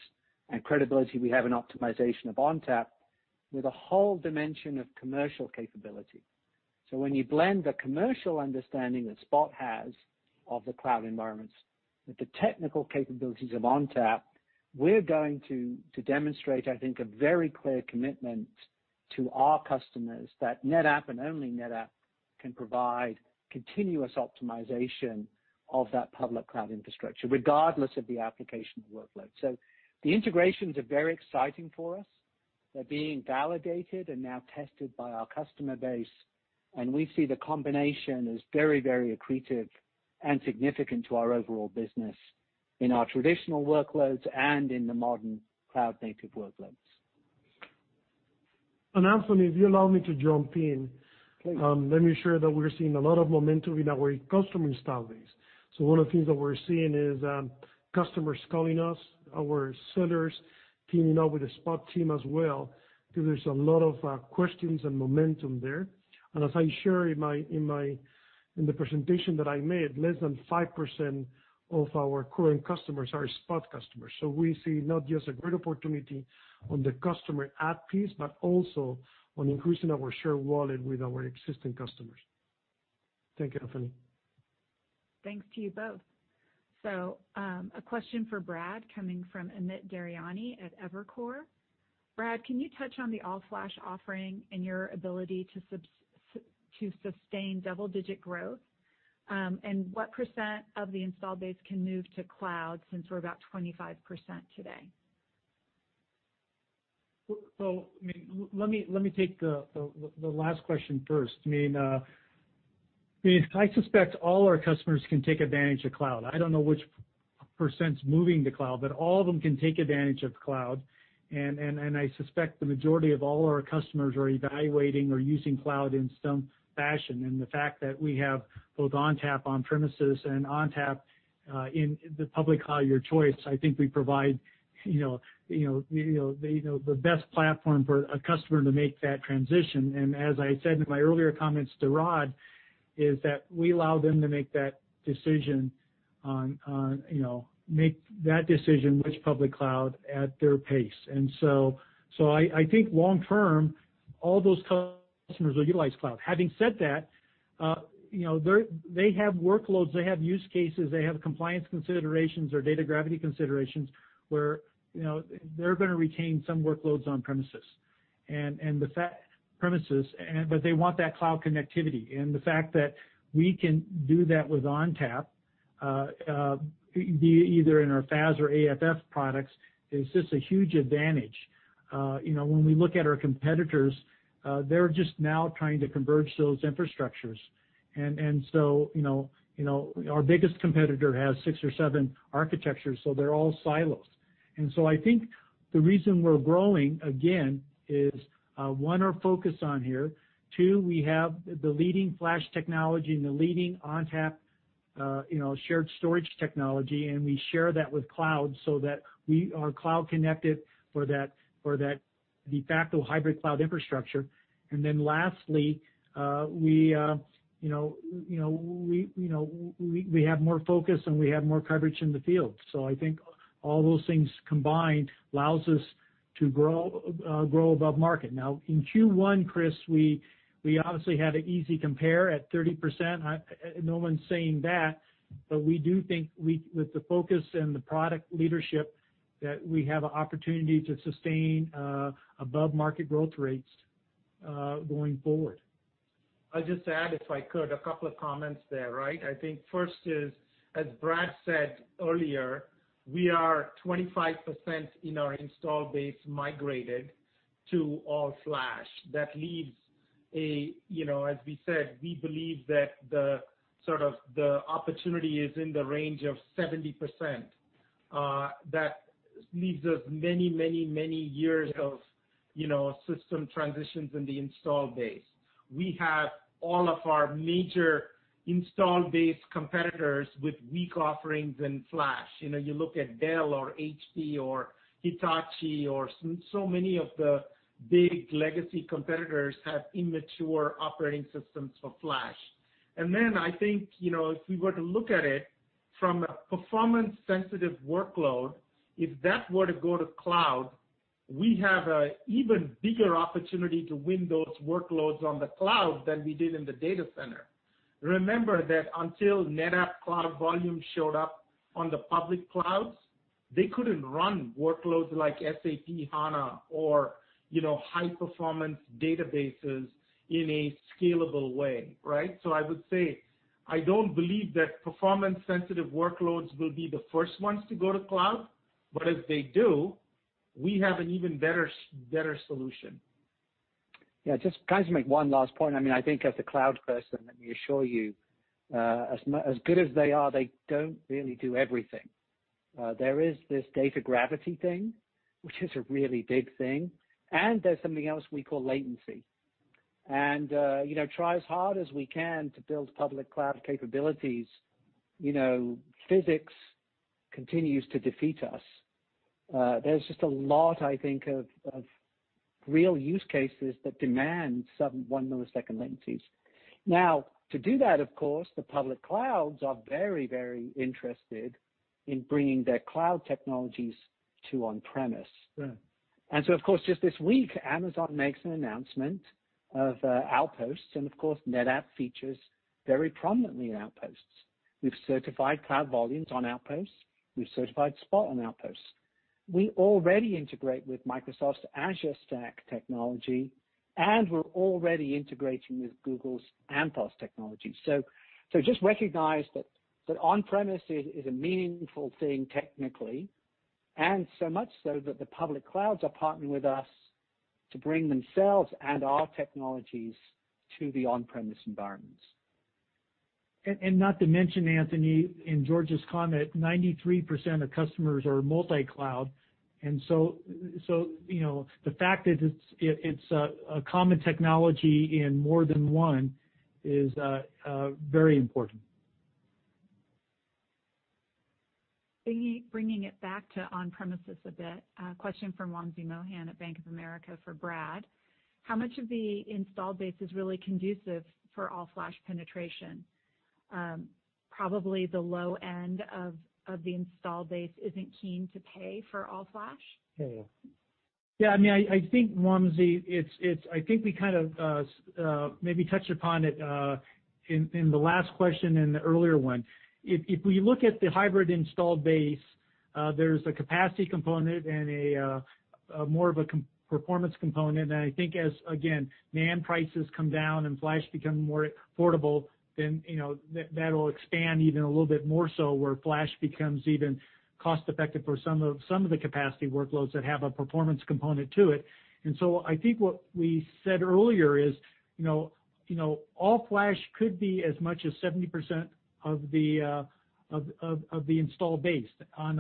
C: and credibility we have in optimization of ONTAP with a whole dimension of commercial capability. When you blend the commercial understanding that Spot has of the cloud environments with the technical capabilities of ONTAP, we're going to demonstrate, I think, a very clear commitment to our customers that NetApp and only NetApp can provide continuous optimization of that public cloud infrastructure, regardless of the application workload. The integrations are very exciting for us. They are being validated and now tested by our customer base. We see the combination is very, very accretive and significant to our overall business in our traditional workloads and in the modern cloud-native workloads.
B: Anthony, if you allow me to jump in. Please. Let me share that we are seeing a lot of momentum in our customer installations. One of the things that we are seeing is customers calling us, our sellers teaming up with the Spot team as well, because there are a lot of questions and momentum there. As I shared in the presentation that I made, less than 5% of our current customers are Spot customers. We see not just a great opportunity on the customer add piece, but also on increasing our share of wallet with our existing customers. Thank you, Anthony.
A: Thanks to you both. A question for Brad coming from Amit Daryanani at Evercore. Brad, can you touch on the all-flash offering and your ability to sustain double-digit growth? And what percent of the installed base can move to cloud since we're about 25% today?
D: I mean, let me take the last question first. I mean, I suspect all our customers can take advantage of cloud. I don't know which percent's moving to cloud, but all of them can take advantage of cloud. I suspect the majority of all our customers are evaluating or using cloud in some fashion. The fact that we have both ONTAP on-premises and ONTAP in the public cloud of your choice, I think we provide the best platform for a customer to make that transition. As I said in my earlier comments to Rod, we allow them to make that decision, make that decision which public cloud at their pace. I think long-term, all those customers will utilize cloud. Having said that, they have workloads, they have use cases, they have compliance considerations or data gravity considerations where they're going to retain some workloads on-premises. They want that cloud connectivity. The fact that we can do that with ONTAP, either in our FAS or AFF products, is just a huge advantage. When we look at our competitors, they're just now trying to converge those infrastructures. Our biggest competitor has six or seven architectures, so they're all silos. I think the reason we're growing, again, is one, our focus on share. Two, we have the leading flash technology and the leading ONTAP shared storage technology, and we share that with cloud so that we are cloud-connected for that the hybrid cloud infrastructure. Lastly, we have more focus and we have more coverage in the field. I think all those things combined allows us to grow above market. Now, in Q1, Kris, we obviously had an easy compare at 30%. No one's saying that, but we do think with the focus and the product leadership that we have an opportunity to sustain above-market growth rates going forward. I'll just add, if I could, a couple of comments there, right? I think first is, as Brad said earlier, we are 25% in our installed base migrated to all-flash. That leaves a, as we said, we believe that the sort of the opportunity is in the range of 70%. That leaves us many, many, many years of system transitions in the installed base. We have all of our major installed base competitors with weak offerings in flash. You look at Dell or HPE or Hitachi or so many of the big legacy competitors have immature operating systems for flash. I think if we were to look at it from a performance-sensitive workload, if that were to go to cloud, we have an even bigger opportunity to win those workloads on the cloud than we did in the data center. Remember that until NetApp Cloud Volumes showed up on the public clouds, they could not run workloads like SAP HANA or high-performance databases in a scalable way, right? I would say I do not believe that performance-sensitive workloads will be the first ones to go to cloud, but if they do, we have an even better solution.
C: Yeah, just trying to make one last point. I mean, I think as a cloud person, let me assure you, as good as they are, they don't really do everything. There is this data gravity thing, which is a really big thing. And there's something else we call latency. Try as hard as we can to build public cloud capabilities, physics continues to defeat us. There's just a lot, I think, of real use cases that demand some one-millisecond latencies. Now, to do that, of course, the public clouds are very, very interested in bringing their cloud technologies to on-premises. Of course, just this week, Amazon makes an announcement of Outposts. Of course, NetApp features very prominently in Outposts. We've certified Cloud Volumes on Outposts. We've certified Spot on Outposts. We already integrate with Microsoft's Azure Stack technology, and we're already integrating with Google's Anthos technology. Just recognize that on-premises is a meaningful thing technically, and so much so that the public clouds are partnering with us to bring themselves and our technologies to the on-premises environments. Not to mention, Anthony, in George's comment, 93% of customers are multi-cloud. The fact that it's a common technology in more than one is very important.
A: Bringing it back to on-premises a bit, question from Wamsi Mohan at Bank of America for Brad. How much of the installed base is really conducive for all-flash penetration? Probably the low end of the installed base isn't keen to pay for all-flash?
D: Yeah. Yeah. I mean, I think Wamsi, I think we kind of maybe touched upon it in the last question and the earlier one. If we look at the hybrid installed base, there's a capacity component and more of a performance component. I think as, again, NAND prices come down and flash becomes more affordable, that will expand even a little bit more so where flash becomes even cost-effective for some of the capacity workloads that have a performance component to it. I think what we said earlier is all-flash could be as much as 70% of the installed base. On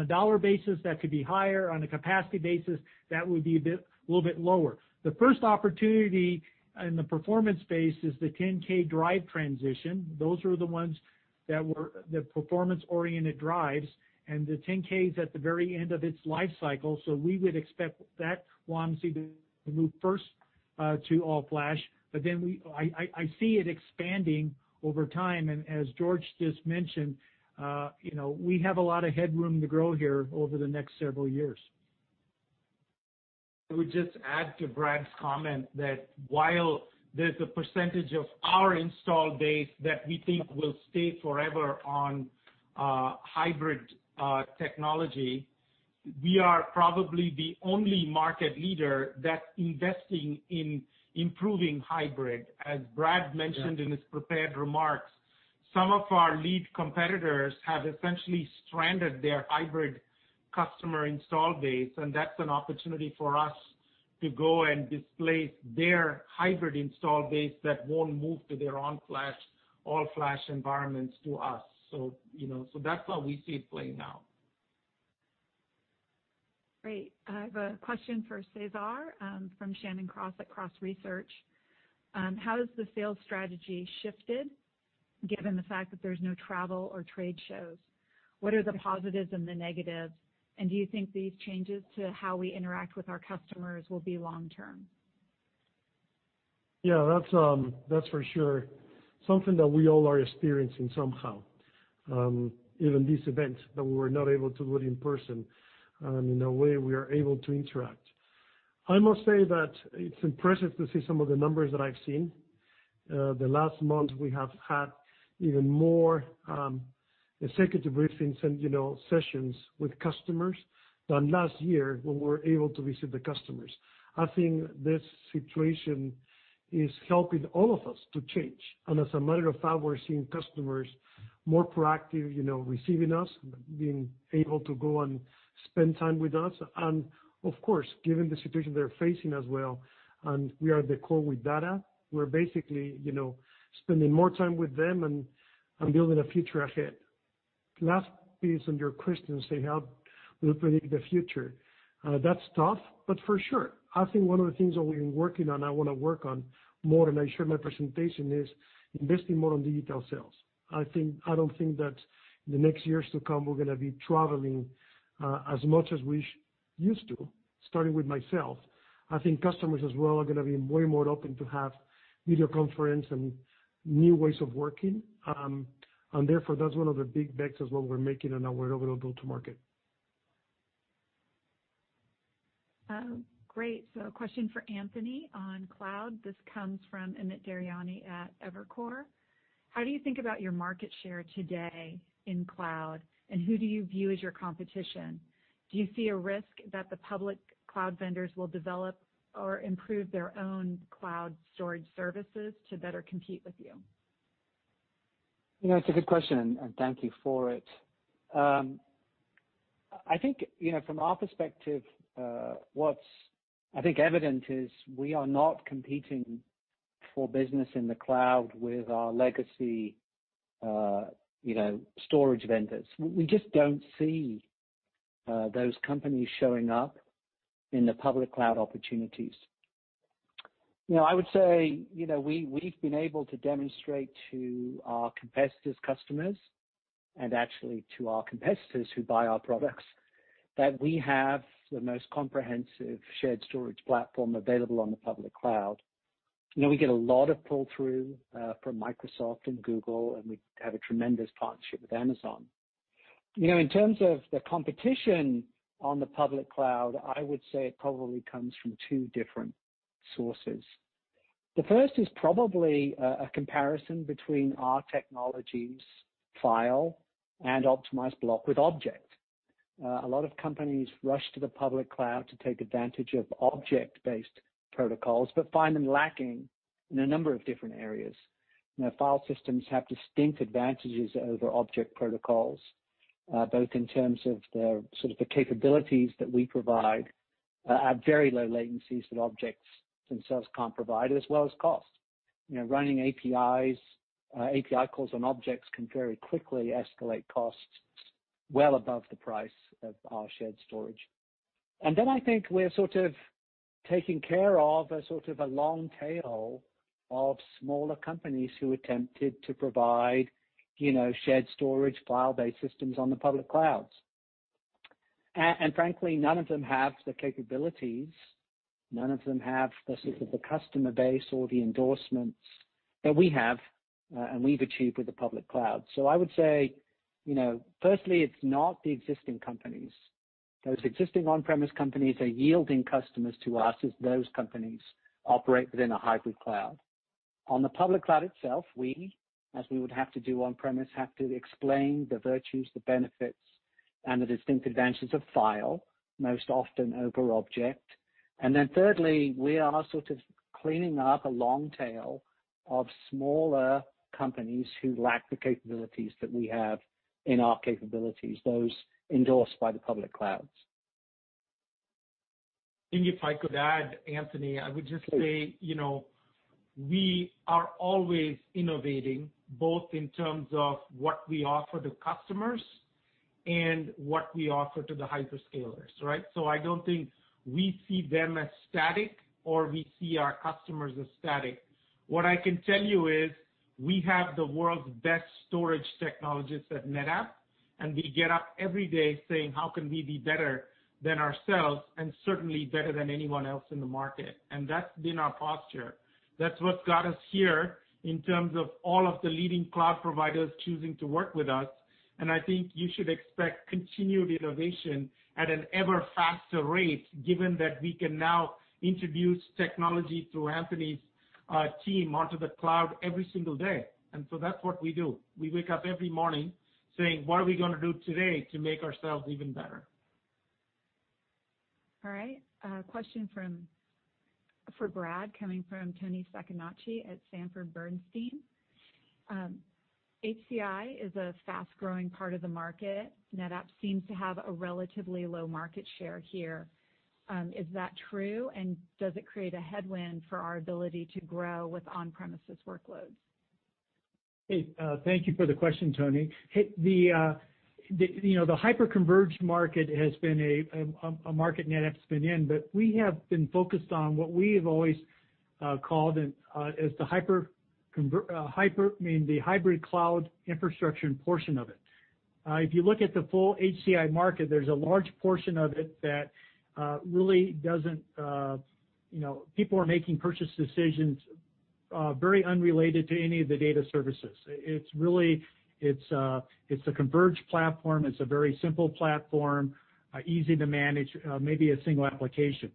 D: a dollar basis, that could be higher. On a capacity basis, that would be a little bit lower. The first opportunity in the performance base is the 10K drive transition. Those are the ones that were the performance-oriented drives. The 10K is at the very end of its life cycle. We would expect that, Wamsi, to move first to all-flash. I see it expanding over time. As George just mentioned, we have a lot of headroom to grow here over the next several years. I would just add to Brad's comment that while there's a percentage of our installed base that we think will stay forever on hybrid technology, we are probably the only market leader that's investing in improving hybrid. As Brad mentioned in his prepared remarks, some of our lead competitors have essentially stranded their hybrid customer installed base. That's an opportunity for us to go and displace their hybrid installed base that won't move to their all-flash environments to us. That's how we see it playing out.
A: Great. I have a question for Cesar from Shannon Cross at Cross Research. How has the sales strategy shifted given the fact that there's no travel or trade shows? What are the positives and the negatives? Do you think these changes to how we interact with our customers will be long-term?
F: Yeah, that's for sure. Something that we all are experiencing somehow, even these events that we were not able to do in person. In a way, we are able to interact. I must say that it's impressive to see some of the numbers that I've seen. The last month, we have had even more executive briefings and sessions with customers than last year when we were able to visit the customers. I think this situation is helping all of us to change. As a matter of fact, we're seeing customers more proactive, receiving us, being able to go and spend time with us. Of course, given the situation they're facing as well, and we are the core with data, we're basically spending more time with them and building a future ahead. Last piece on your question, say how we'll predict the future. That's tough, but for sure. I think one of the things that we've been working on, I want to work on more, and I shared my presentation, is investing more in digital sales. I don't think that in the next years to come, we're going to be traveling as much as we used to, starting with myself. I think customers as well are going to be way more open to have video conference and new ways of working. Therefore, that's one of the big bets as well we're making on our overall go-to-market.
A: Great. A question for Anthony on cloud. This comes from Amit Daryanani at Evercore. How do you think about your market share today in cloud, and who do you view as your competition? Do you see a risk that the public cloud vendors will develop or improve their own cloud storage services to better compete with you?
C: That's a good question, and thank you for it. I think from our perspective, what's I think evident is we are not competing for business in the cloud with our legacy storage vendors. We just don't see those companies showing up in the public cloud opportunities. I would say we've been able to demonstrate to our competitors' customers and actually to our competitors who buy our products that we have the most comprehensive shared storage platform available on the public cloud. We get a lot of pull-through from Microsoft and Google, and we have a tremendous partnership with Amazon. In terms of the competition on the public cloud, I would say it probably comes from two different sources. The first is probably a comparison between our technologies' file and optimized block with object. A lot of companies rush to the public cloud to take advantage of object-based protocols but find them lacking in a number of different areas. File systems have distinct advantages over object protocols, both in terms of the sort of capabilities that we provide at very low latencies that objects themselves can't provide, as well as cost. Running APIs, API calls on objects can very quickly escalate costs well above the price of our shared storage. I think we're sort of taking care of a sort of a long tail of smaller companies who attempted to provide shared storage file-based systems on the public clouds. Frankly, none of them have the capabilities. None of them have the sort of the customer base or the endorsements that we have and we've achieved with the public cloud. I would say, firstly, it's not the existing companies. Those existing on-premises companies are yielding customers to us as those companies operate within hybrid cloud. On the public cloud itself, we, as we would have to do on-premises, have to explain the virtues, the benefits, and the distinct advantages of file, most often over object. Thirdly, we are sort of cleaning up a long tail of smaller companies who lack the capabilities that we have in our capabilities, those endorsed by the public clouds.
B: If I could add, Anthony, I would just say we are always innovating, both in terms of what we offer to customers and what we offer to the hyperscalers, right? I don't think we see them as static or we see our customers as static. What I can tell you is we have the world's best storage technologists at NetApp, and we get up every day saying, "How can we be better than ourselves?" and certainly better than anyone else in the market. That's been our posture. That's what's got us here in terms of all of the leading cloud providers choosing to work with us. I think you should expect continued innovation at an ever faster rate, given that we can now introduce technology through Anthony's team onto the cloud every single day. That's what we do. We wake up every morning saying, "What are we going to do today to make ourselves even better?"
A: All right. Question for Brad coming from Toni Sacconaghi at Sanford C. Bernstein. HCI is a fast-growing part of the market. NetApp seems to have a relatively low market share here. Is that true, and does it create a headwind for our ability to grow with on-premises workloads?
D: Thank you for the question, Toni. The hyper-converged market has been a market NetApp's been in, but we have been focused on what we have always called as hybrid cloud infrastructure portion of it. If you look at the full HCI market, there's a large portion of it that really doesn't, people are making purchase decisions very unrelated to any of the data services. It's a converged platform. It's a very simple platform, easy to manage, maybe a single application.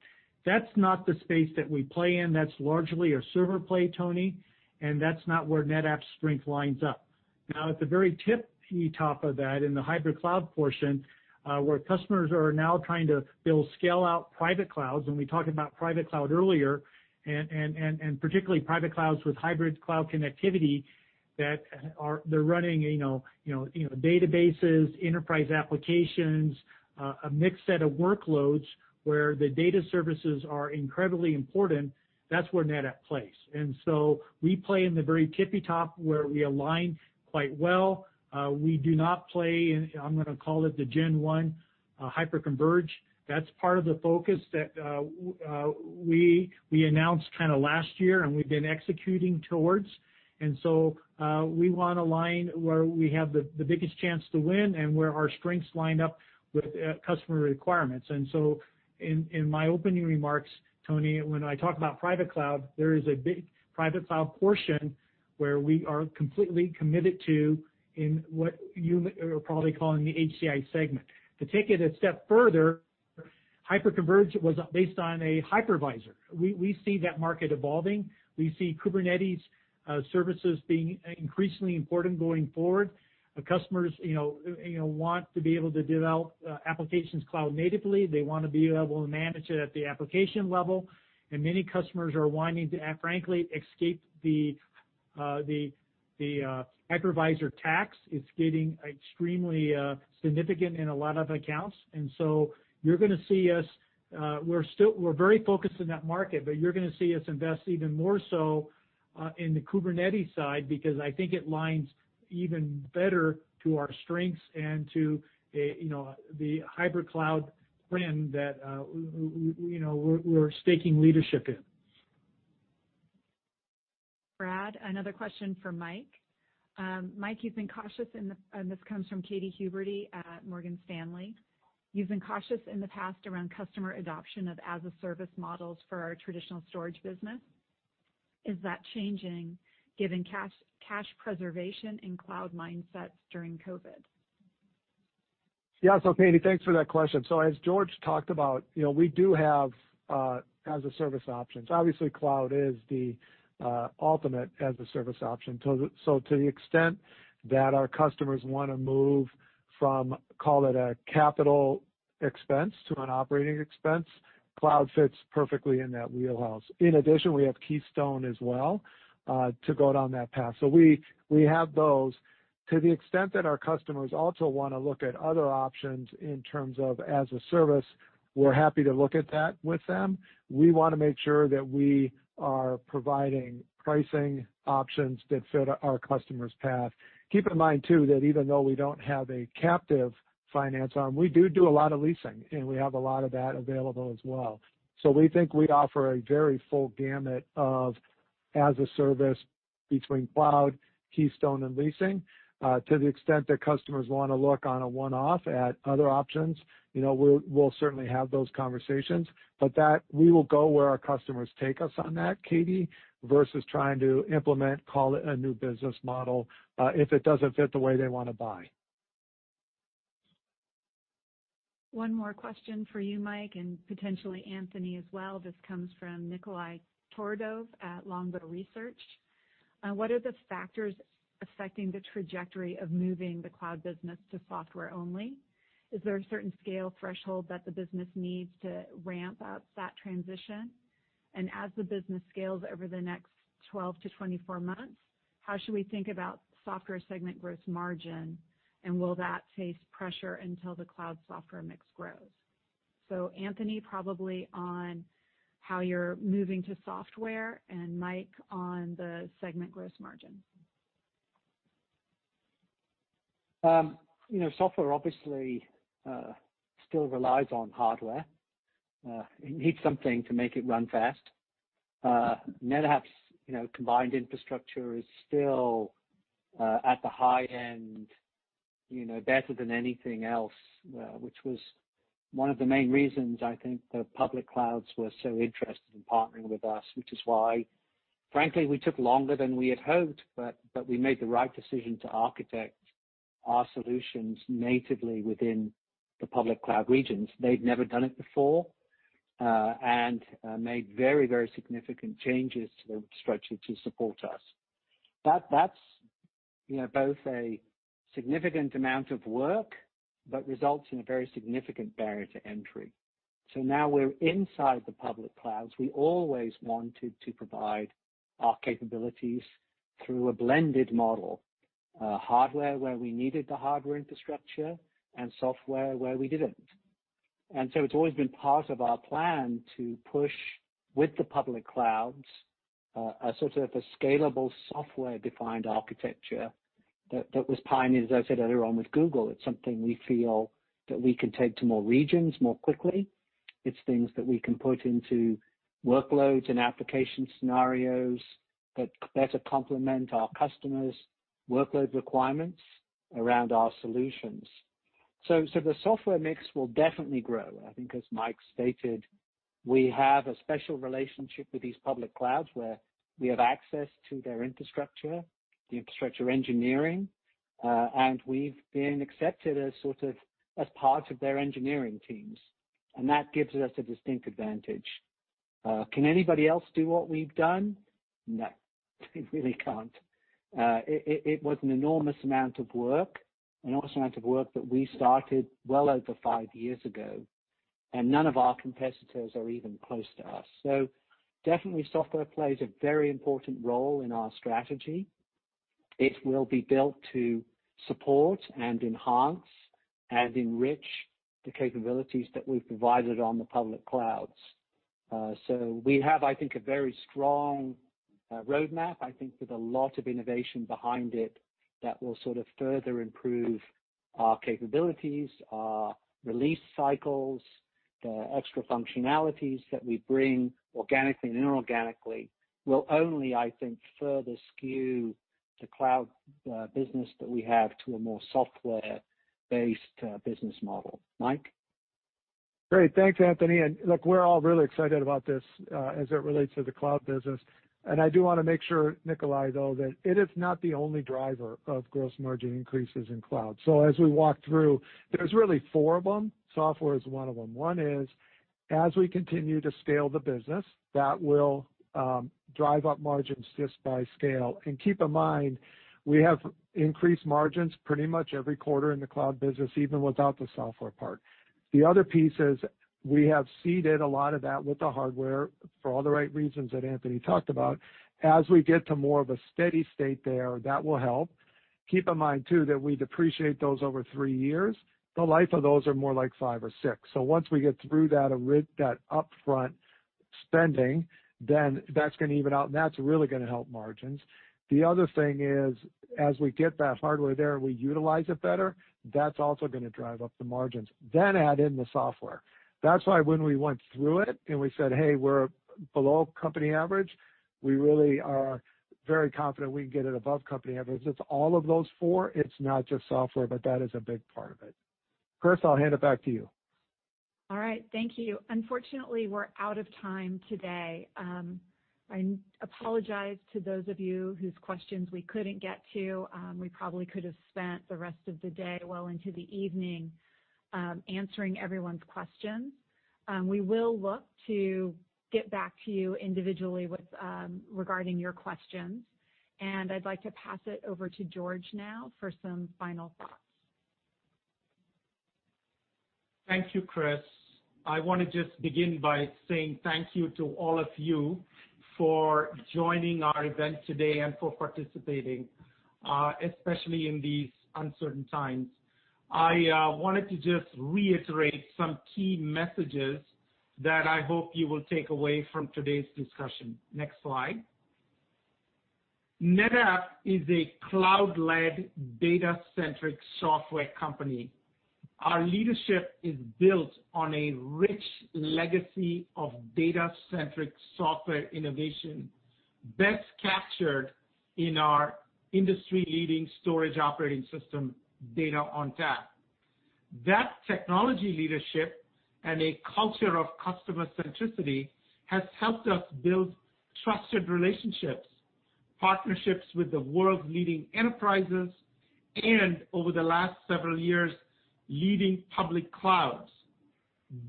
D: That's not the space that we play in. That's largely a server play, Toni, and that's not where NetApp's strength lines up. Now, at the very tippy top of that, in hybrid cloud portion, where customers are now trying to build scale-out private clouds, and we talked about private cloud earlier, and particularly private clouds hybrid cloud connectivity, that they're running databases, enterprise applications, a mixed set of workloads where the data services are incredibly important, that's where NetApp plays. We play in the very tippy top where we align quite well. We do not play, I'm going to call it the Gen 1 hyper-convergence. That's part of the focus that we announced kind of last year, and we've been executing towards. We want to align where we have the biggest chance to win and where our strengths line up with customer requirements. In my opening remarks, Toni, when I talk about private cloud, there is a big private cloud portion where we are completely committed to in what you are probably calling the HCI segment. To take it a step further, hyper-converged was based on a hypervisor. We see that market evolving. We see Kubernetes services being increasingly important going forward. Customers want to be able to develop applications cloud-natively. They want to be able to manage it at the application level. Many customers are wanting to, frankly, escape the hypervisor tax. It's getting extremely significant in a lot of accounts. You're going to see us—we're very focused in that market, but you're going to see us invest even more so in the Kubernetes side because I think it lines even better to our strengths and to hybrid cloud trend that we're staking leadership in.
A: Brad, another question for Mike. Mike, you've been cautious in the, and this comes from Katy Huberty at Morgan Stanley. You've been cautious in the past around customer adoption of as-a-service models for our traditional storage business. Is that changing, given cash preservation and cloud mindsets during COVID?
G: Yeah. Katy, thanks for that question. As George talked about, we do have as-a-service options. Obviously, cloud is the ultimate as-a-service option. To the extent that our customers want to move from, call it a capital expense to an operating expense, cloud fits perfectly in that wheelhouse. In addition, we have Keystone as well to go down that path. We have those. To the extent that our customers also want to look at other options in terms of as-a-service, we're happy to look at that with them. We want to make sure that we are providing pricing options that fit our customer's path. Keep in mind, too, that even though we do not have a captive finance arm, we do do a lot of leasing, and we have a lot of that available as well. We think we offer a very full gamut of as-a-service between cloud, Keystone, and leasing. To the extent that customers want to look on a one-off at other options, we will certainly have those conversations. We will go where our customers take us on that, Katy, versus trying to implement, call it a new business model if it does not fit the way they want to buy.
A: One more question for you, Mike, and potentially Anthony as well. This comes from Nikolay Todorov at Longbow Research. What are the factors affecting the trajectory of moving the cloud business to software only? Is there a certain scale threshold that the business needs to ramp up that transition? As the business scales over the next 12-24 months, how should we think about software segment gross margin, and will that face pressure until the cloud software mix grows? Anthony, probably on how you're moving to software, and Mike on the segment gross margin.
C: Software obviously still relies on hardware. It needs something to make it run fast. NetApp's combined infrastructure is still at the high end, better than anything else, which was one of the main reasons, I think, the public clouds were so interested in partnering with us, which is why, frankly, we took longer than we had hoped, but we made the right decision to architect our solutions natively within the public cloud regions. They'd never done it before and made very, very significant changes to the infrastructure to support us. That's both a significant amount of work but results in a very significant barrier to entry. Now we're inside the public clouds. We always wanted to provide our capabilities through a blended model: hardware where we needed the hardware infrastructure and software where we didn't. It's always been part of our plan to push, with the public clouds, a sort of a scalable software-defined architecture that was pioneered, as I said earlier, on with Google. It's something we feel that we can take to more regions more quickly. It's things that we can put into workloads and application scenarios that better complement our customers' workload requirements around our solutions. The software mix will definitely grow. I think, as Mike stated, we have a special relationship with these public clouds where we have access to their infrastructure, the infrastructure engineering, and we've been accepted as sort of part of their engineering teams. That gives us a distinct advantage. Can anybody else do what we've done? No. They really can't. It was an enormous amount of work, an enormous amount of work that we started well over five years ago, and none of our competitors are even close to us. Software plays a very important role in our strategy. It will be built to support and enhance and enrich the capabilities that we've provided on the public clouds. We have, I think, a very strong roadmap, I think, with a lot of innovation behind it that will sort of further improve our capabilities, our release cycles, the extra functionalities that we bring organically and inorganically will only, I think, further skew the cloud business that we have to a more software-based business model. Mike?
G: Great. Thanks, Anthony. Look, we're all really excited about this as it relates to the cloud business. I do want to make sure, Nikolay, though, that it is not the only driver of gross margin increases in cloud. As we walk through, there's really four of them. Software is one of them. One is, as we continue to scale the business, that will drive up margins just by scale. Keep in mind, we have increased margins pretty much every quarter in the cloud business, even without the software part. The other piece is we have seeded a lot of that with the hardware for all the right reasons that Anthony talked about. As we get to more of a steady state there, that will help. Keep in mind, too, that we depreciate those over three years. The life of those are more like five or six. Once we get through that upfront spending, that's going to even out, and that's really going to help margins. The other thing is, as we get that hardware there and we utilize it better, that's also going to drive up the margins. Add in the software. That's why when we went through it and we said, "Hey, we're below company average," we really are very confident we can get it above company average. It's all of those four. It's not just software, but that is a big part of it. Kris, I'll hand it back to you.
A: All right. Thank you. Unfortunately, we're out of time today. I apologize to those of you whose questions we couldn't get to. We probably could have spent the rest of the day, well into the evening, answering everyone's questions. We will look to get back to you individually regarding your questions. I'd like to pass it over to George now for some final thoughts.
B: Thank you, Kris. I want to just begin by saying thank you to all of you for joining our event today and for participating, especially in these uncertain times. I wanted to just reiterate some key messages that I hope you will take away from today's discussion. Next slide. NetApp is a cloud-led data-centric software company. Our leadership is built on a rich legacy of data-centric software innovation, best captured in our industry-leading storage operating system, ONTAP. That technology leadership and a culture of customer centricity has helped us build trusted relationships, partnerships with the world's leading enterprises, and over the last several years, leading public clouds.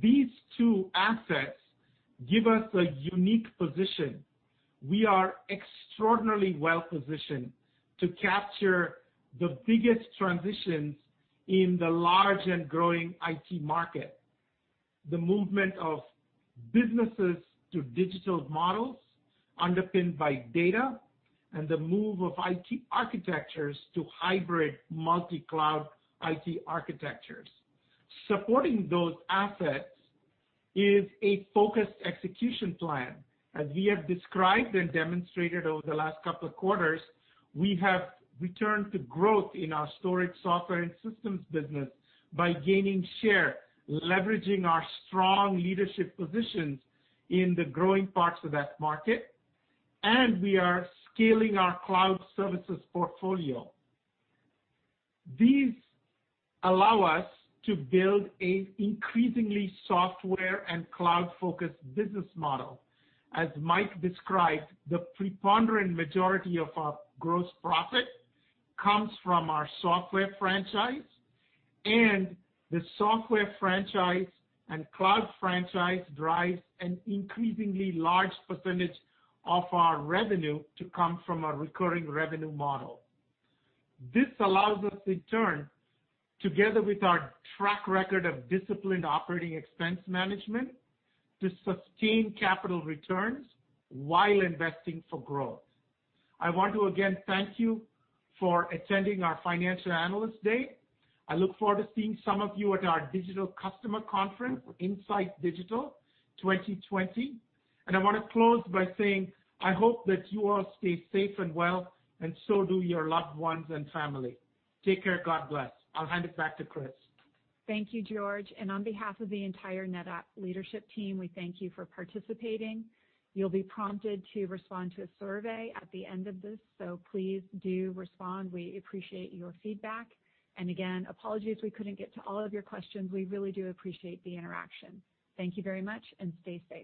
B: These two assets give us a unique position. We are extraordinarily well-positioned to capture the biggest transitions in the large and growing IT market: the movement of businesses to digital models underpinned by data and the move of IT architectures to hybrid multi-cloud IT architectures. Supporting those assets is a focused execution plan. As we have described and demonstrated over the last couple of quarters, we have returned to growth in our storage software and systems business by gaining share, leveraging our strong leadership positions in the growing parts of that market, and we are scaling our cloud services portfolio. These allow us to build an increasingly software and cloud-focused business model. As Mike described, the preponderant majority of our gross profit comes from our software franchise, and the software franchise and cloud franchise drives an increasingly large percentage of our revenue to come from our recurring revenue model. This allows us, in turn, together with our track record of disciplined operating expense management, to sustain capital returns while investing for growth. I want to again thank you for attending our Financial Analyst Day. I look forward to seeing some of you at our digital customer conference, Insight Digital 2020. I want to close by saying I hope that you all stay safe and well, and so do your loved ones and family. Take care. God bless. I'll hand it back to Kris.
A: Thank you, George. On behalf of the entire NetApp leadership team, we thank you for participating. You'll be prompted to respond to a survey at the end of this, so please do respond. We appreciate your feedback. Again, apologies we couldn't get to all of your questions. We really do appreciate the interaction. Thank you very much, and stay safe.